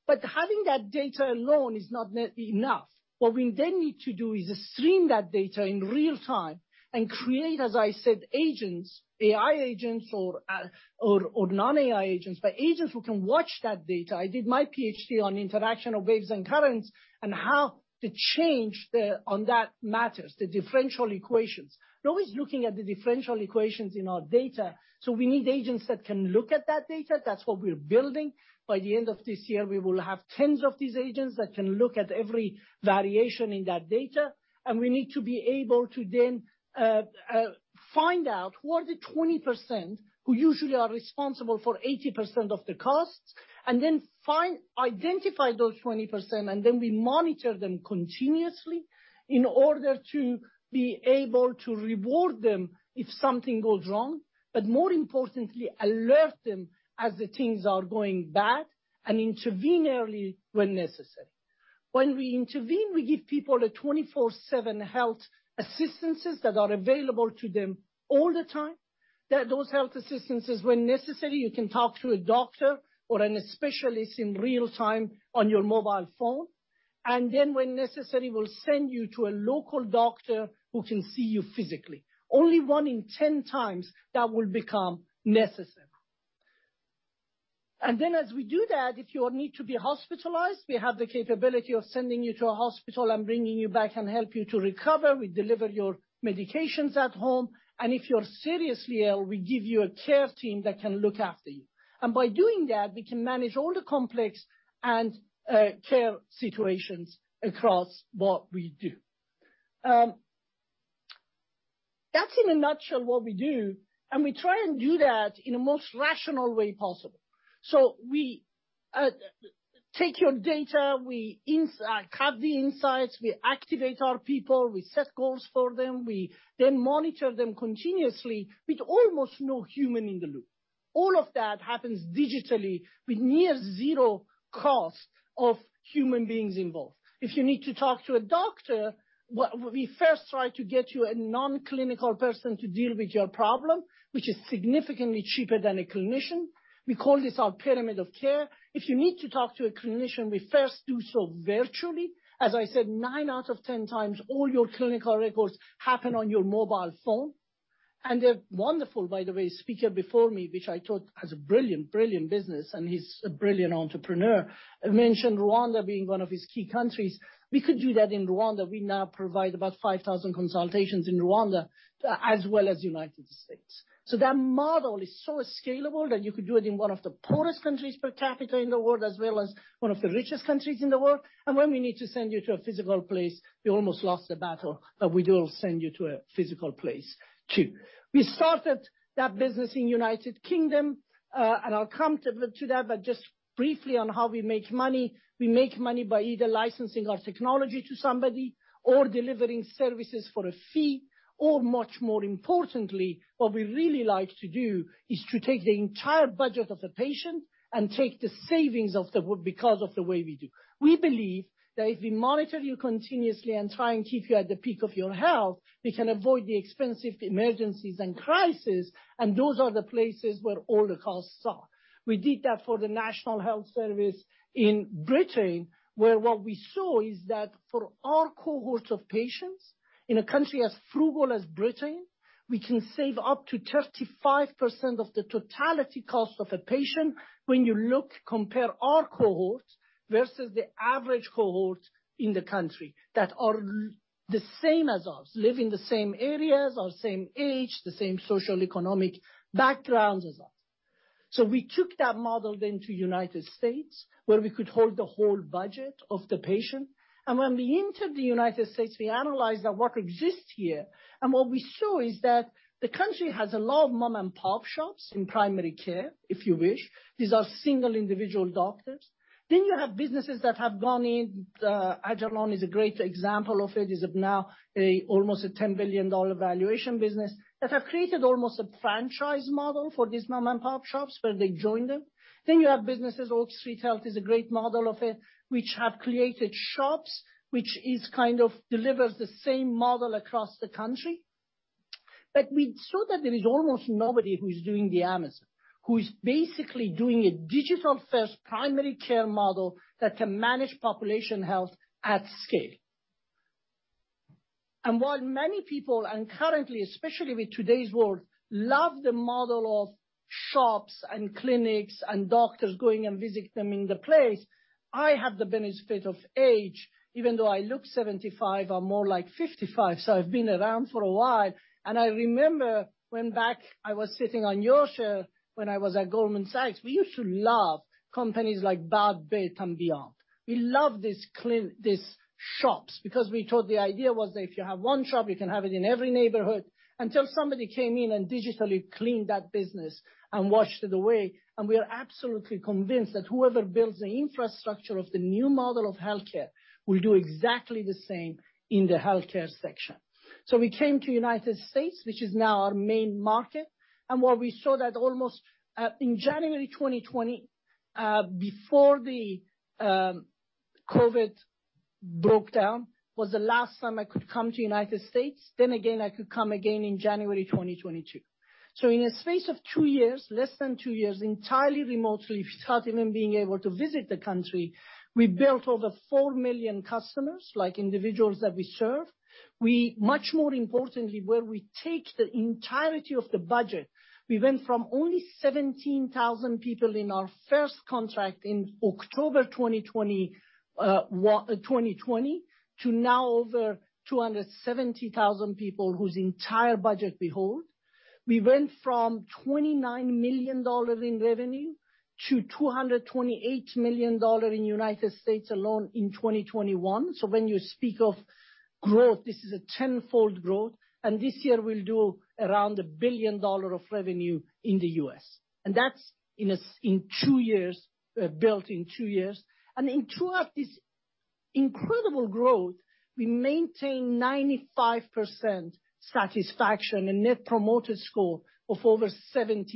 Having that data alone is not enough. What we then need to do is stream that data in real-time and create, as I said, agents, AI agents or non-AI agents, but agents who can watch that data. I did my PhD on interaction of waves and currents and how, on that matter is the differential equations. We're always looking at the differential equations in our data, so we need agents that can look at that data. That's what we're building. By the end of this year, we will have tens of these agents that can look at every variation in that data, and we need to be able to then find out who are the 20% who usually are responsible for 80% of the costs, and then find. Identify those 20%, and then we monitor them continuously in order to be able to reward them if something goes wrong, but more importantly, alert them as the things are going bad and intervene early when necessary. When we intervene, we give people a 24/7 health assistants that are available to them all the time, that those health assistants, when necessary, you can talk to a doctor or a specialist in real-time on your mobile phone, and then when necessary, we'll send you to a local doctor who can see you physically. Only one in 10 times that will become necessary. As we do that, if you need to be hospitalized, we have the capability of sending you to a hospital and bringing you back and help you to recover. We deliver your medications at home, and if you're seriously ill, we give you a care team that can look after you. By doing that, we can manage all the complex and care situations across what we do. That's in a nutshell what we do, and we try and do that in a most rational way possible. We take your data, we have the insights, we activate our people, we set goals for them, we then monitor them continuously with almost no human in the loop. All of that happens digitally with near zero cost of human beings involved. If you need to talk to a doctor, what we first try to get you a non-clinical person to deal with your problem, which is significantly cheaper than a clinician. We call this our pyramid of care. If you need to talk to a clinician, we first do so virtually. As I said, nine out of 10 times, all your clinical records happen on your mobile phone. A wonderful, by the way, speaker before me, which I thought has a brilliant business, and he's a brilliant entrepreneur, mentioned Rwanda being one of his key countries. We could do that in Rwanda. We now provide about 5,000 consultations in Rwanda, as well as United States. That model is so scalable that you could do it in one of the poorest countries per capita in the world, as well as one of the richest countries in the world. When we need to send you to a physical place, we almost lost the battle, but we will send you to a physical place too. We started that business in the United Kingdom, and I'll come to that, but just briefly on how we make money. We make money by either licensing our technology to somebody or delivering services for a fee or much more importantly, what we really like to do is to take the entire budget of the patient and take the savings because of the way we do. We believe that if we monitor you continuously and try and keep you at the peak of your health, we can avoid the expensive emergencies and crisis, and those are the places where all the costs are. We did that for the National Health Service in Britain, where what we saw is that for our cohort of patients in a country as frugal as Britain, we can save up to 35% of the total cost of a patient when you look, compare our cohort versus the average cohort in the country that are the same as us, live in the same areas or same age, the same socioeconomic backgrounds as us. We took that model then to the United States, where we could hold the whole budget of the patient. When we entered the United States, we analyzed what exists here. What we saw is that the country has a lot of mom-and-pop shops in primary care, if you wish. These are single individual doctors. You have businesses that have gone in, agilon health is a great example of it, is now almost a $10 billion valuation business, that have created almost a franchise model for these mom-and-pop shops where they join them. You have businesses, Oak Street Health is a great model of it, which have created shops, which kind of delivers the same model across the country. We saw that there is almost nobody who is doing the Amazon, who is basically doing a digital-first primary care model that can manage population health at scale. While many people, and currently, especially with today's world, love the model of shops and clinics and doctors going and visit them in the place, I have the benefit of age. Even though I look 75, I'm more like 55, so I've been around for a while. I remember when back I was sitting on your chair when I was at Goldman Sachs, we used to love companies like Bed Bath & Beyond. We love these shops because we thought the idea was that if you have one shop, you can have it in every neighborhood until somebody came in and digitally cleaned that business and washed it away. We are absolutely convinced that whoever builds the infrastructure of the new model of healthcare will do exactly the same in the healthcare sector. We came to United States, which is now our main market, and what we saw that almost in January 2020 before the COVID broke out was the last time I could come to United States. I could come again in January 2022. In the space of two years, less than two years, entirely remotely, without even being able to visit the country, we built over four million customers, like individuals that we serve. Much more importantly, where we take the entirety of the budget, we went from only 17,000 people in our first contract in October 2020 to now over 270,000 people whose entire budget we hold. We went from $29 million in revenue to $228 million in the United States alone in 2021. When you speak of growth, this is a tenfold growth. This year we'll do around $1 billion of revenue in the US. That's in two years, built in two years. Throughout this incredible growth, we maintain 95% satisfaction and net promoter score of over 70%.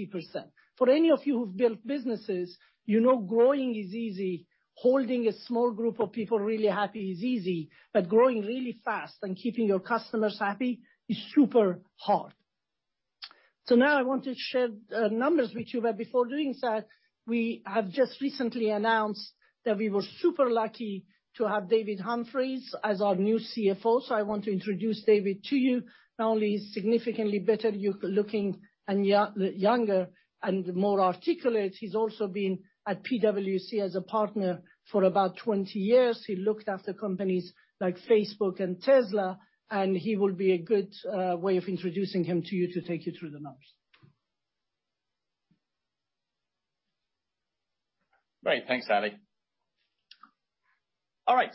For any of you who've built businesses, you know growing is easy. Holding a small group of people really happy is easy, but growing really fast and keeping your customers happy is super hard. Now I want to share numbers with you, but before doing that, we have just recently announced that we were super lucky to have David Humphreys as our new CFO. I want to introduce David to you. Not only is he significantly better looking and younger and more articulate, he's also been at PwC as a partner for about 20 years. He looked after companies like Facebook and Tesla, and he will be a good way of introducing him to you to take you through the numbers. Great. Thanks, Ali. All right.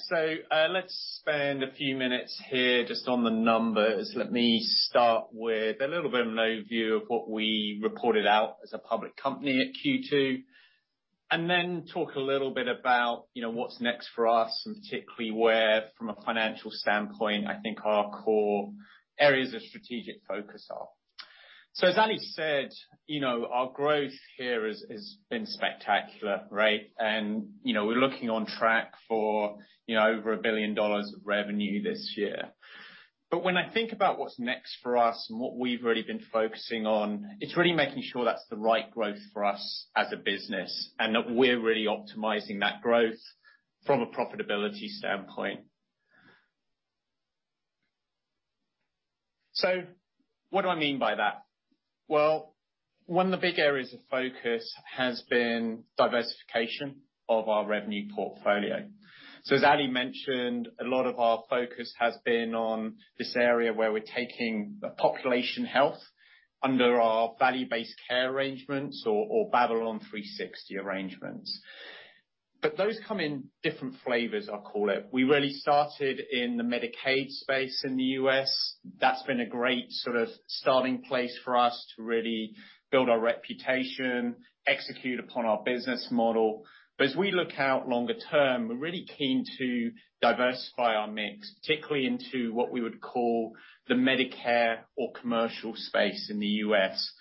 Let's spend a few minutes here just on the numbers. Let me start with a little bit of an overview of what we reported out as a public company at Q2, and then talk a little bit about, you know, what's next for us, and particularly where from a financial standpoint, I think our core areas of strategic focus are. As Ali said, you know, our growth here has been spectacular, right? And, you know, we're looking on track for, you know, over $1 billion of revenue this year. When I think about what's next for us and what we've really been focusing on, it's really making sure that's the right growth for us as a business, and that we're really optimizing that growth from a profitability standpoint. What do I mean by that? Well, one of the big areas of focus has been diversification of our revenue portfolio. As Ali mentioned, a lot of our focus has been on this area where we're taking the population health under our value-based care arrangements or Babylon 360 arrangements. Those come in different flavors, I'll call it. We really started in the Medicaid space in the U.S. That's been a great sort of starting place for us to really build our reputation, execute upon our business model. As we look out longer term, we're really keen to diversify our mix, particularly into what we would call the Medicare or commercial space in the U.S.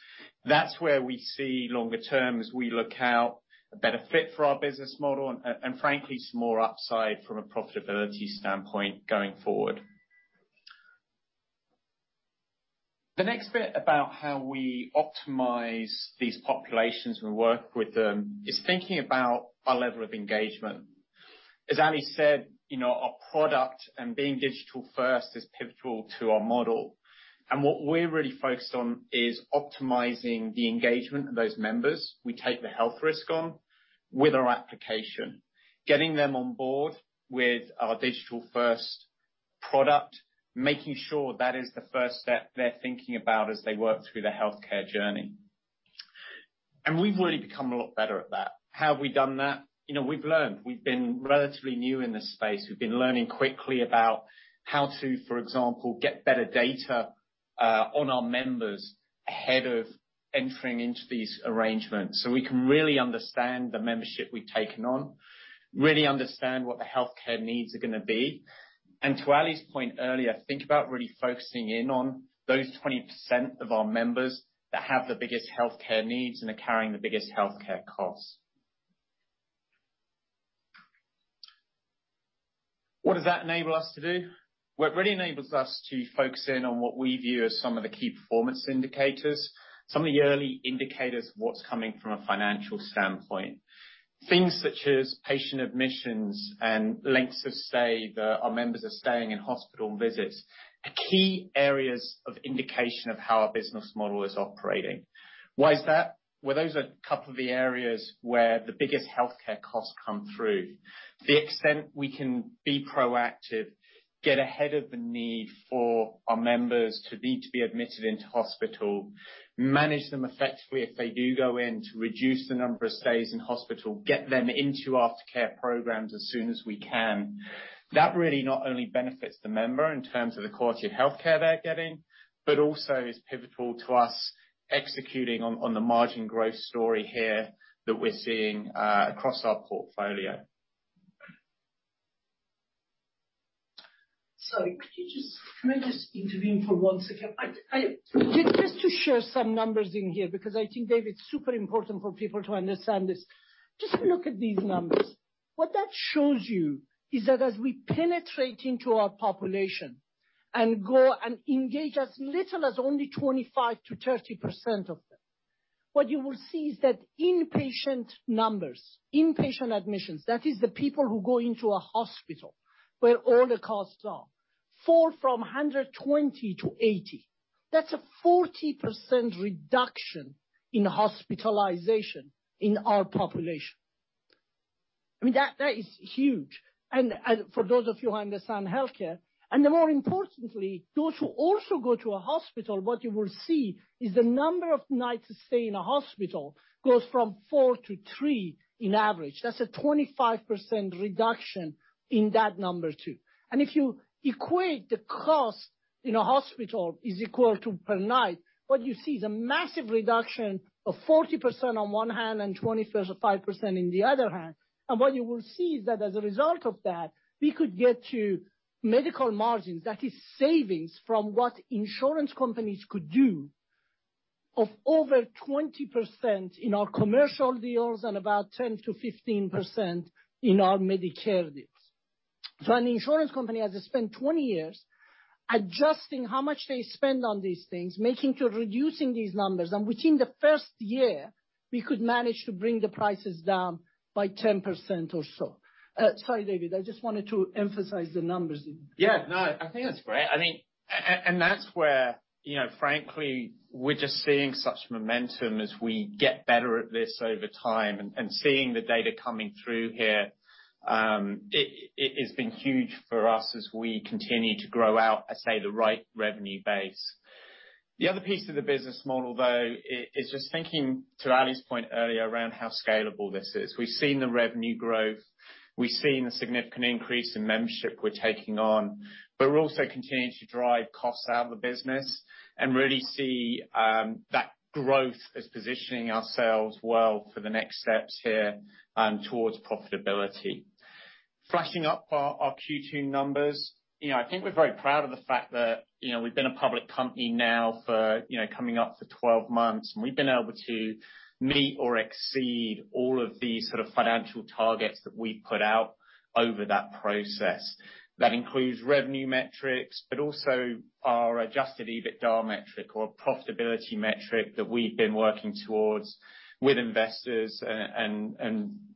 That's where we see longer term as we look out a better fit for our business model and frankly, some more upside from a profitability standpoint going forward. The next bit about how we optimize these populations we work with them is thinking about our level of engagement. As Ali said, you know, our product and being digital first is pivotal to our model. What we're really focused on is optimizing the engagement of those members we take the health risk on with our application, getting them on board with our digital first product, making sure that is the first step they're thinking about as they work through the healthcare journey. We've really become a lot better at that. How have we done that? You know, we've learned. We've been relatively new in this space. We've been learning quickly about how to, for example, get better data on our members ahead of entering into these arrangements, so we can really understand the membership we've taken on, really understand what the healthcare needs are gonna be. To Ali's point earlier, think about really focusing in on those 20% of our members that have the biggest healthcare needs and are carrying the biggest healthcare costs. What does that enable us to do? Well, it really enables us to focus in on what we view as some of the key performance indicators, some of the early indicators of what's coming from a financial standpoint. Things such as patient admissions and lengths of stay that our members are staying in hospital visits are key areas of indication of how our business model is operating. Why is that? Well, those are a couple of the areas where the biggest healthcare costs come through. The extent we can be proactive, get ahead of the need for our members to need to be admitted into hospital, manage them effectively if they do go in to reduce the number of stays in hospital, get them into aftercare programs as soon as we can. That really not only benefits the member in terms of the quality of healthcare they're getting, but also is pivotal to us executing on the margin growth story here that we're seeing across our portfolio. Sorry, can I just intervene for one second? I Sure. Just to share some numbers here, because I think, David, super important for people to understand this. Just look at these numbers. What that shows you is that as we penetrate into our population and go and engage as little as only 25%-30% of them, what you will see is that inpatient numbers, inpatient admissions, that is the people who go into a hospital where all the costs are, fall from 120 to 80. That's a 40% reduction in hospitalization in our population. I mean, that is huge. For those of you who understand healthcare, and then more importantly, those who also go to a hospital, what you will see is the number of nights to stay in a hospital goes from four to three on average. That's a 25% reduction in that number, too. If you equate the cost in a hospital is equal to per night, what you see is a massive reduction of 40% on one hand and 25% in the other hand. What you will see is that as a result of that, we could get to medical margins, that is savings from what insurance companies could do, of over 20% in our commercial deals and about 10%-15% in our Medicare deals. An insurance company has to spend 20 years adjusting how much they spend on these things, making to reducing these numbers. Within the first year, we could manage to bring the prices down by 10% or so. Sorry, David, I just wanted to emphasize the numbers. Yeah, no, I think that's great. That's where, you know, frankly, we're just seeing such momentum as we get better at this over time and seeing the data coming through here, it has been huge for us as we continue to grow out, I say, the right revenue base. The other piece of the business model, though, is just thinking to Ali's point earlier around how scalable this is. We've seen the revenue growth. We've seen the significant increase in membership we're taking on, but we're also continuing to drive costs out of the business and really see that growth as positioning ourselves well for the next steps here towards profitability. Flashing up our Q2 numbers. You know, I think we're very proud of the fact that, you know, we've been a public company now for, you know, coming up to 12 months, and we've been able to meet or exceed all of the sort of financial targets that we put out over that process. That includes revenue metrics, but also our adjusted EBITDA metric or profitability metric that we've been working towards with investors and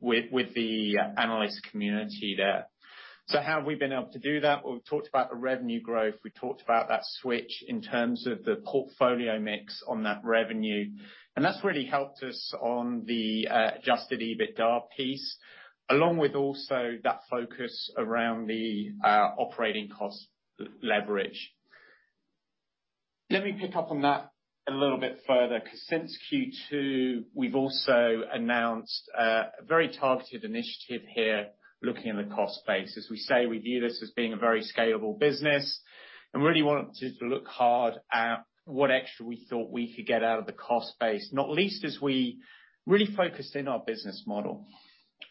with the analyst community there. How have we been able to do that? We've talked about the revenue growth. We talked about that switch in terms of the portfolio mix on that revenue. That's really helped us on the adjusted EBITDA piece, along with also that focus around the operating cost leverage. Let me pick up on that a little bit further, 'cause since Q2, we've also announced a very targeted initiative here looking at the cost base. As we say, we view this as being a very scalable business and really wanted to look hard at what extra we thought we could get out of the cost base, not least as we really focused in our business model.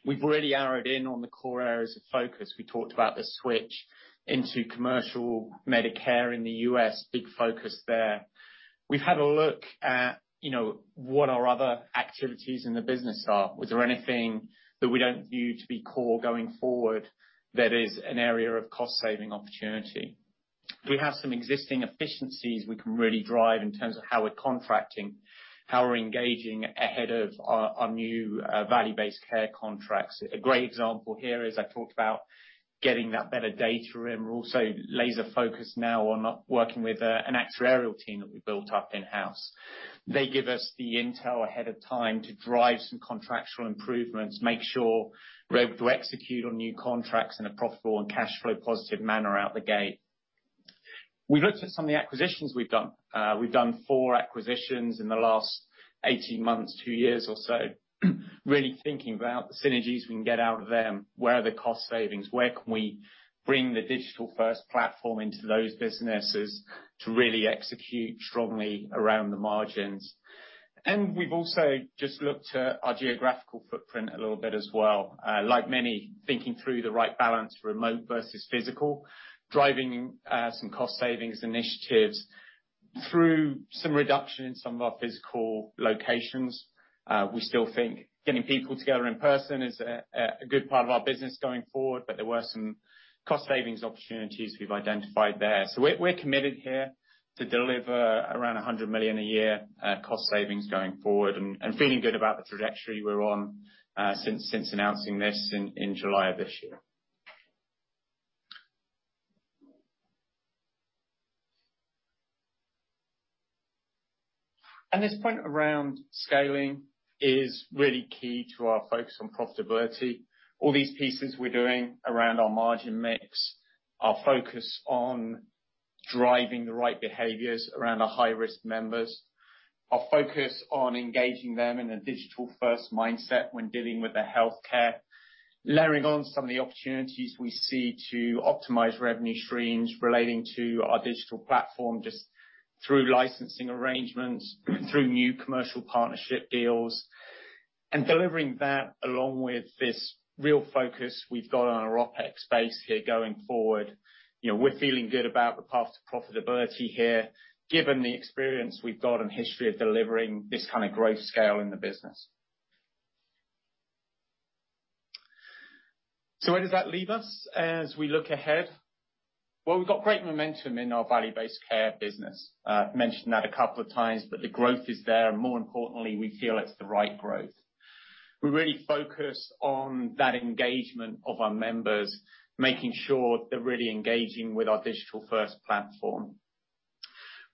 We've really narrowed in on the core areas of focus. We talked about the switch into commercial Medicare in the U.S., big focus there. We've had a look at, you know, what our other activities in the business are. Was there anything that we don't view to be core going forward that is an area of cost saving opportunity? We have some existing efficiencies we can really drive in terms of how we're contracting, how we're engaging ahead of our new value-based care contracts. A great example here is I talked about getting that better data in. We're also laser focused now on working with an actuarial team that we built up in-house. They give us the intel ahead of time to drive some contractual improvements, make sure we're able to execute on new contracts in a profitable and cash flow positive manner out the gate. We've looked at some of the acquisitions we've done. We've done four acquisitions in the last 18 months, two years or so, really thinking about the synergies we can get out of them. Where are the cost savings? Where can we bring the digital-first platform into those businesses to really execute strongly around the margins? We've also just looked at our geographical footprint a little bit as well. Like many, thinking through the right balance, remote versus physical, driving some cost savings initiatives through some reduction in some of our physical locations. We still think getting people together in person is a good part of our business going forward, but there were some cost savings opportunities we've identified there. We're committed here to deliver around 100 million a year cost savings going forward and feeling good about the trajectory we're on since announcing this in July of this year. This point around scaling is really key to our focus on profitability. All these pieces we're doing around our margin mix, our focus on driving the right behaviors around our high-risk members, our focus on engaging them in a digital-first mindset when dealing with their healthcare, layering on some of the opportunities we see to optimize revenue streams relating to our digital platform just through licensing arrangements, through new commercial partnership deals. Delivering that along with this real focus we've got on our OPEX base here going forward, you know, we're feeling good about the path to profitability here, given the experience we've got and history of delivering this kind of growth scale in the business. Where does that leave us as we look ahead? Well, we've got great momentum in our value-based care business. Mentioned that a couple of times, but the growth is there, and more importantly, we feel it's the right growth. We're really focused on that engagement of our members, making sure they're really engaging with our digital-first platform.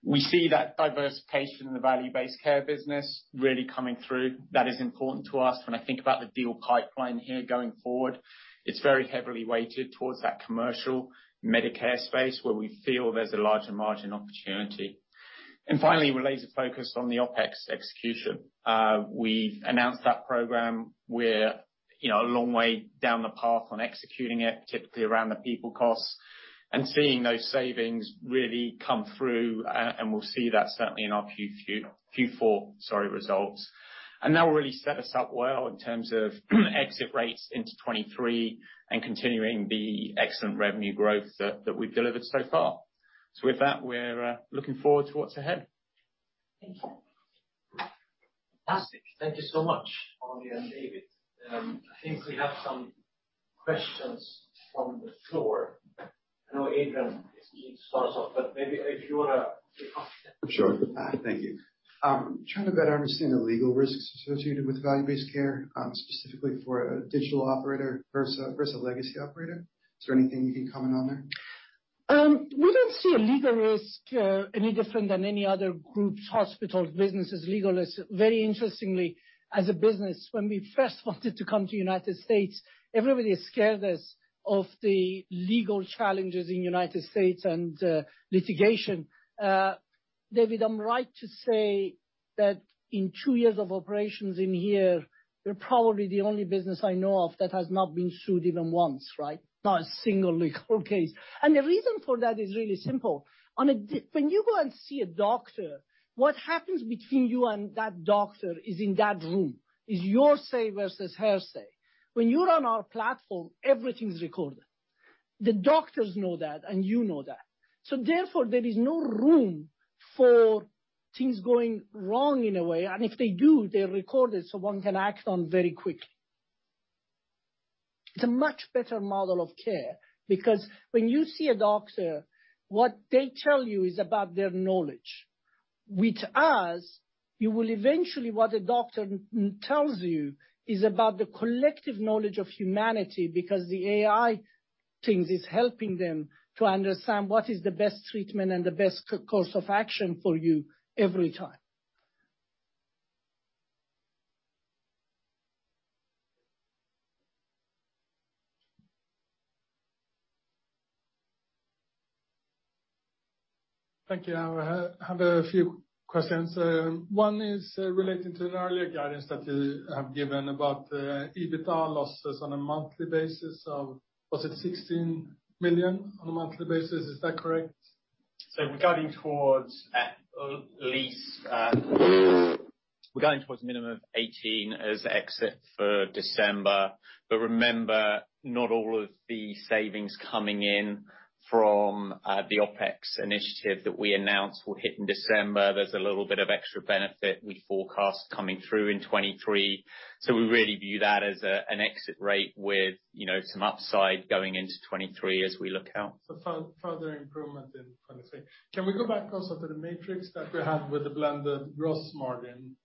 We see that diversification in the value-based care business really coming through. That is important to us. When I think about the deal pipeline here going forward, it's very heavily weighted towards that commercial Medicare space where we feel there's a larger margin opportunity. Finally, related focus on the OPEX execution. We've announced that program. We're, you know, a long way down the path on executing it, typically around the people costs, and seeing those savings really come through. We'll see that certainly in our Q4 results. That will really set us up well in terms of exit rates into 2023 and continuing the excellent revenue growth that we've delivered so far. With that, we're looking forward to what's ahead. Thank you. Fantastic. Thank you so much, Ali and David. I think we have some questions from the floor. I know Adrian is keen to start us off, but maybe if you wanna. Sure. Thank you. Trying to better understand the legal risks associated with value-based care, specifically for a digital operator versus a legacy operator. Is there anything you can comment on there? We don't see a legal risk any different than any other groups, hospitals, businesses, legalists. Very interestingly, as a business, when we first wanted to come to United States, everybody scared us of the legal challenges in United States and litigation. David, am I right to say that in two years of operations in here, we're probably the only business I know of that has not been sued even once, right? Not a single legal case. The reason for that is really simple. When you go and see a doctor, what happens between you and that doctor is in that room, is your say versus her say. When you're on our platform, everything's recorded. The doctors know that, and you know that. Therefore, there is no room for things going wrong in a way. If they do, they're recorded, so one can act on very quickly. It's a much better model of care because when you see a doctor, what they tell you is about their knowledge. With us, you will eventually what a doctor tells you is about the collective knowledge of humanity because the AI things is helping them to understand what is the best treatment and the best course of action for you every time. Thank you. I have a few questions. One is relating to an earlier guidance that you have given about EBITDA losses on a monthly basis. Was it 16 million on a monthly basis? Is that correct? We're guiding towards a minimum of 18 as exit for December. Remember, not all of the savings coming in from the OPEX initiative that we announced will hit in December. There's a little bit of extra benefit we forecast coming through in 2023. We really view that as an exit rate with, you know, some upside going into 2023 as we look out. Further improvement in, kind of, say. Can we go back also to the matrix that we had with the blended gross margin?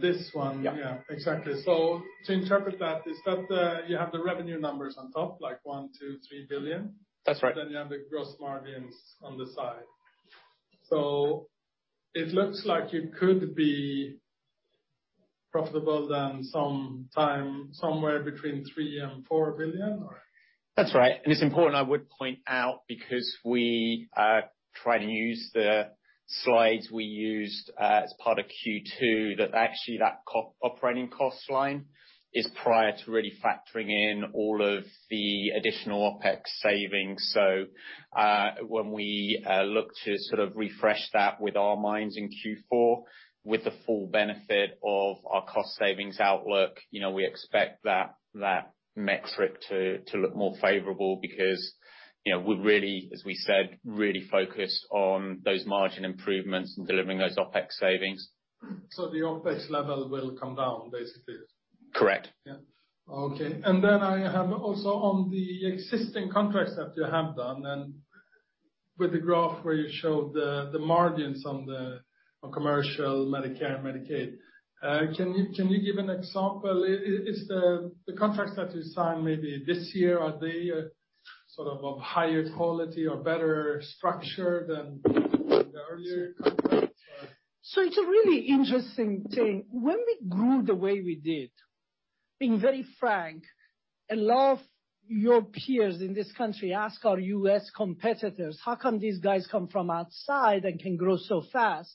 This one. Yeah. Yeah, exactly. To interpret that, is that you have the revenue numbers on top, like 1 billion, 2 billion, 3 billion? That's right. You have the gross margins on the side. It looks like you could be profitable then some time somewhere between 3 billion and 4 billion, or? That's right. It's important I would point out, because we try to use the slides we used as part of Q2, that actually that operating cost line is prior to really factoring in all of the additional OPEX savings. When we look to sort of refresh that with our minds in Q4 with the full benefit of our cost savings outlook, you know, we expect that metric to look more favorable because, you know, we're really, as we said, really focused on those margin improvements and delivering those OPEX savings. The OPEX level will come down basically? Correct. Yeah. Okay. I have also on the existing contracts that you have done and with the graph where you showed the margins on commercial Medicare and Medicaid, can you give an example? Is the contracts that you signed maybe this year, are they sort of of higher quality or better structure than the earlier contracts or? It's a really interesting thing. When we grew the way we did, being very frank, a lot of your peers in this country ask our U.S. competitors, "How come these guys come from outside and can grow so fast?"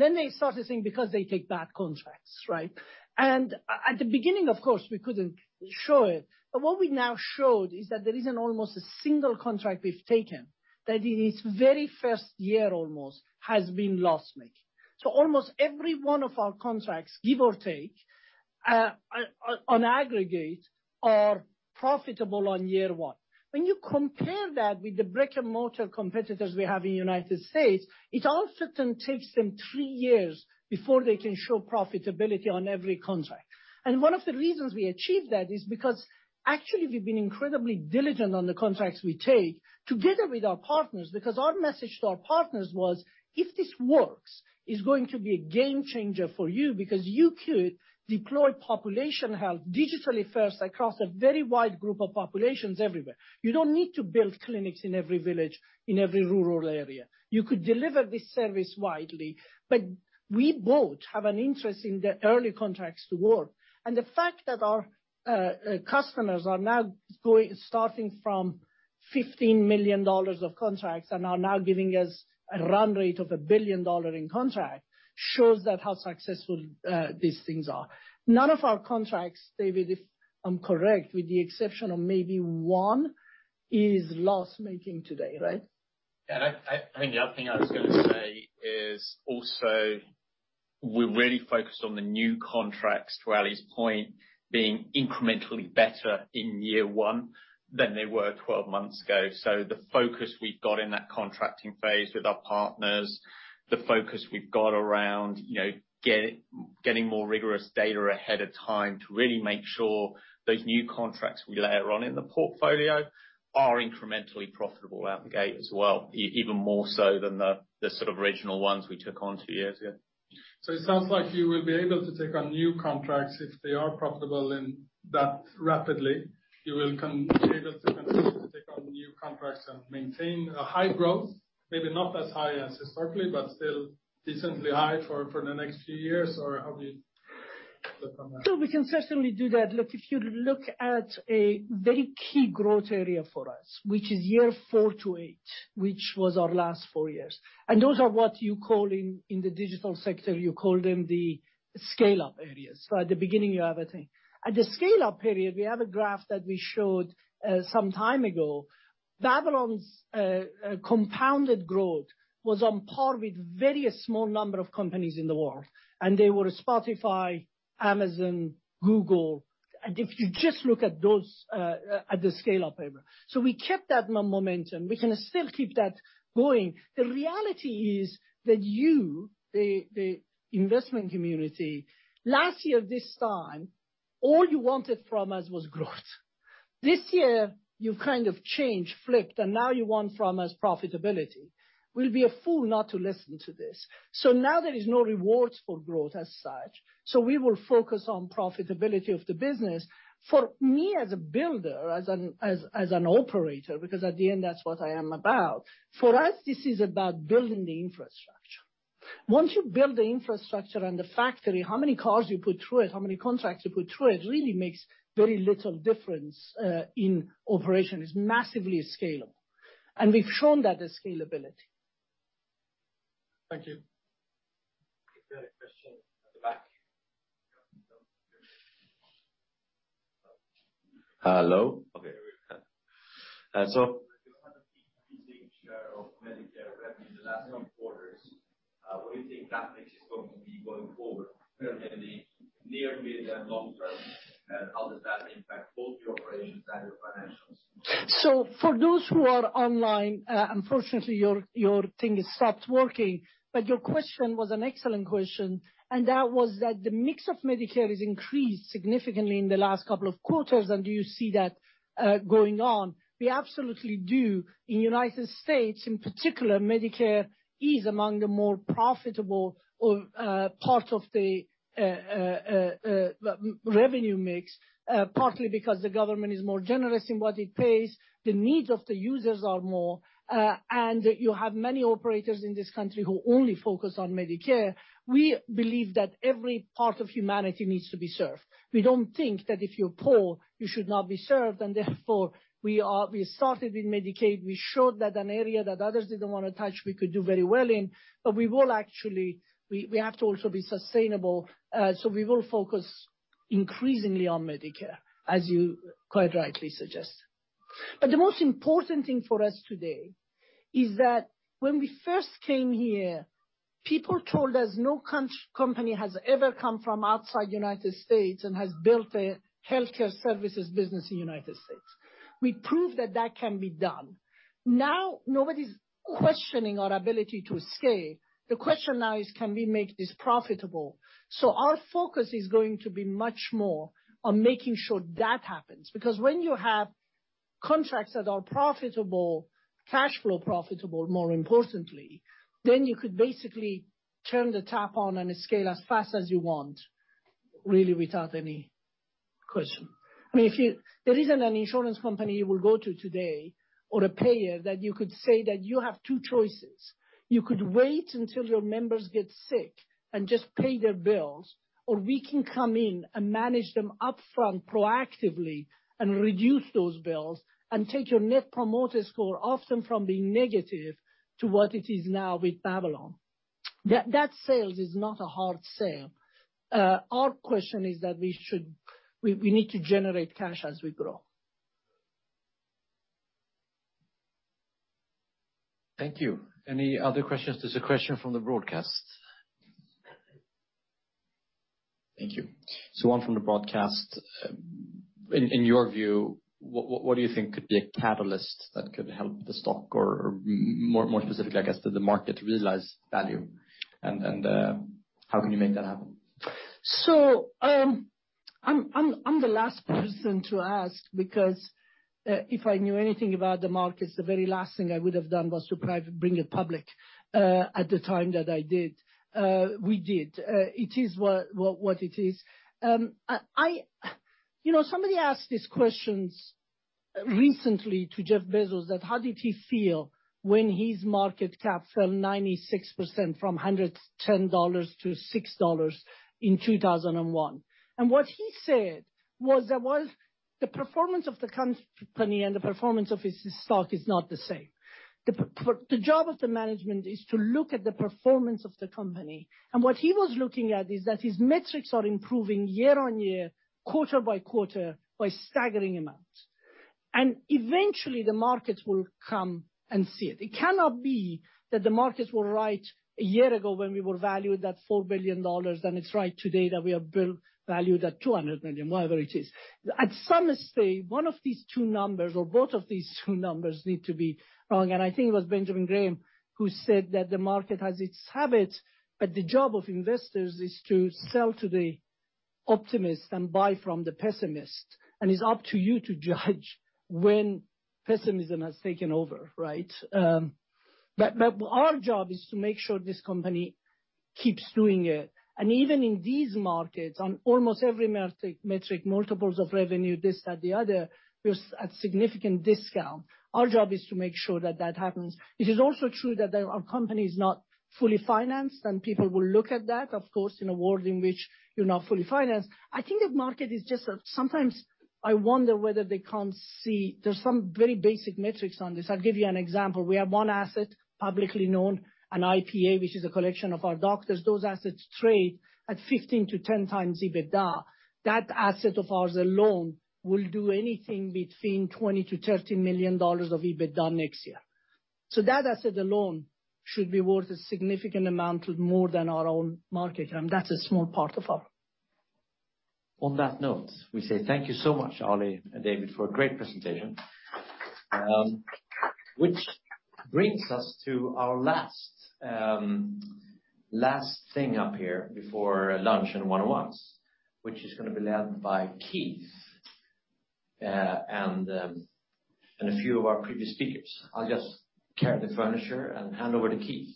Then they start to think because they take bad contracts, right? At the beginning, of course, we couldn't show it, but what we now showed is that there isn't almost a single contract we've taken that in its very first year almost has been loss-making. Almost every one of our contracts, give or take, on aggregate, are profitable on year one. When you compare that with the brick-and-mortar competitors we have in United States, it often takes them three years before they can show profitability on every contract. One of the reasons we achieved that is because actually we've been incredibly diligent on the contracts we take together with our partners, because our message to our partners was: If this works, it's going to be a game changer for you because you could deploy population health digitally first across a very wide group of populations everywhere. You don't need to build clinics in every village, in every rural area. You could deliver this service widely, but we both have an interest in the early contracts to work. The fact that our customers are now going, starting from $15 million of contracts and are now giving us a run rate of $1 billion in contracts shows how successful these things are. None of our contracts, David, if I'm correct, with the exception of maybe one, is loss-making today, right? I think the other thing I was gonna say is also we're really focused on the new contracts, to Ali's point, being incrementally better in year one than they were 12 months ago. The focus we've got in that contracting phase with our partners, the focus we've got around, you know, getting more rigorous data ahead of time to really make sure those new contracts we layer on in the portfolio are incrementally profitable out the gate as well, even more so than the sort of original ones we took on two years ago. It sounds like you will be able to take on new contracts if they are profitable, and that rapidly you will be able to continue to take on new contracts and maintain a high growth, maybe not as high as historically, but still decently high for the next few years, or how we on that? We can certainly do that. Look, if you look at a very key growth area for us, which is year four to eight, which was our last four years, and those are what you call in the digital sector the scale-up areas. At the beginning, you have a thing. At the scale-up period, we have a graph that we showed some time ago. Babylon's compounded growth was on par with a very small number of companies in the world, and they were Spotify, Amazon, Google. If you just look at those at the scale-up area. We kept that momentum. We can still keep that going. The reality is that you, the investment community, last year this time, all you wanted from us was growth. This year, you kind of changed, flipped, and now you want from us profitability. We'll be a fool not to listen to this. Now there is no rewards for growth as such. We will focus on profitability of the business. For me as a builder, as an operator, because at the end that's what I am about, for us, this is about building the infrastructure. Once you build the infrastructure and the factory, how many cars you put through it, how many contracts you put through it, really makes very little difference in operation. It's massively scalable. We've shown that scalability. Thank you. We have a question at the back. Hello. Okay. You had a big increase in share of Medicare revenue the last few quarters. What do you think that mix is going to be going forward, both in the near, mid, and long-term? How does that impact both your operations and your financials? For those who are online, unfortunately your thing has stopped working, but your question was an excellent question. That was that the mix of Medicare has increased significantly in the last couple of quarters, and do you see that going on? We absolutely do. In the United States, in particular, Medicare is among the more profitable part of the revenue mix, partly because the government is more generous in what it pays, the needs of the users are more, and you have many operators in this country who only focus on Medicare. We believe that every part of humanity needs to be served. We don't think that if you're poor, you should not be served, and therefore we started with Medicaid. We showed that an area that others didn't wanna touch, we could do very well in. We will actually. We have to also be sustainable, so we will focus increasingly on Medicare, as you quite rightly suggest. The most important thing for us today is that when we first came here, people told us no company has ever come from outside United States and has built a healthcare services business in United States. We proved that can be done. Now, nobody's questioning our ability to scale. The question now is can we make this profitable? Our focus is going to be much more on making sure that happens. Because when you have contracts that are profitable, cash flow profitable, more importantly, then you could basically turn the tap on and scale as fast as you want, really without any question. There isn't an insurance company you will go to today or a payer that you could say that you have two choices. You could wait until your members get sick and just pay their bills, or we can come in and manage them upfront proactively and reduce those bills and take your net promoter score often from being negative to what it is now with Babylon. That sales is not a hard sale. We need to generate cash as we grow. Thank you. Any other questions? There's a question from the broadcast. Thank you. One from the broadcast. In your view, what do you think could be a catalyst that could help the stock or more specifically, I guess, for the market to realize value? How can you make that happen? I'm the last person to ask because if I knew anything about the markets, the very last thing I would have done was to bring it public at the time that I did, we did. It is what it is. I, you know, somebody asked these questions recently to Jeff Bezos that how did he feel when his market cap fell 96% from $110 to $6 in 2001. What he said was that was the performance of the company and the performance of his stock is not the same. The job of the management is to look at the performance of the company. What he was looking at is that his metrics are improving year on year, quarter by quarter by staggering amounts. Eventually, the markets will come and see it. It cannot be that the markets were right a year ago when we were valued at $4 billion, and it's right today that we are valued at $200 million, whatever it is. At some stage, one of these two numbers or both of these two numbers need to be wrong. I think it was Benjamin Graham who said that the market has its habits, but the job of investors is to sell to the optimists and buy from the pessimists. It's up to you to judge when pessimism has taken over, right? Our job is to make sure this company keeps doing it. Even in these markets, on almost every metric, multiples of revenue, this, that, the other, we're at significant discount. Our job is to make sure that happens. It is also true that our company is not fully financed, and people will look at that, of course, in a world in which you're not fully financed. I think the market is just that sometimes I wonder whether they can't see. There's some very basic metrics on this. I'll give you an example. We have one asset publicly known, an IPA, which is a collection of our doctors. Those assets trade at 15-10x EBITDA. That asset of ours alone will do anything between $20 million-$30 million of EBITDA next year. That asset alone should be worth a significant amount more than our own market cap. That's a small part of our. On that note, we say thank you so much, Ali and David, for a great presentation. Which brings us to our last thing up here before lunch and one-on-ones, which is gonna be led by Keith and a few of our previous speakers. I'll just carry the furniture and hand over to Keith.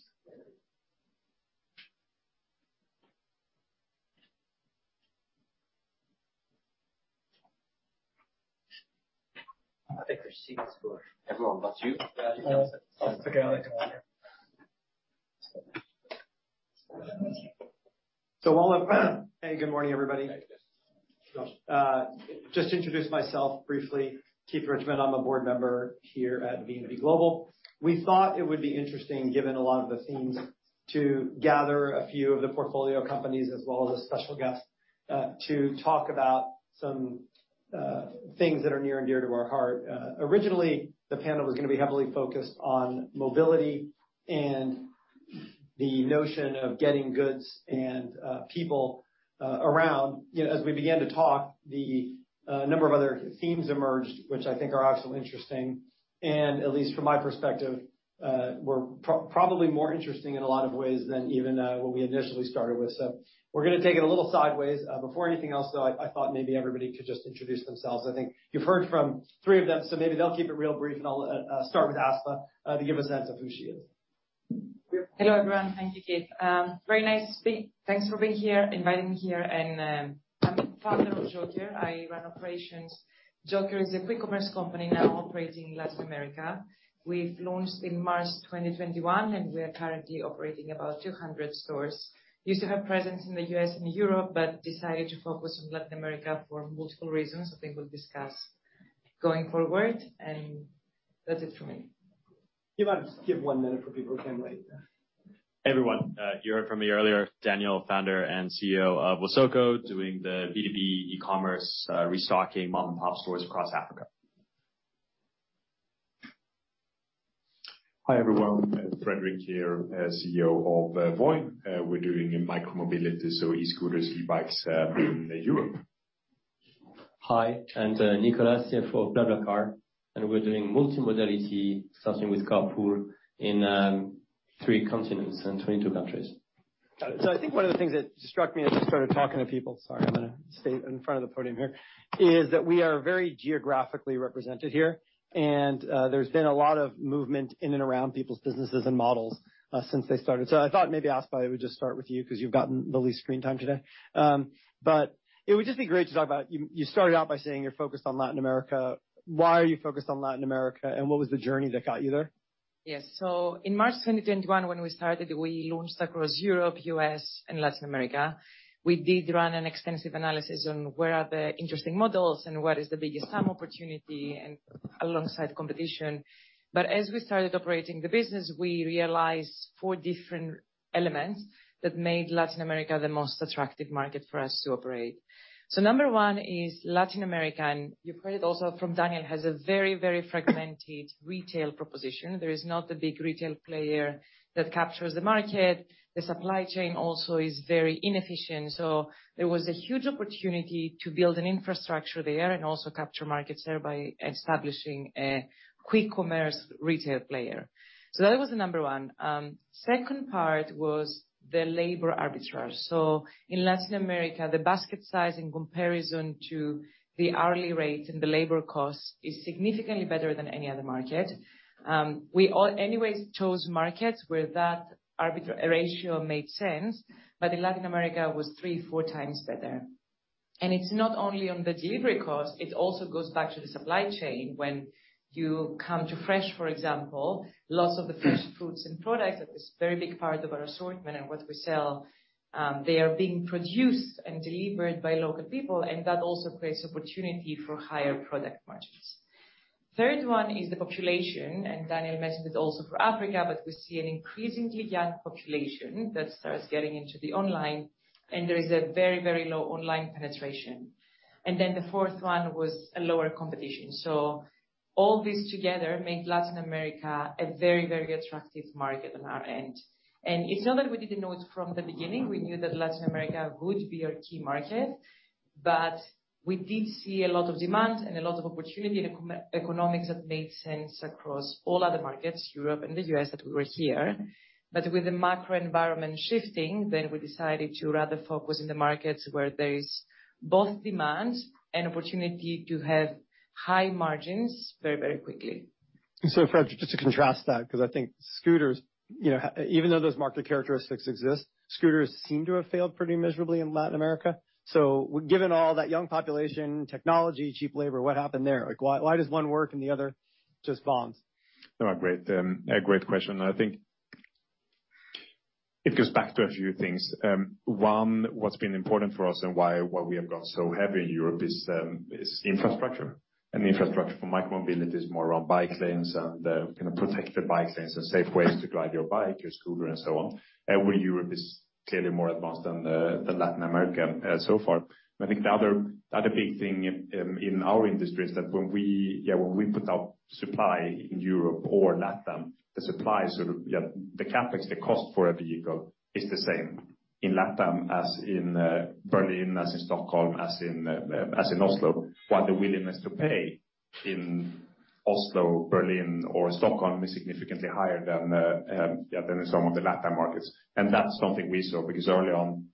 I think there's seats for everyone but you. It's okay. I like it here. Good morning, everybody. Just introduce myself briefly. Keith Richman, I'm a board member here at VNV Global. We thought it would be interesting, given a lot of the themes, to gather a few of the portfolio companies as well as a special guest, to talk about some, things that are near and dear to our heart. Originally, the panel was gonna be heavily focused on mobility and the notion of getting goods and, people, around. You know, as we began to talk, the, number of other themes emerged, which I think are absolutely interesting, and at least from my perspective, were probably more interesting in a lot of ways than even, what we initially started with. We're gonna take it a little sideways. Before anything else, though, I thought maybe everybody could just introduce themselves. I think you've heard from three of them, so maybe they'll keep it real brief, and I'll start with Aspa to give a sense of who she is. Hello, everyone. Thank you, Keith. Very nice to speak. Thanks for being here, inviting me here, and I'm founder of JOKR. I run operations. JOKR is a quick commerce company now operating in Latin America. We've launched in March 2021, and we are currently operating about 200 stores. Used to have presence in the U.S. and Europe, but decided to focus on Latin America for multiple reasons I think we'll discuss going forward, and that's it for me. If I just give one minute for people who came late. Everyone, you heard from me earlier, Daniel, Founder and CEO of Wasoko, doing the B2B e-commerce, restocking mom-and-pop stores across Africa. Hi, everyone. Fredrik here, CEO of Voi. We're doing micromobility, so e-scooters, e-bikes, in Europe. Hi, I'm Nicolas, CEO of BlaBlaCar, and we're doing multimodality, starting with carpool in three continents and 22 countries. I think one of the things that struck me as we started talking to people, sorry, I'm gonna stay in front of the podium here, is that we are very geographically represented here, and there's been a lot of movement in and around people's businesses and models since they started. I thought maybe, Aspa, I would just start with you 'cause you've gotten the least screen time today. But it would just be great to talk about you started out by saying you're focused on Latin America. Why are you focused on Latin America, and what was the journey that got you there? Yes. In March 2021, when we started, we launched across Europe, U.S., and Latin America. We did run an extensive analysis on where are the interesting models and what is the biggest TAM opportunity and alongside competition. As we started operating the business, we realized four different elements that made Latin America the most attractive market for us to operate. Number one is Latin America, and you've heard it also from Daniel, has a very, very fragmented retail proposition. There is not a big retail player that captures the market. The supply chain also is very inefficient. There was a huge opportunity to build an infrastructure there and also capture market share by establishing a quick commerce retail player. That was number one. Second part was the labor arbitrage. In Latin America, the basket size in comparison to the hourly rate and the labor cost is significantly better than any other market. We anyways chose markets where that ratio made sense, but in Latin America was three to four times better. It's not only on the delivery cost, it also goes back to the supply chain. When you come to fresh, for example, lots of the fresh fruits and products that is very big part of our assortment and what we sell, they are being produced and delivered by local people, and that also creates opportunity for higher product margins. Third one is the population, and Daniel mentioned it also for Africa, but we see an increasingly young population that starts getting into the online, and there is a very, very low online penetration. The fourth one was a lower competition. All this together made Latin America a very, very attractive market on our end. It's not that we didn't know it from the beginning. We knew that Latin America would be our key market, but we did see a lot of demand and a lot of opportunity and economics that made sense across all other markets, Europe and the U.S., that we were here. With the macro environment shifting, then we decided to rather focus in the markets where there is both demand and opportunity to have high margins very, very quickly. Fred, just to contrast that, 'cause I think scooters, you know, even though those market characteristics exist, scooters seem to have failed pretty miserably in Latin America. Given all that young population, technology, cheap labor, what happened there? Like, why does one work and the other just bombs? No, great. A great question, and I think it goes back to a few things. One, what's been important for us and why we have got so heavy in Europe is infrastructure. Infrastructure for micromobility is more around bike lanes and, you know, protected bike lanes and safe ways to ride your bike, your scooter and so on, where Europe is clearly more advanced than Latin America so far. I think the other big thing in our industry is that when we put out supply in Europe or Latam, the supply, the CapEx, the cost for a vehicle is the same in Latam as in Berlin, as in Stockholm, as in Oslo. While the willingness to pay in Oslo, Berlin, or Stockholm is significantly higher than in some of the Latam markets. That's something we saw, because early on,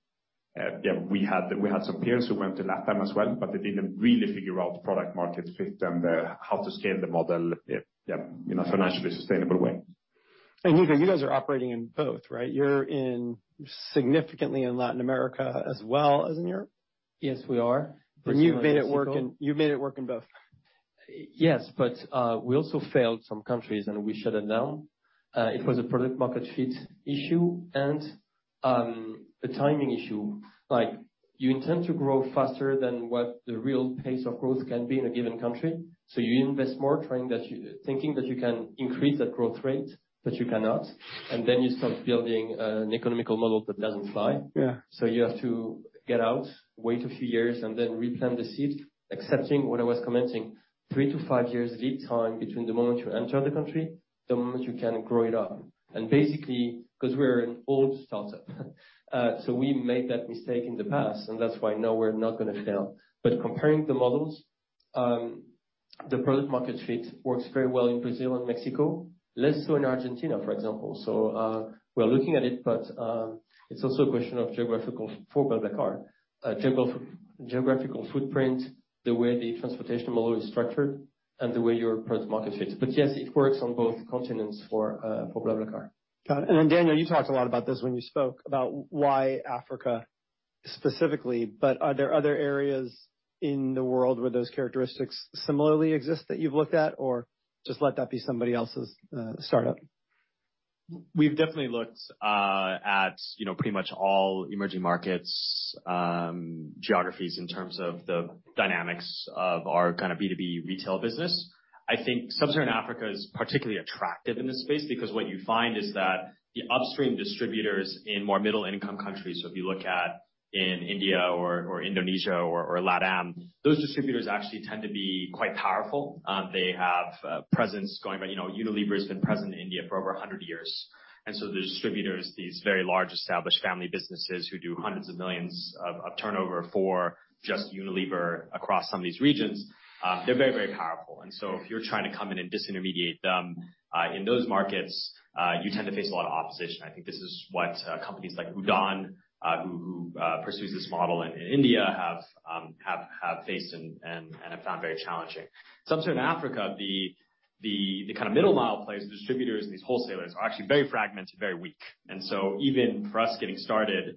we had some peers who went to Latam as well, but they didn't really figure out the product market fit and how to scale the model in a financially sustainable way. Hugo, you guys are operating in both, right? You're in, significantly in Latin America as well as in Europe. Yes, we are. You've made it work in both. We also failed some countries, and we shut it down. It was a product market fit issue and a timing issue. Like, you intend to grow faster than what the real pace of growth can be in a given country. You invest more thinking that you can increase that growth rate, but you cannot. Then you start building an economic model that doesn't fly. Yeah. You have to get out, wait a few years, and then replant the seed, accepting what I was commenting, three to five years lead time between the moment you enter the country, the moment you can grow it up. Basically, 'cause we're an old startup, we made that mistake in the past, and that's why now we're not gonna fail. Comparing the models, the product market fit works very well in Brazil and Mexico, less so in Argentina, for example. We're looking at it, but it's also a question of geographical for BlaBlaCar. Geographical footprint, the way the transportation model is structured, and the way your product market fits. Yes, it works on both continents for BlaBlaCar. Got it. Daniel, you talked a lot about this when you spoke about why Africa specifically, but are there other areas in the world where those characteristics similarly exist that you've looked at, or just let that be somebody else's startup? We've definitely looked at, you know, pretty much all emerging markets, geographies in terms of the dynamics of our kind of B2B retail business. I think Sub-Saharan Africa is particularly attractive in this space because what you find is that the upstream distributors in more middle-income countries, so if you look at in India or Indonesia or Latam, those distributors actually tend to be quite powerful. They have presence going back. You know, Unilever has been present in India for over 100 years. The distributors, these very large established family businesses who do hundreds of millions of turnover for just Unilever across some of these regions, they're very, very powerful. If you're trying to come in and disintermediate them in those markets, you tend to face a lot of opposition. I think this is what companies like Udaan who pursues this model in India have faced and have found very challenging. Sub-Saharan Africa, the kind of middle mile players, the distributors and these wholesalers are actually very fragmented, very weak. Even for us getting started,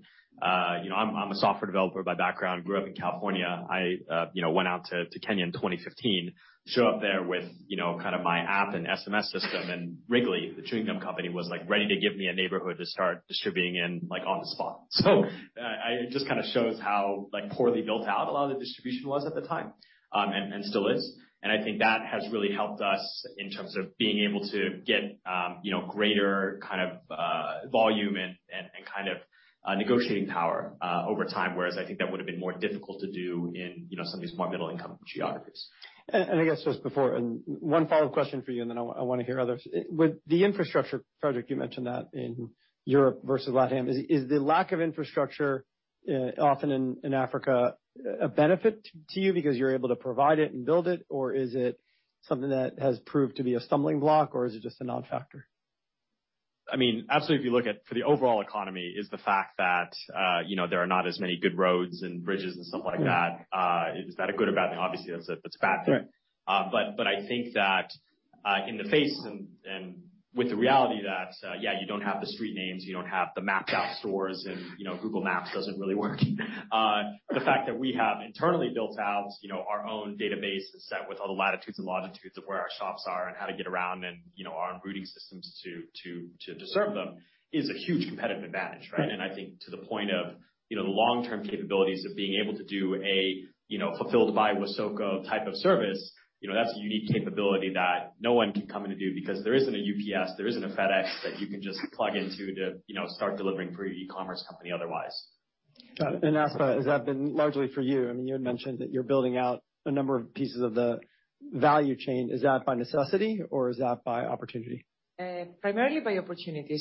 you know, I'm a software developer by background, grew up in California. I you know, went out to Kenya in 2015, show up there with, you know, kind of my app and SMS system, and Wrigley, the chewing gum company, was like, ready to give me a neighborhood to start distributing in, like, on the spot. It just kinda shows how like, poorly built out a lot of the distribution was at the time and still is. I think that has really helped us in terms of being able to get, you know, greater kind of volume and kind of negotiating power over time, whereas I think that would've been more difficult to do in, you know, some of these more middle-income geographies. I guess just before one follow-up question for you, and then I wanna hear others. With the infrastructure, Fredrik, you mentioned that in Europe versus LatAm. Is the lack of infrastructure often in Africa a benefit to you because you're able to provide it and build it, or is it something that has proved to be a stumbling block, or is it just a non-factor? I mean, absolutely, if you look at, for the overall economy, is the fact that, you know, there are not as many good roads and bridges and something like that. Mm-hmm. Is that a good or bad thing? Obviously, that's a bad thing. Right. I think that in the face of, and with the reality that you don't have the street names, you don't have the mapped out stores and, you know, Google Maps doesn't really work. The fact that we have internally built out, you know, our own database and set with all the latitudes and longitudes of where our shops are and how to get around and, you know, our routing systems to serve them is a huge competitive advantage, right? Right. I think to the point of, you know, the long-term capabilities of being able to do a, you know, fulfilled by Wasoko type of service, you know, that's a unique capability that no one can come in and do because there isn't a UPS, there isn't a FedEx that you can just plug into to, you know, start delivering for your e-commerce company otherwise. Got it. Aspa, has that been largely for you? I mean, you had mentioned that you're building out a number of pieces of the value chain. Is that by necessity or is that by opportunity? Primarily by opportunity.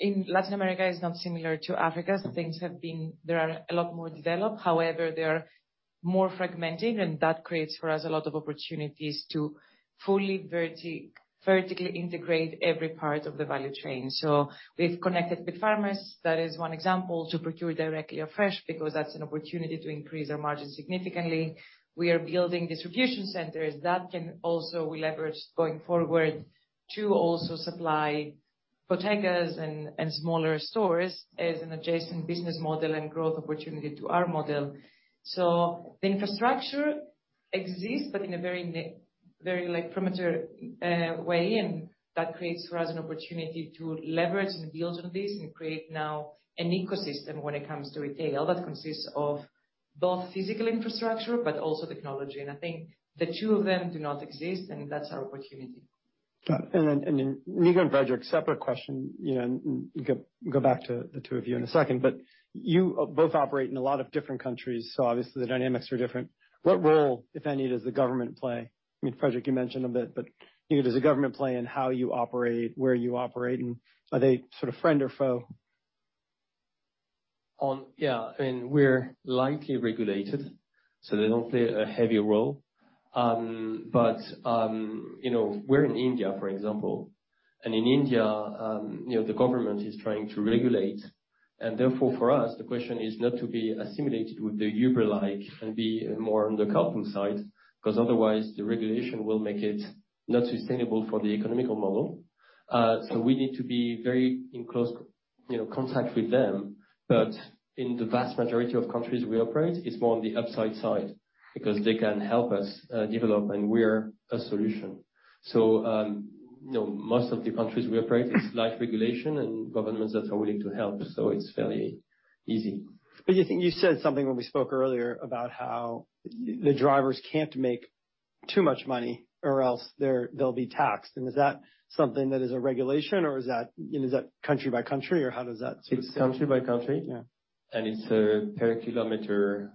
In Latin America, it's not similar to Africa. Mm-hmm. Things have been. They are a lot more developed. However, they are more fragmented, and that creates for us a lot of opportunities to fully vertically integrate every part of the value chain. We've connected with farmers. That is one example to procure directly or fresh because that's an opportunity to increase our margins significantly. We are building distribution centers that can also we leverage going forward to also supply bodegas and smaller stores as an adjacent business model and growth opportunity to our model. The infrastructure exists, but in a very, like, premature way, and that creates for us an opportunity to leverage and build on this and create now an ecosystem when it comes to retail that consists of both physical infrastructure but also technology. I think the two of them do not exist, and that's our opportunity. Got it. Then, Nick and Fredrik, separate question. You know, go back to the two of you in a second. You both operate in a lot of different countries, so obviously the dynamics are different. What role, if any, does the government play? I mean, Fredrik, you mentioned a bit, but Nick, does the government play in how you operate, where you operate, and are they sort of friend or foe? We're lightly regulated, so they don't play a heavy role. You know, we're in India, for example, and in India, you know, the government is trying to regulate. Therefore, for us, the question is not to be assimilated with the Uber-like and be more on the Kalpam side 'cause otherwise the regulation will make it not sustainable for the economic model. We need to be in very close, you know, contact with them. In the vast majority of countries we operate, it's more on the upside side because they can help us develop, and we're a solution. You know, most of the countries we operate, it's light regulation and governments that are willing to help, so it's fairly easy. You think you said something when we spoke earlier about how the drivers can't make too much money or else they're, they'll be taxed. Is that something that is a regulation, or is that, you know, is that country by country, or how does that sit? It's country by country. Yeah. It's a per kilometer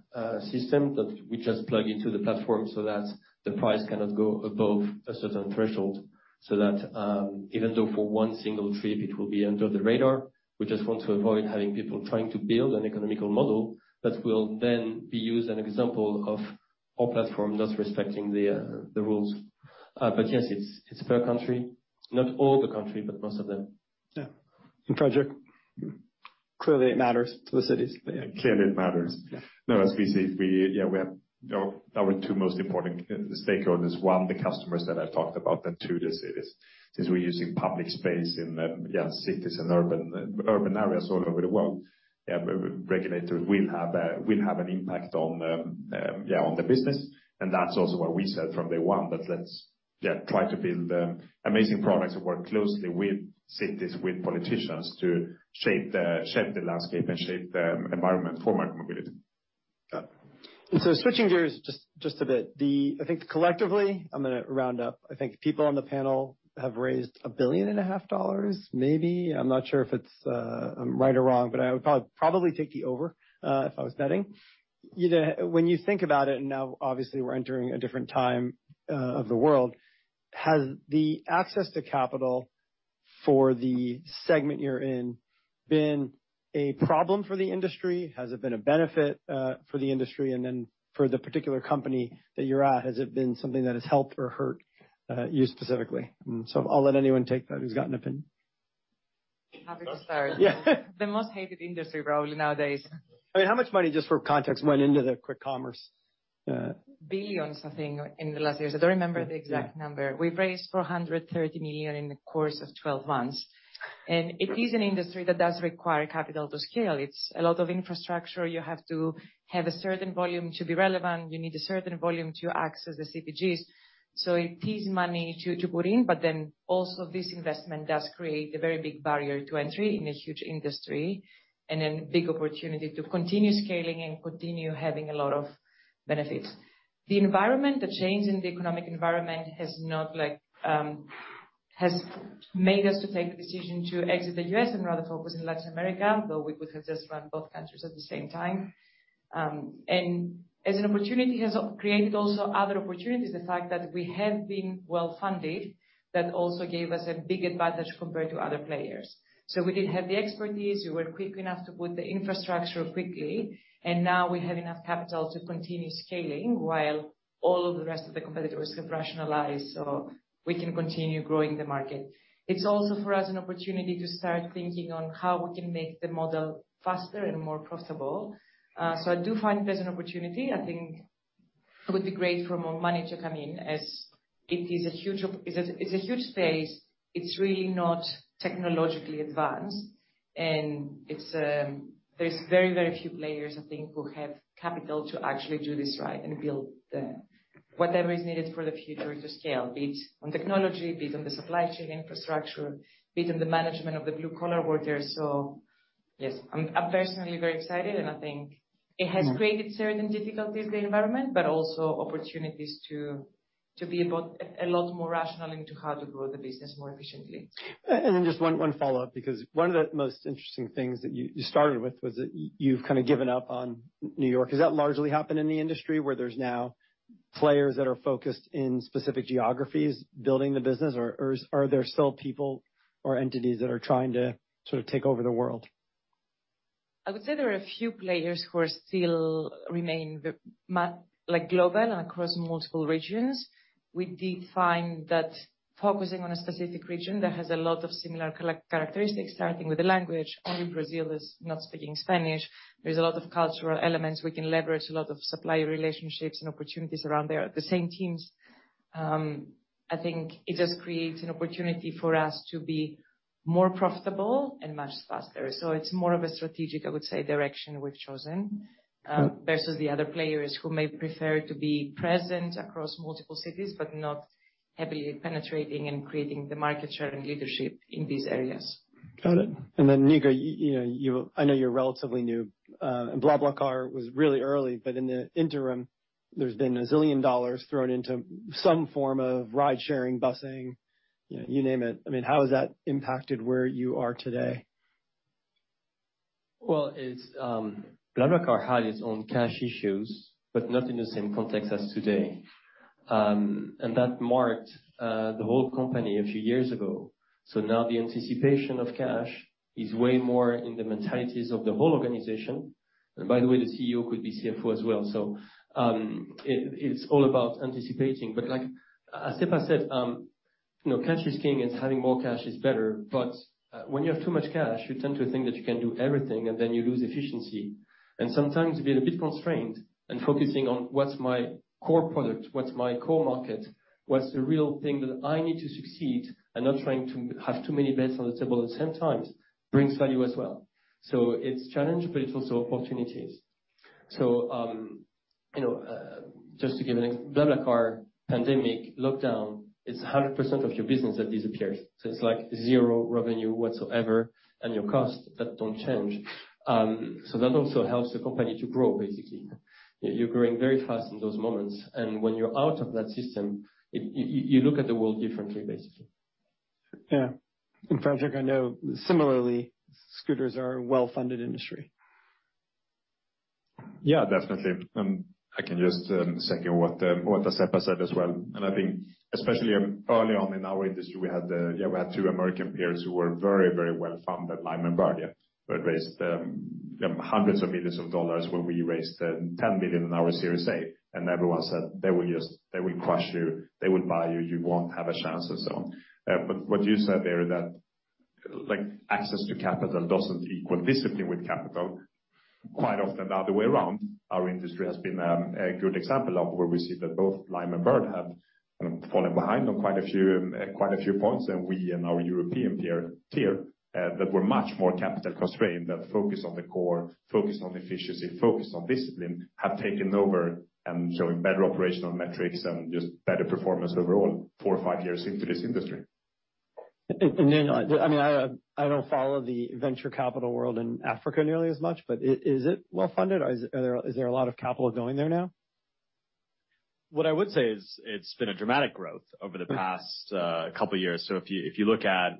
system that we just plug into the platform so that the price cannot go above a certain threshold, so that, even though for one single trip it will be under the radar, we just want to avoid having people trying to build an economical model that will then be used an example of our platform not respecting the rules. But yes, it's per country. Not all the country, but most of them. Yeah. Fredrik? Clearly, it matters to the cities. Yeah. Clearly, it matters. Yeah. No, as we see, we have our two most important stakeholders, one, the customers that I've talked about, and two, the cities. Since we're using public space in cities and urban areas all over the world, regulators will have an impact on the business. That's also what we said from day one, that let's try to build amazing products that work closely with cities, with politicians to shape the landscape and shape the environment for micromobility. Got it. Switching gears just a bit. I think collectively, I'm gonna round up, I think people on the panel have raised $1.5 billion, maybe. I'm not sure if it's, I'm right or wrong, but I would probably take the over, if I was betting. You know, when you think about it, and now obviously we're entering a different time of the world, has the access to capital for the segment you're in been a problem for the industry? Has it been a benefit for the industry? For the particular company that you're at, has it been something that has helped or hurt you specifically? I'll let anyone take that who's got an opinion. Happy to start. Yeah. The most hated industry probably nowadays. I mean, how much money, just for context, went into the quick commerce? Billions, I think, in the last years. I don't remember the exact number. We've raised 430 million in the course of 12 months, and it is an industry that does require capital to scale. It's a lot of infrastructure. You have to have a certain volume to be relevant. You need a certain volume to access the CPGs, so it is money to put in. But then also this investment does create a very big barrier to entry in a huge industry and a big opportunity to continue scaling and continue having a lot of benefits. The environment, the change in the economic environment has not like, has made us to take the decision to exit the U.S. and rather focus in Latin America, though we could have just run both countries at the same time. as an opportunity has created also other opportunities, the fact that we have been well-funded, that also gave us a big advantage compared to other players. We did have the expertise. We were quick enough to put the infrastructure quickly, and now we have enough capital to continue scaling while all of the rest of the competitors have rationalized, so we can continue growing the market. It's also for us an opportunity to start thinking on how we can make the model faster and more profitable. I do find there's an opportunity. I think it would be great for more money to come in as it is a huge space. It's really not technologically advanced. There are very, very few players, I think, who have capital to actually do this right and build whatever is needed for the future to scale, be it on technology, be it on the supply chain infrastructure, be it on the management of the blue-collar workers. Yes, I'm personally very excited, and I think it has created certain difficulties, the environment, but also opportunities to be a lot more rational into how to grow the business more efficiently. Just one follow-up, because one of the most interesting things that you started with was that you've kind of given up on New York. Has that largely happened in the industry where there's now players that are focused in specific geographies building the business, or are there still people or entities that are trying to sort of take over the world? I would say there are a few players who are still remain like global and across multiple regions. We did find that focusing on a specific region that has a lot of similar characteristics, starting with the language. Only Brazil is not speaking Spanish. There's a lot of cultural elements. We can leverage a lot of supplier relationships and opportunities around there. The same teams, I think it just creates an opportunity for us to be more profitable and much faster. It's more of a strategic, I would say, direction we've chosen, versus the other players who may prefer to be present across multiple cities but not heavily penetrating and creating the market share and leadership in these areas. Got it. Nicolas, you know, I know you're relatively new. BlaBlaCar was really early, but in the interim, there's been a zillion dollars thrown into some form of ride-sharing, busing, you know, you name it. I mean, how has that impacted where you are today? Well, it's BlaBlaCar had its own cash issues, but not in the same context as today. That marked the whole company a few years ago. Now the anticipation of cash is way more in the mentalities of the whole organization. By the way, the CEO could be CFO as well. It's all about anticipating. Like, as Aspa said, you know, cash is king, and having more cash is better. When you have too much cash, you tend to think that you can do everything, and then you lose efficiency. Sometimes being a bit constrained and focusing on what's my core product, what's my core market, what's the real thing that I need to succeed, and not trying to have too many bets on the table at the same time brings value as well. It's a challenge, but it's also opportunities. You know, just to give an example, BlaBlaCar, pandemic, lockdown, it's 100% of your business that disappears. It's like zero revenue whatsoever, and your costs that don't change. That also helps the company to grow, basically. You're growing very fast in those moments, and when you're out of that system, you look at the world differently, basically. Yeah. Fredrik, I know similarly, scooters are a well-funded industry. Yeah, definitely. I can just second what Aspa said as well. I think especially early on in our industry, we had two American peers who were very, very well-funded, Lime and Bird, yeah. Who had raised hundreds of millions of dollars when we raised $10 million in our Series A. Everyone said they will just, they will crush you, they would buy you won't have a chance, and so on. What you said there, that, like, access to capital doesn't equal discipline with capital. Quite often, the other way around, our industry has been a good example of where we see that both Lime and Bird have kind of fallen behind on quite a few points. We and our European peer that were much more capital-constrained, that focus on the core, focus on efficiency, focus on discipline, have taken over and showing better operational metrics and just better performance overall four or five years into this industry. I mean, I don't follow the venture capital world in Africa nearly as much, but is it well-funded or is there a lot of capital going there now? What I would say is it's been a dramatic growth over the past couple years. If you look at,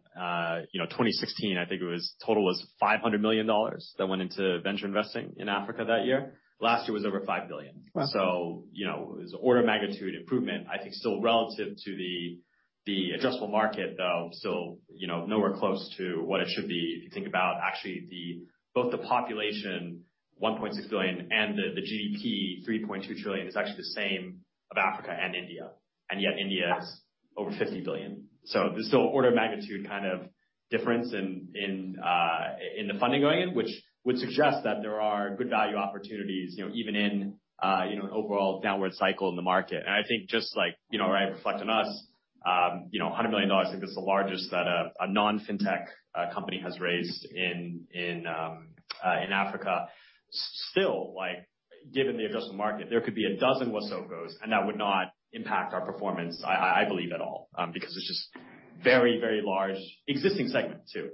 you know, 2016, I think the total was $500 million that went into venture investing in Africa that year. Last year was over $5 billion. Wow. You know, it was order of magnitude improvement, I think still relative to the addressable market, though, still, you know, nowhere close to what it should be. If you think about actually both the population, 1.6 billion, and the GDP, $3.2 trillion, is actually the same of Africa and India. Yet India has over $50 billion. There's still order of magnitude kind of difference in the funding going in, which would suggest that there are good value opportunities, you know, even in an overall downward cycle in the market. I think just like, you know, right, reflect on us, a hundred million dollars, I think that's the largest that a non-fintech company has raised in Africa. Still, like, given the adjusted market, there could be a dozen Wasoko's, and that would not impact our performance, I believe at all, because it's just very, very large existing segment too.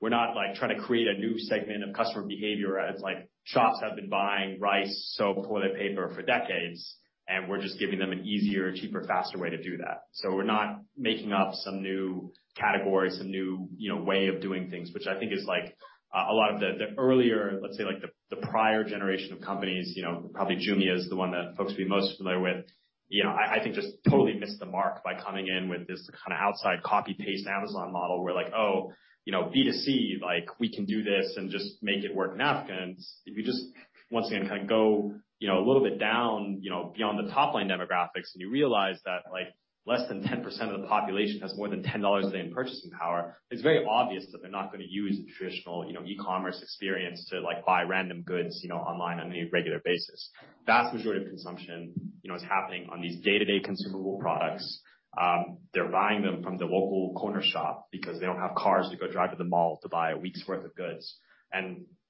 We're not, like, trying to create a new segment of customer behavior. It's like shops have been buying rice, soap, toilet paper for decades, and we're just giving them an easier, cheaper, faster way to do that. We're not making up some new category, some new, you know, way of doing things, which I think is like a lot of the earlier, let's say like the prior generation of companies, you know, probably Jumia is the one that folks would be most familiar with. You know, I think just totally missed the mark by coming in with this kind of outside copy paste Amazon model where like, oh, you know, B2C, like we can do this and just make it work in Africa. If you just once again kinda go, you know, a little bit down, you know, beyond the top line demographics and you realize that like less than 10% of the population has more than $10 a day in purchasing power, it's very obvious that they're not gonna use a traditional, you know, e-commerce experience to like buy random goods, you know, online on a regular basis. Vast majority of consumption, you know, is happening on these day-to-day consumable products. They're buying them from the local corner shop because they don't have cars to go drive to the mall to buy a week's worth of goods.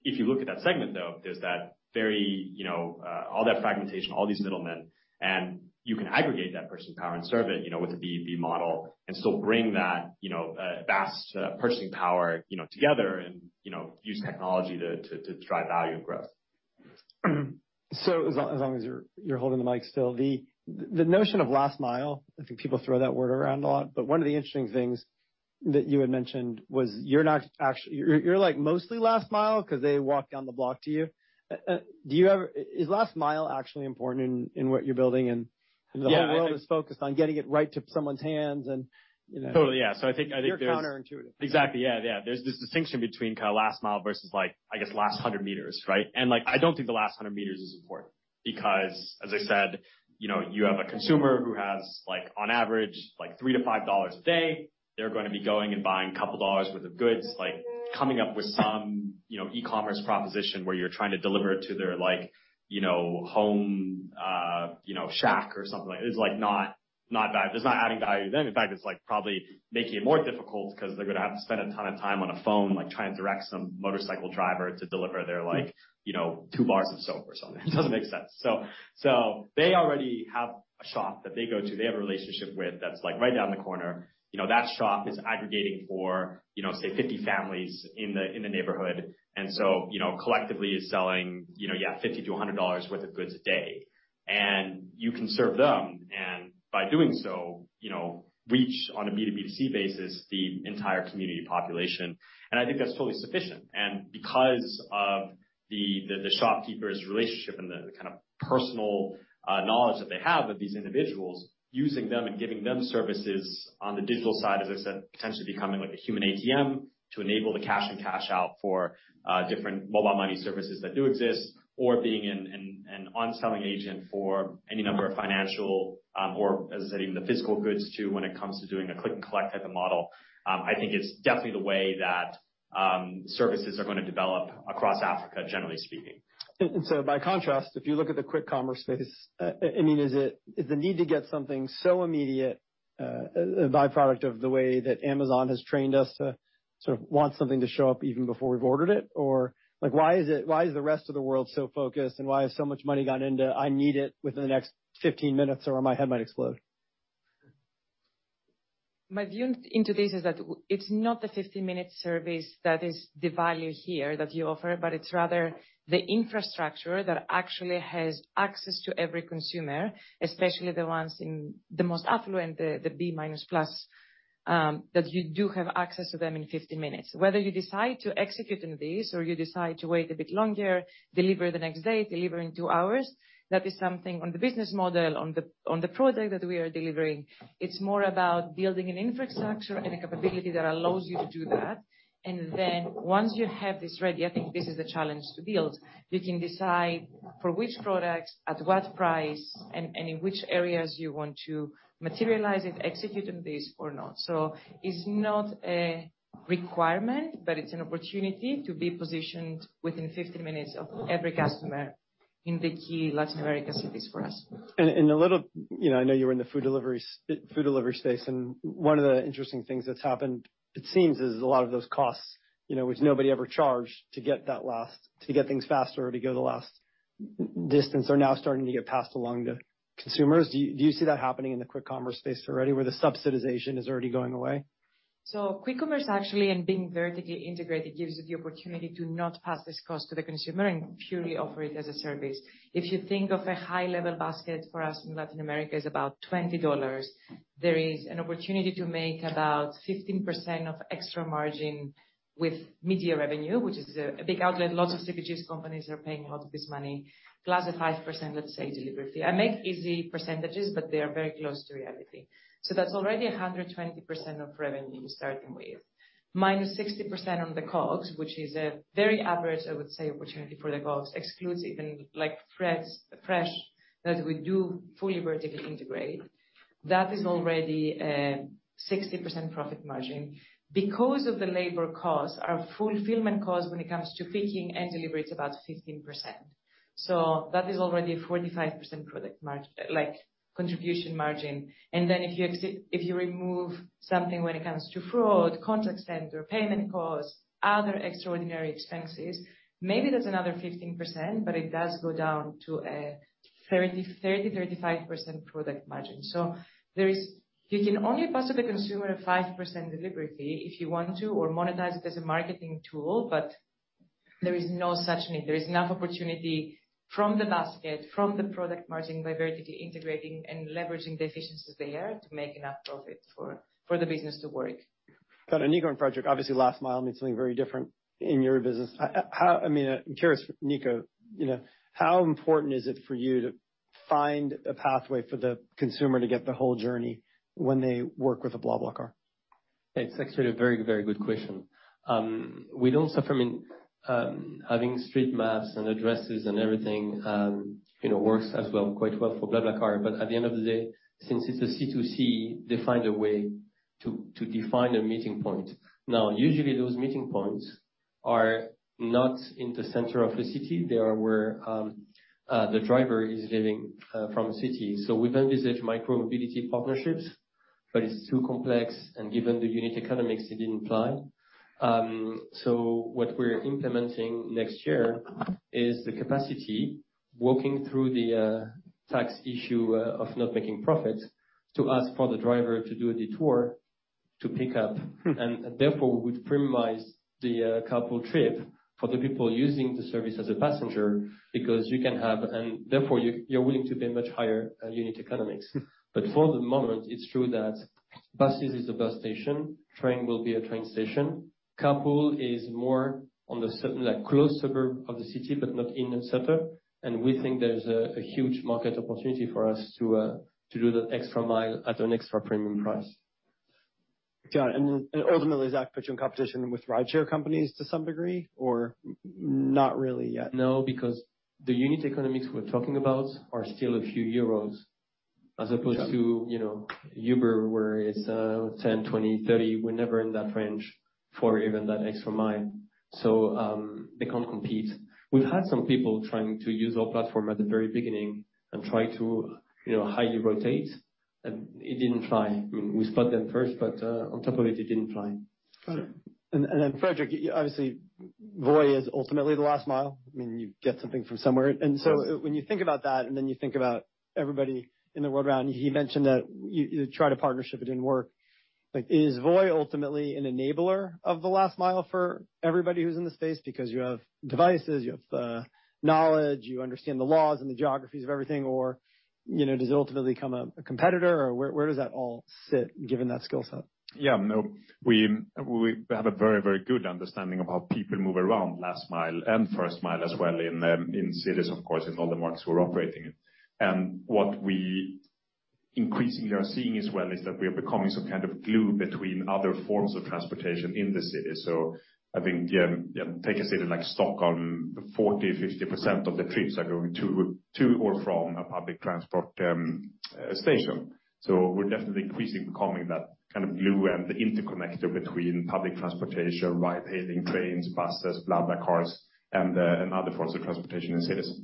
If you look at that segment though, there's that very, you know, all that fragmentation, all these middlemen, and you can aggregate that purchasing power and serve it, you know, with a B2B model and still bring that, you know, vast, purchasing power, you know, together and, you know, use technology to drive value and growth. As long as you're holding the mic still, the notion of last mile, I think people throw that word around a lot, but one of the interesting things that you had mentioned was you're not actually. You're like mostly last mile 'cause they walk down the block to you. Is last mile actually important in what you're building? Yeah. The whole world is focused on getting it right to someone's hands, and you know. Totally, yeah. I think there's- It's counterintuitive. Exactly, yeah. There's this distinction between kinda last mile versus like, I guess last 100 meters, right? Like, I don't think the last 100 meters is important because, as I said, you know, you have a consumer who has like on average, like $3-$5 a day. They're gonna be going and buying a couple dollars worth of goods, like coming up with some, you know, e-commerce proposition where you're trying to deliver it to their like, you know, home, you know, shack or something. It's like not that. It's not adding value to them. In fact, it's like probably making it more difficult 'cause they're gonna have to spend a ton of time on a phone, like, trying to direct some motorcycle driver to deliver their like, you know, two bars of soap or something. It doesn't make sense. They already have a shop that they go to, they have a relationship with, that's like right down the corner. You know, that shop is aggregating for, you know, say 50 families in the neighborhood. You know, collectively is selling, you know, yeah, $50-$100 worth of goods a day. You can serve them, and by doing so, you know, reach on a B2B2C basis, the entire community population. I think that's totally sufficient. Because of the shopkeeper's relationship and the kind of personal knowledge that they have of these individuals, using them and giving them services on the digital side, as I said, potentially becoming like a human ATM to enable the cash-in and cash-out for different mobile money services that do exist, or being an on-selling agent for any number of financial, or as I said, even the physical goods too when it comes to doing a click and collect type of model. I think it's definitely the way that services are gonna develop across Africa, generally speaking. By contrast, if you look at the quick commerce space, I mean, is the need to get something so immediate a byproduct of the way that Amazon has trained us to sort of want something to show up even before we've ordered it? Or like, why is it, why is the rest of the world so focused, and why has so much money gone into, "I need it within the next 15 minutes or my head might explode"? My view into this is that it's not the 15-minute service that is the value here that you offer, but it's rather the infrastructure that actually has access to every consumer, especially the ones in the most affluent, the B minus plus, that you do have access to them in 15 minutes. Whether you decide to execute in this or you decide to wait a bit longer, deliver the next day, deliver in two hours, that is something on the business model, on the project that we are delivering. It's more about building an infrastructure and a capability that allows you to do that. Once you have this ready, I think this is a challenge to build. You can decide for which products, at what price, and in which areas you want to materialize it, execute on this or not. It's not a requirement, but it's an opportunity to be positioned within 15 minutes of every customer in the key Latin America cities for us. You know, I know you were in the food delivery space, and one of the interesting things that's happened, it seems, is a lot of those costs, you know, which nobody ever charged to get things faster or to go the last distance, are now starting to get passed along to consumers. Do you see that happening in the quick commerce space already, where the subsidization is already going away? Quick commerce actually, and being vertically integrated, gives you the opportunity to not pass this cost to the consumer and purely offer it as a service. If you think of a high-level basket for us in Latin America is about $20. There is an opportunity to make about 15% of extra margin with media revenue, which is a big outlet. Lots of CPG companies are paying a lot of this money, plus a 5%, let's say, delivery fee. I make easy percentages, but they are very close to reality. That's already 120% of revenue you're starting with. Minus 60% on the COGS, which is a very average, I would say, opportunity for the COGS, exclusive and like fresh that we do fully vertically integrate. That is already 60% profit margin. Because of the labor cost, our fulfillment cost when it comes to picking and delivery is about 15%. That is already a 45% product margin, like contribution margin. If you remove something when it comes to fraud, contact center, payment costs, other extraordinary expenses, maybe that's another 15%, but it does go down to a 30%-35% product margin. You can only pass the consumer 5% delivery fee if you want to or monetize it as a marketing tool, but there is no such need. There is enough opportunity from the basket, from the product margin by vertically integrating and leveraging the efficiencies there to make enough profit for the business to work. Got it. Nico and Fredrik, obviously, last mile means something very different in your business. I mean, I'm curious, Nico, you know, how important is it for you to find a pathway for the consumer to get the whole journey when they work with a BlaBlaCar? It's actually a very, very good question. We don't suffer from having street maps and addresses and everything, you know, works as well, quite well for BlaBlaCar. At the end of the day, since it's a C2C, they find a way to define a meeting point. Now, usually those meeting points are not in the center of the city. They are where the driver is living from the city. We then visit micromobility partnerships, but it's too complex, and given the unit economics, it didn't fly. What we're implementing next year is the capacity, working through the tax issue of not making profits, to ask for the driver to do a detour to pick up. Therefore, we premiumize the carpool trip for the people using the service as a passenger because you can have. Therefore you're willing to pay much higher unit economics. But for the moment, it's true that buses is a bus station, train will be a train station. Carpool is more on the like close suburb of the city, but not in the center. We think there's a huge market opportunity for us to do the extra mile at an extra premium price. Got it. Ultimately, does that put you in competition with rideshare companies to some degree, or not really yet? No, because the unit economics we're talking about are still a few euros as opposed to. Got it. You know, Uber, where it's 10, 20, 30. We're never in that range for even that extra mile. They can't compete. We've had some people trying to use our platform at the very beginning and try to, you know, highly rotate, and it didn't fly. I mean, we spot them first, but on top of it didn't fly. Got it. Then Fredrik, obviously, Voi is ultimately the last mile. I mean, you get something from somewhere. When you think about that, then you think about everybody in the world around. He mentioned that you tried a partnership, it didn't work. Like, is Voi ultimately an enabler of the last mile for everybody who's in the space because you have devices, you have knowledge, you understand the laws and the geographies of everything, or you know, does it ultimately become a competitor, or where does that all sit given that skill set? Yeah, no. We have a very good understanding of how people move around last mile and first mile as well in cities, of course, in all the markets we're operating in. What we increasingly are seeing as well is that we are becoming some kind of glue between other forms of transportation in the city. I think, yeah, take a city like Stockholm, 40%-50% of the trips are going to or from a public transport station. We're definitely increasingly becoming that kind of glue and the interconnector between public transportation, ride-hailing, trains, buses, BlaBlaCar and other forms of transportation in cities.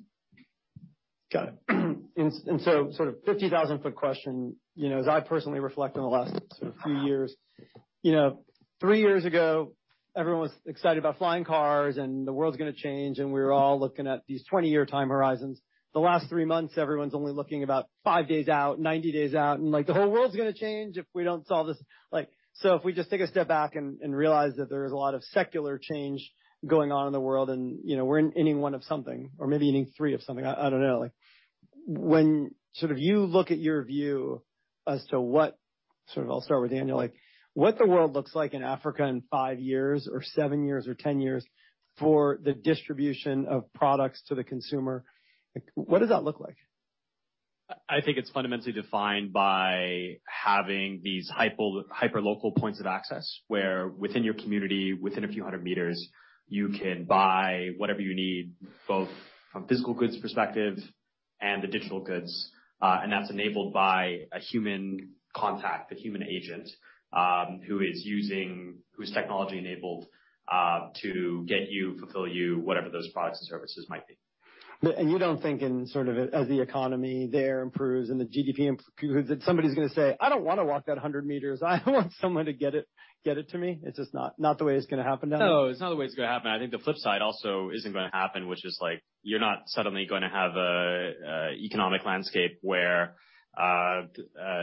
Got it. So sort of 50,000-foot question, you know, as I personally reflect on the last sort of two years, you know, three years ago, everyone was excited about flying cars and the world's gonna change, and we're all looking at these 20-year time horizons. The last three months, everyone's only looking about five days out, 90 days out, and, like, the whole world's gonna change if we don't solve this. Like, so if we just take a step back and realize that there is a lot of secular change going on in the world and, you know, we're in inning one of something or maybe inning three of something. I don't know. Like, when sort of you look at your view as to what, sort of I'll start with Daniel, like what the world looks like in Africa in five years or seven years or 10 years for the distribution of products to the consumer, like, what does that look like? I think it's fundamentally defined by having these hyper-local points of access, where within your community, within a few hundred meters, you can buy whatever you need, both from physical goods perspective and the digital goods, and that's enabled by a human contact, the human agent, whose technology enabled to get you, fulfill you, whatever those products and services might be. You don't think in sort of as the economy there improves and the GDP improves that somebody's gonna say, "I don't wanna walk that 100 meters. I want someone to get it to me." It's just not the way it's gonna happen down there? No, it's not the way it's gonna happen. I think the flip side also isn't gonna happen, which is like you're not suddenly gonna have a economic landscape where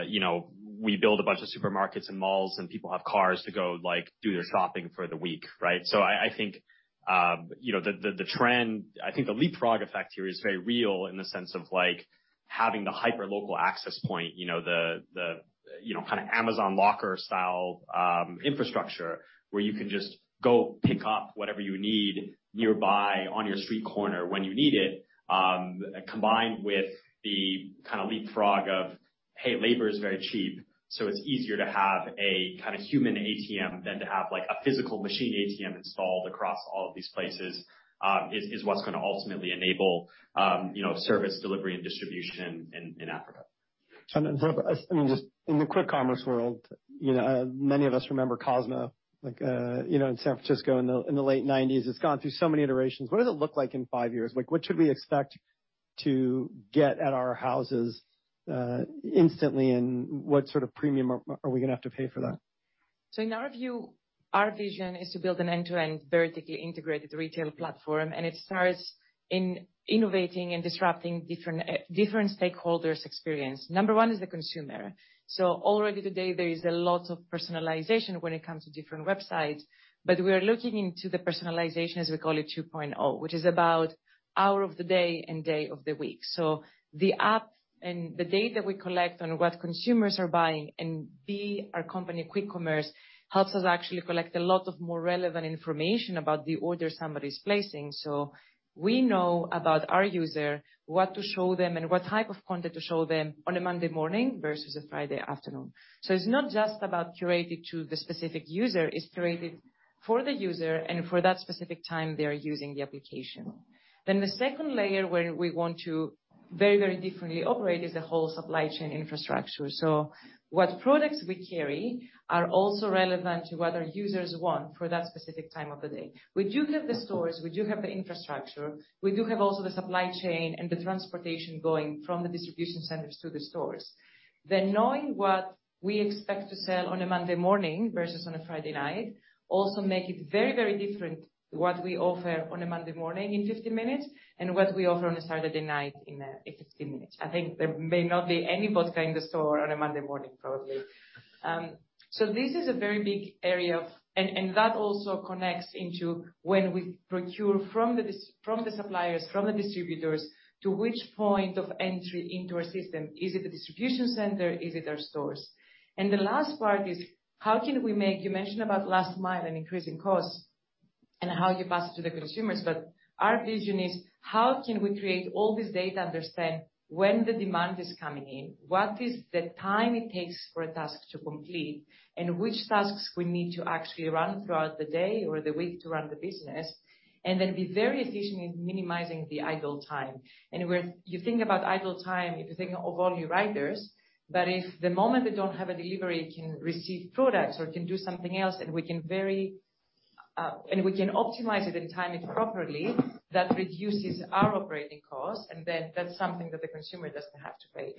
you know we build a bunch of supermarkets and malls, and people have cars to go like do their shopping for the week, right? I think you know the trend I think the leapfrog effect here is very real in the sense of like having the hyper-local access point. You know, the you know, kinda Amazon Locker style infrastructure where you can just go pick up whatever you need nearby on your street corner when you need it, combined with the kinda leapfrog of, hey, labor is very cheap. So it's easier to have a kind of human ATM than to have, like, a physical machine ATM installed across all of these places, is what's gonna ultimately enable, you know, service delivery and distribution in Africa. Barbara, I mean, just in the quick commerce world, you know, many of us remember Kozmo, like, you know, in San Francisco in the late 1990s. It's gone through so many iterations. What does it look like in five years? Like, what should we expect to get at our houses, instantly, and what sort of premium are we gonna have to pay for that? In our view, our vision is to build an end-to-end, vertically integrated retail platform, and it starts in innovating and disrupting different stakeholders' experience. Number one is the consumer. Already today, there is a lot of personalization when it comes to different websites, but we are looking into the personalization, as we call it, 2.0, which is about hour of the day and day of the week. The app and the data we collect on what consumers are buying, and B2B, our quick commerce company, helps us actually collect a lot more relevant information about the order somebody's placing. We know about our user, what to show them, and what type of content to show them on a Monday morning versus a Friday afternoon. It's not just about curated to the specific user. It's curated for the user and for that specific time they are using the application. The second layer where we want to very, very differently operate is the whole supply chain infrastructure. What products we carry are also relevant to what our users want for that specific time of the day. We do have the stores. We do have the infrastructure. We do have also the supply chain and the transportation going from the distribution centers to the stores. Knowing what we expect to sell on a Monday morning versus on a Friday night also make it very, very different what we offer on a Monday morning in 50 minutes and what we offer on a Saturday night in 50 minutes. I think there may not be any vodka in the store on a Monday morning, probably. This is a very big area of, and that also connects into when we procure from the suppliers, from the distributors, to which point of entry into our system. Is it the distribution center? Is it our stores? The last part is how can we make. You mentioned about last mile and increasing costs and how you pass it to the consumers, but our vision is how can we create all this data, understand when the demand is coming in, what is the time it takes for a task to complete, and which tasks we need to actually run throughout the day or the week to run the business, and then be very efficient in minimizing the idle time. Where you think about idle time, if you think of all your riders, but if the moment they don't have a delivery can receive products or can do something else, and we can optimize it and time it properly, that reduces our operating costs, and then that's something that the consumer doesn't have to pay.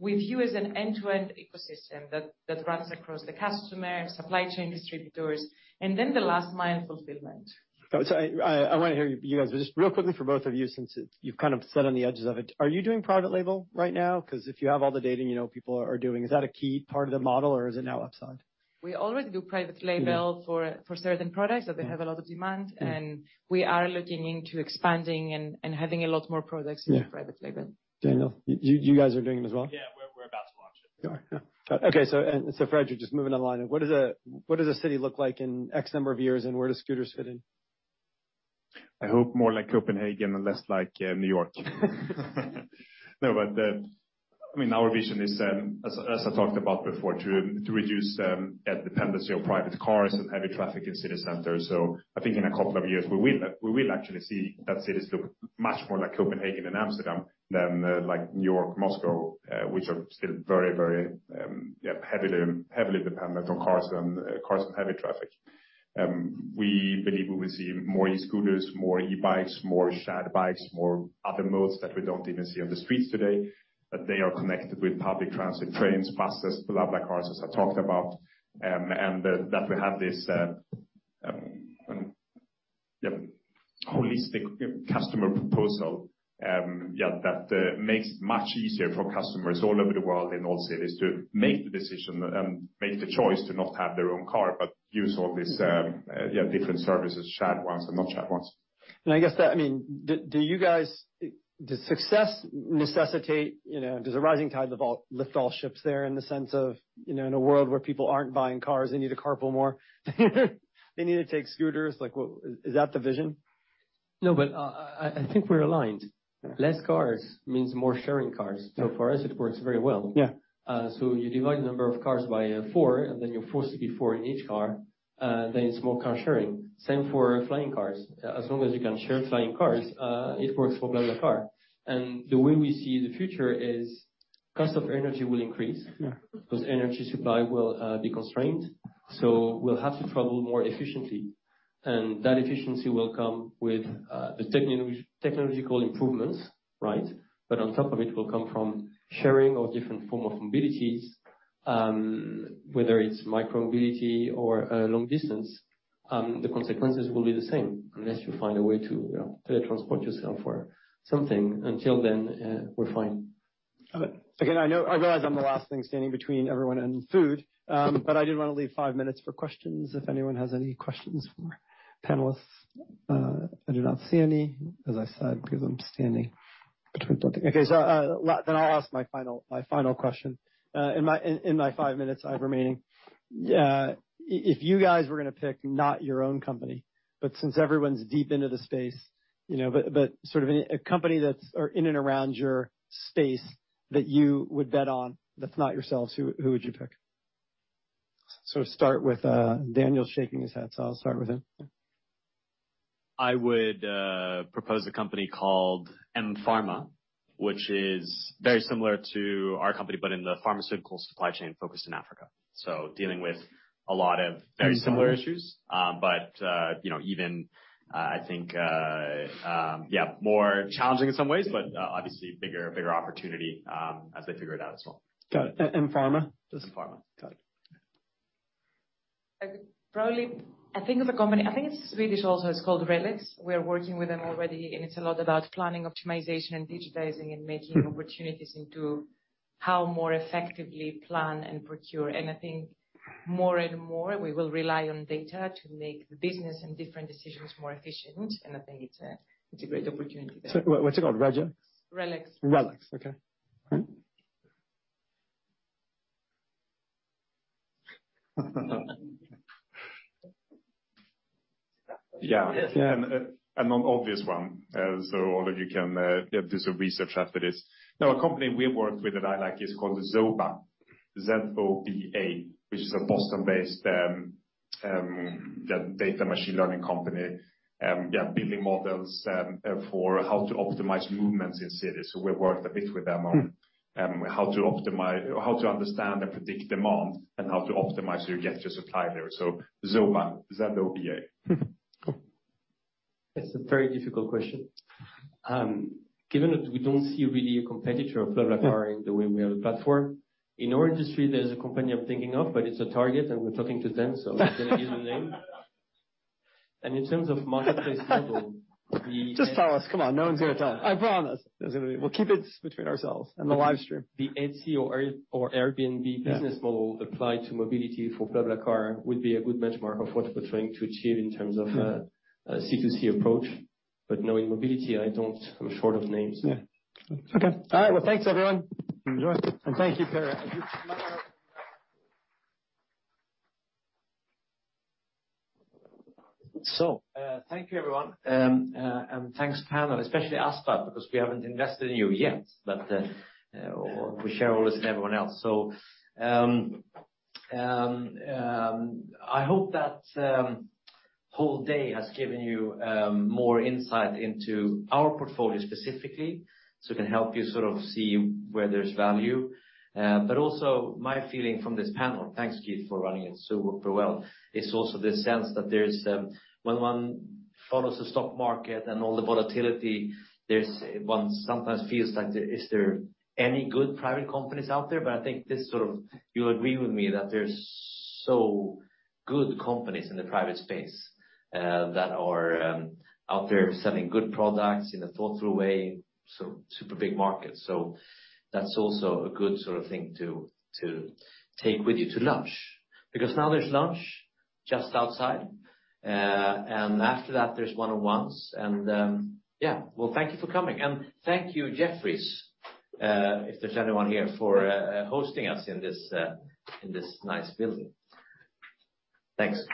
We view as an end-to-end ecosystem that runs across the customer, supply chain distributors, and then the last mile fulfillment. I wanna hear you guys, but just real quickly for both of you, since you've kind of sat on the edges of it, are you doing private label right now? 'Cause if you have all the data and you know what people are doing, is that a key part of the model, or is it now upsell? We already do private label. Mm-hmm. for certain products that they have a lot of demand. Yeah. We are looking into expanding and having a lot more products in private label. Yeah. Daniel, you guys are doing it as well? Yeah, we're about to launch it. All right. Yeah. Okay, Fred, you're just moving along. What does a city look like in X number of years, and where do scooters fit in? I hope more like Copenhagen and less like New York. No, I mean, our vision is, as I talked about before, to reduce dependency on private cars and heavy traffic in city centers. I think in a couple of years, we will actually see that cities look much more like Copenhagen and Amsterdam than like New York, Moscow, which are still very heavily dependent on cars and heavy traffic. We believe we will see more e-scooters, more e-bikes, more shared bikes, more other modes that we don't even see on the streets today, but they are connected with public transit, trains, buses, BlaBlaCar, as I talked about, and that we have this holistic customer proposal that makes it much easier for customers all over the world, in all cities to make the decision and make the choice to not have their own car, but use all these different services, shared ones and not shared ones. I guess that, I mean, do you guys? Does success necessitate, you know, does a rising tide lift all ships there in the sense of, you know, in a world where people aren't buying cars, they need to carpool more, they need to take scooters? Like, what is that the vision? No, but I think we're aligned. Less cars means more sharing cars. For us, it works very well. Yeah. You divide the number of cars by four, and then you're 464 in each car, then it's more car sharing. Same for flying cars. As long as you can share flying cars, it works for BlaBlaCar. The way we see the future is cost of energy will increase. Yeah. Because energy supply will be constrained, so we'll have to travel more efficiently. That efficiency will come with the technological improvements, right? But on top of it will come from sharing of different form of mobilities, whether it's micromobility or long distance, the consequences will be the same unless you find a way to, you know, teleport yourself or something. Until then, we're fine. Got it. Again, I know I realize I'm the last thing standing between everyone and food, but I did want to leave five minutes for questions if anyone has any questions for panelists. I do not see any, as I said, because I'm standing between everyone and food. Okay. Then I'll ask my final question in my five minutes I have remaining. If you guys were gonna pick not your own company, but since everyone's deep into the space, you know, but sort of a company that's or in and around your space that you would bet on that's not yourselves, who would you pick? Start with Daniel's shaking his head, so I'll start with him. I would propose a company called mPharma, which is very similar to our company but in the pharmaceutical supply chain focused in Africa. Dealing with a lot of very similar issues. You know, even I think yeah more challenging in some ways, but obviously bigger opportunity, as they figure it out as well. Got it. mPharma? mPharma. Got it. I think of a company, I think it's Swedish also, it's called RELEX. We're working with them already, and it's a lot about planning optimization and digitizing and making opportunities into how more effectively plan and procure. I think more and more we will rely on data to make the business and different decisions more efficient, and I think it's a great opportunity there. What's it called? Relia? RELEX. RELEX, okay. All right. An obvious one, so all of you can do some research after this. Now, a company we work with that I like is called Zoba, Z-O-B-A, which is a Boston-based data machine learning company, building models for how to optimize movements in cities. We worked a bit with them on- Mm. How to understand and predict demand and how to optimize your just-in-time supply layer. Zoba, Z-O-B-A. Mm-hmm. Cool. It's a very difficult question. Given that we don't see really a competitor of BlaBlaCar in the way we are a platform, in our industry there's a company I'm thinking of, but it's a target and we're talking to them, so I'm not gonna use the name. In terms of marketplace model, the Just tell us. Come on, no one's gonna tell. I promise. We'll keep it between ourselves and the live stream. The Etsy or Airbnb business model applied to mobility for BlaBlaCar would be a good benchmark of what we're trying to achieve in terms of a C2C approach. No, in mobility I don't. I'm short of names. Yeah. Okay. All right. Well, thanks everyone. Enjoy. Thank you, Per. Thank you everyone. Thanks, panel, especially Aspa, because we haven't invested in you yet, but we share all this with everyone else. I hope that whole day has given you more insight into our portfolio specifically, so it can help you sort of see where there's value. But also my feeling from this panel, thanks Keith for running it so super well, is also the sense that, when one follows the stock market and all the volatility, one sometimes feels like, is there any good private companies out there? I think you agree with me that there's so good companies in the private space that are out there selling good products in a thought-through way, so super big market. That's also a good sort of thing to take with you to lunch. Because now there's lunch just outside. After that there's one-on-ones and yeah. Well, thank you for coming. Thank you, Jefferies, if there's anyone here, for hosting us in this nice building. Thanks.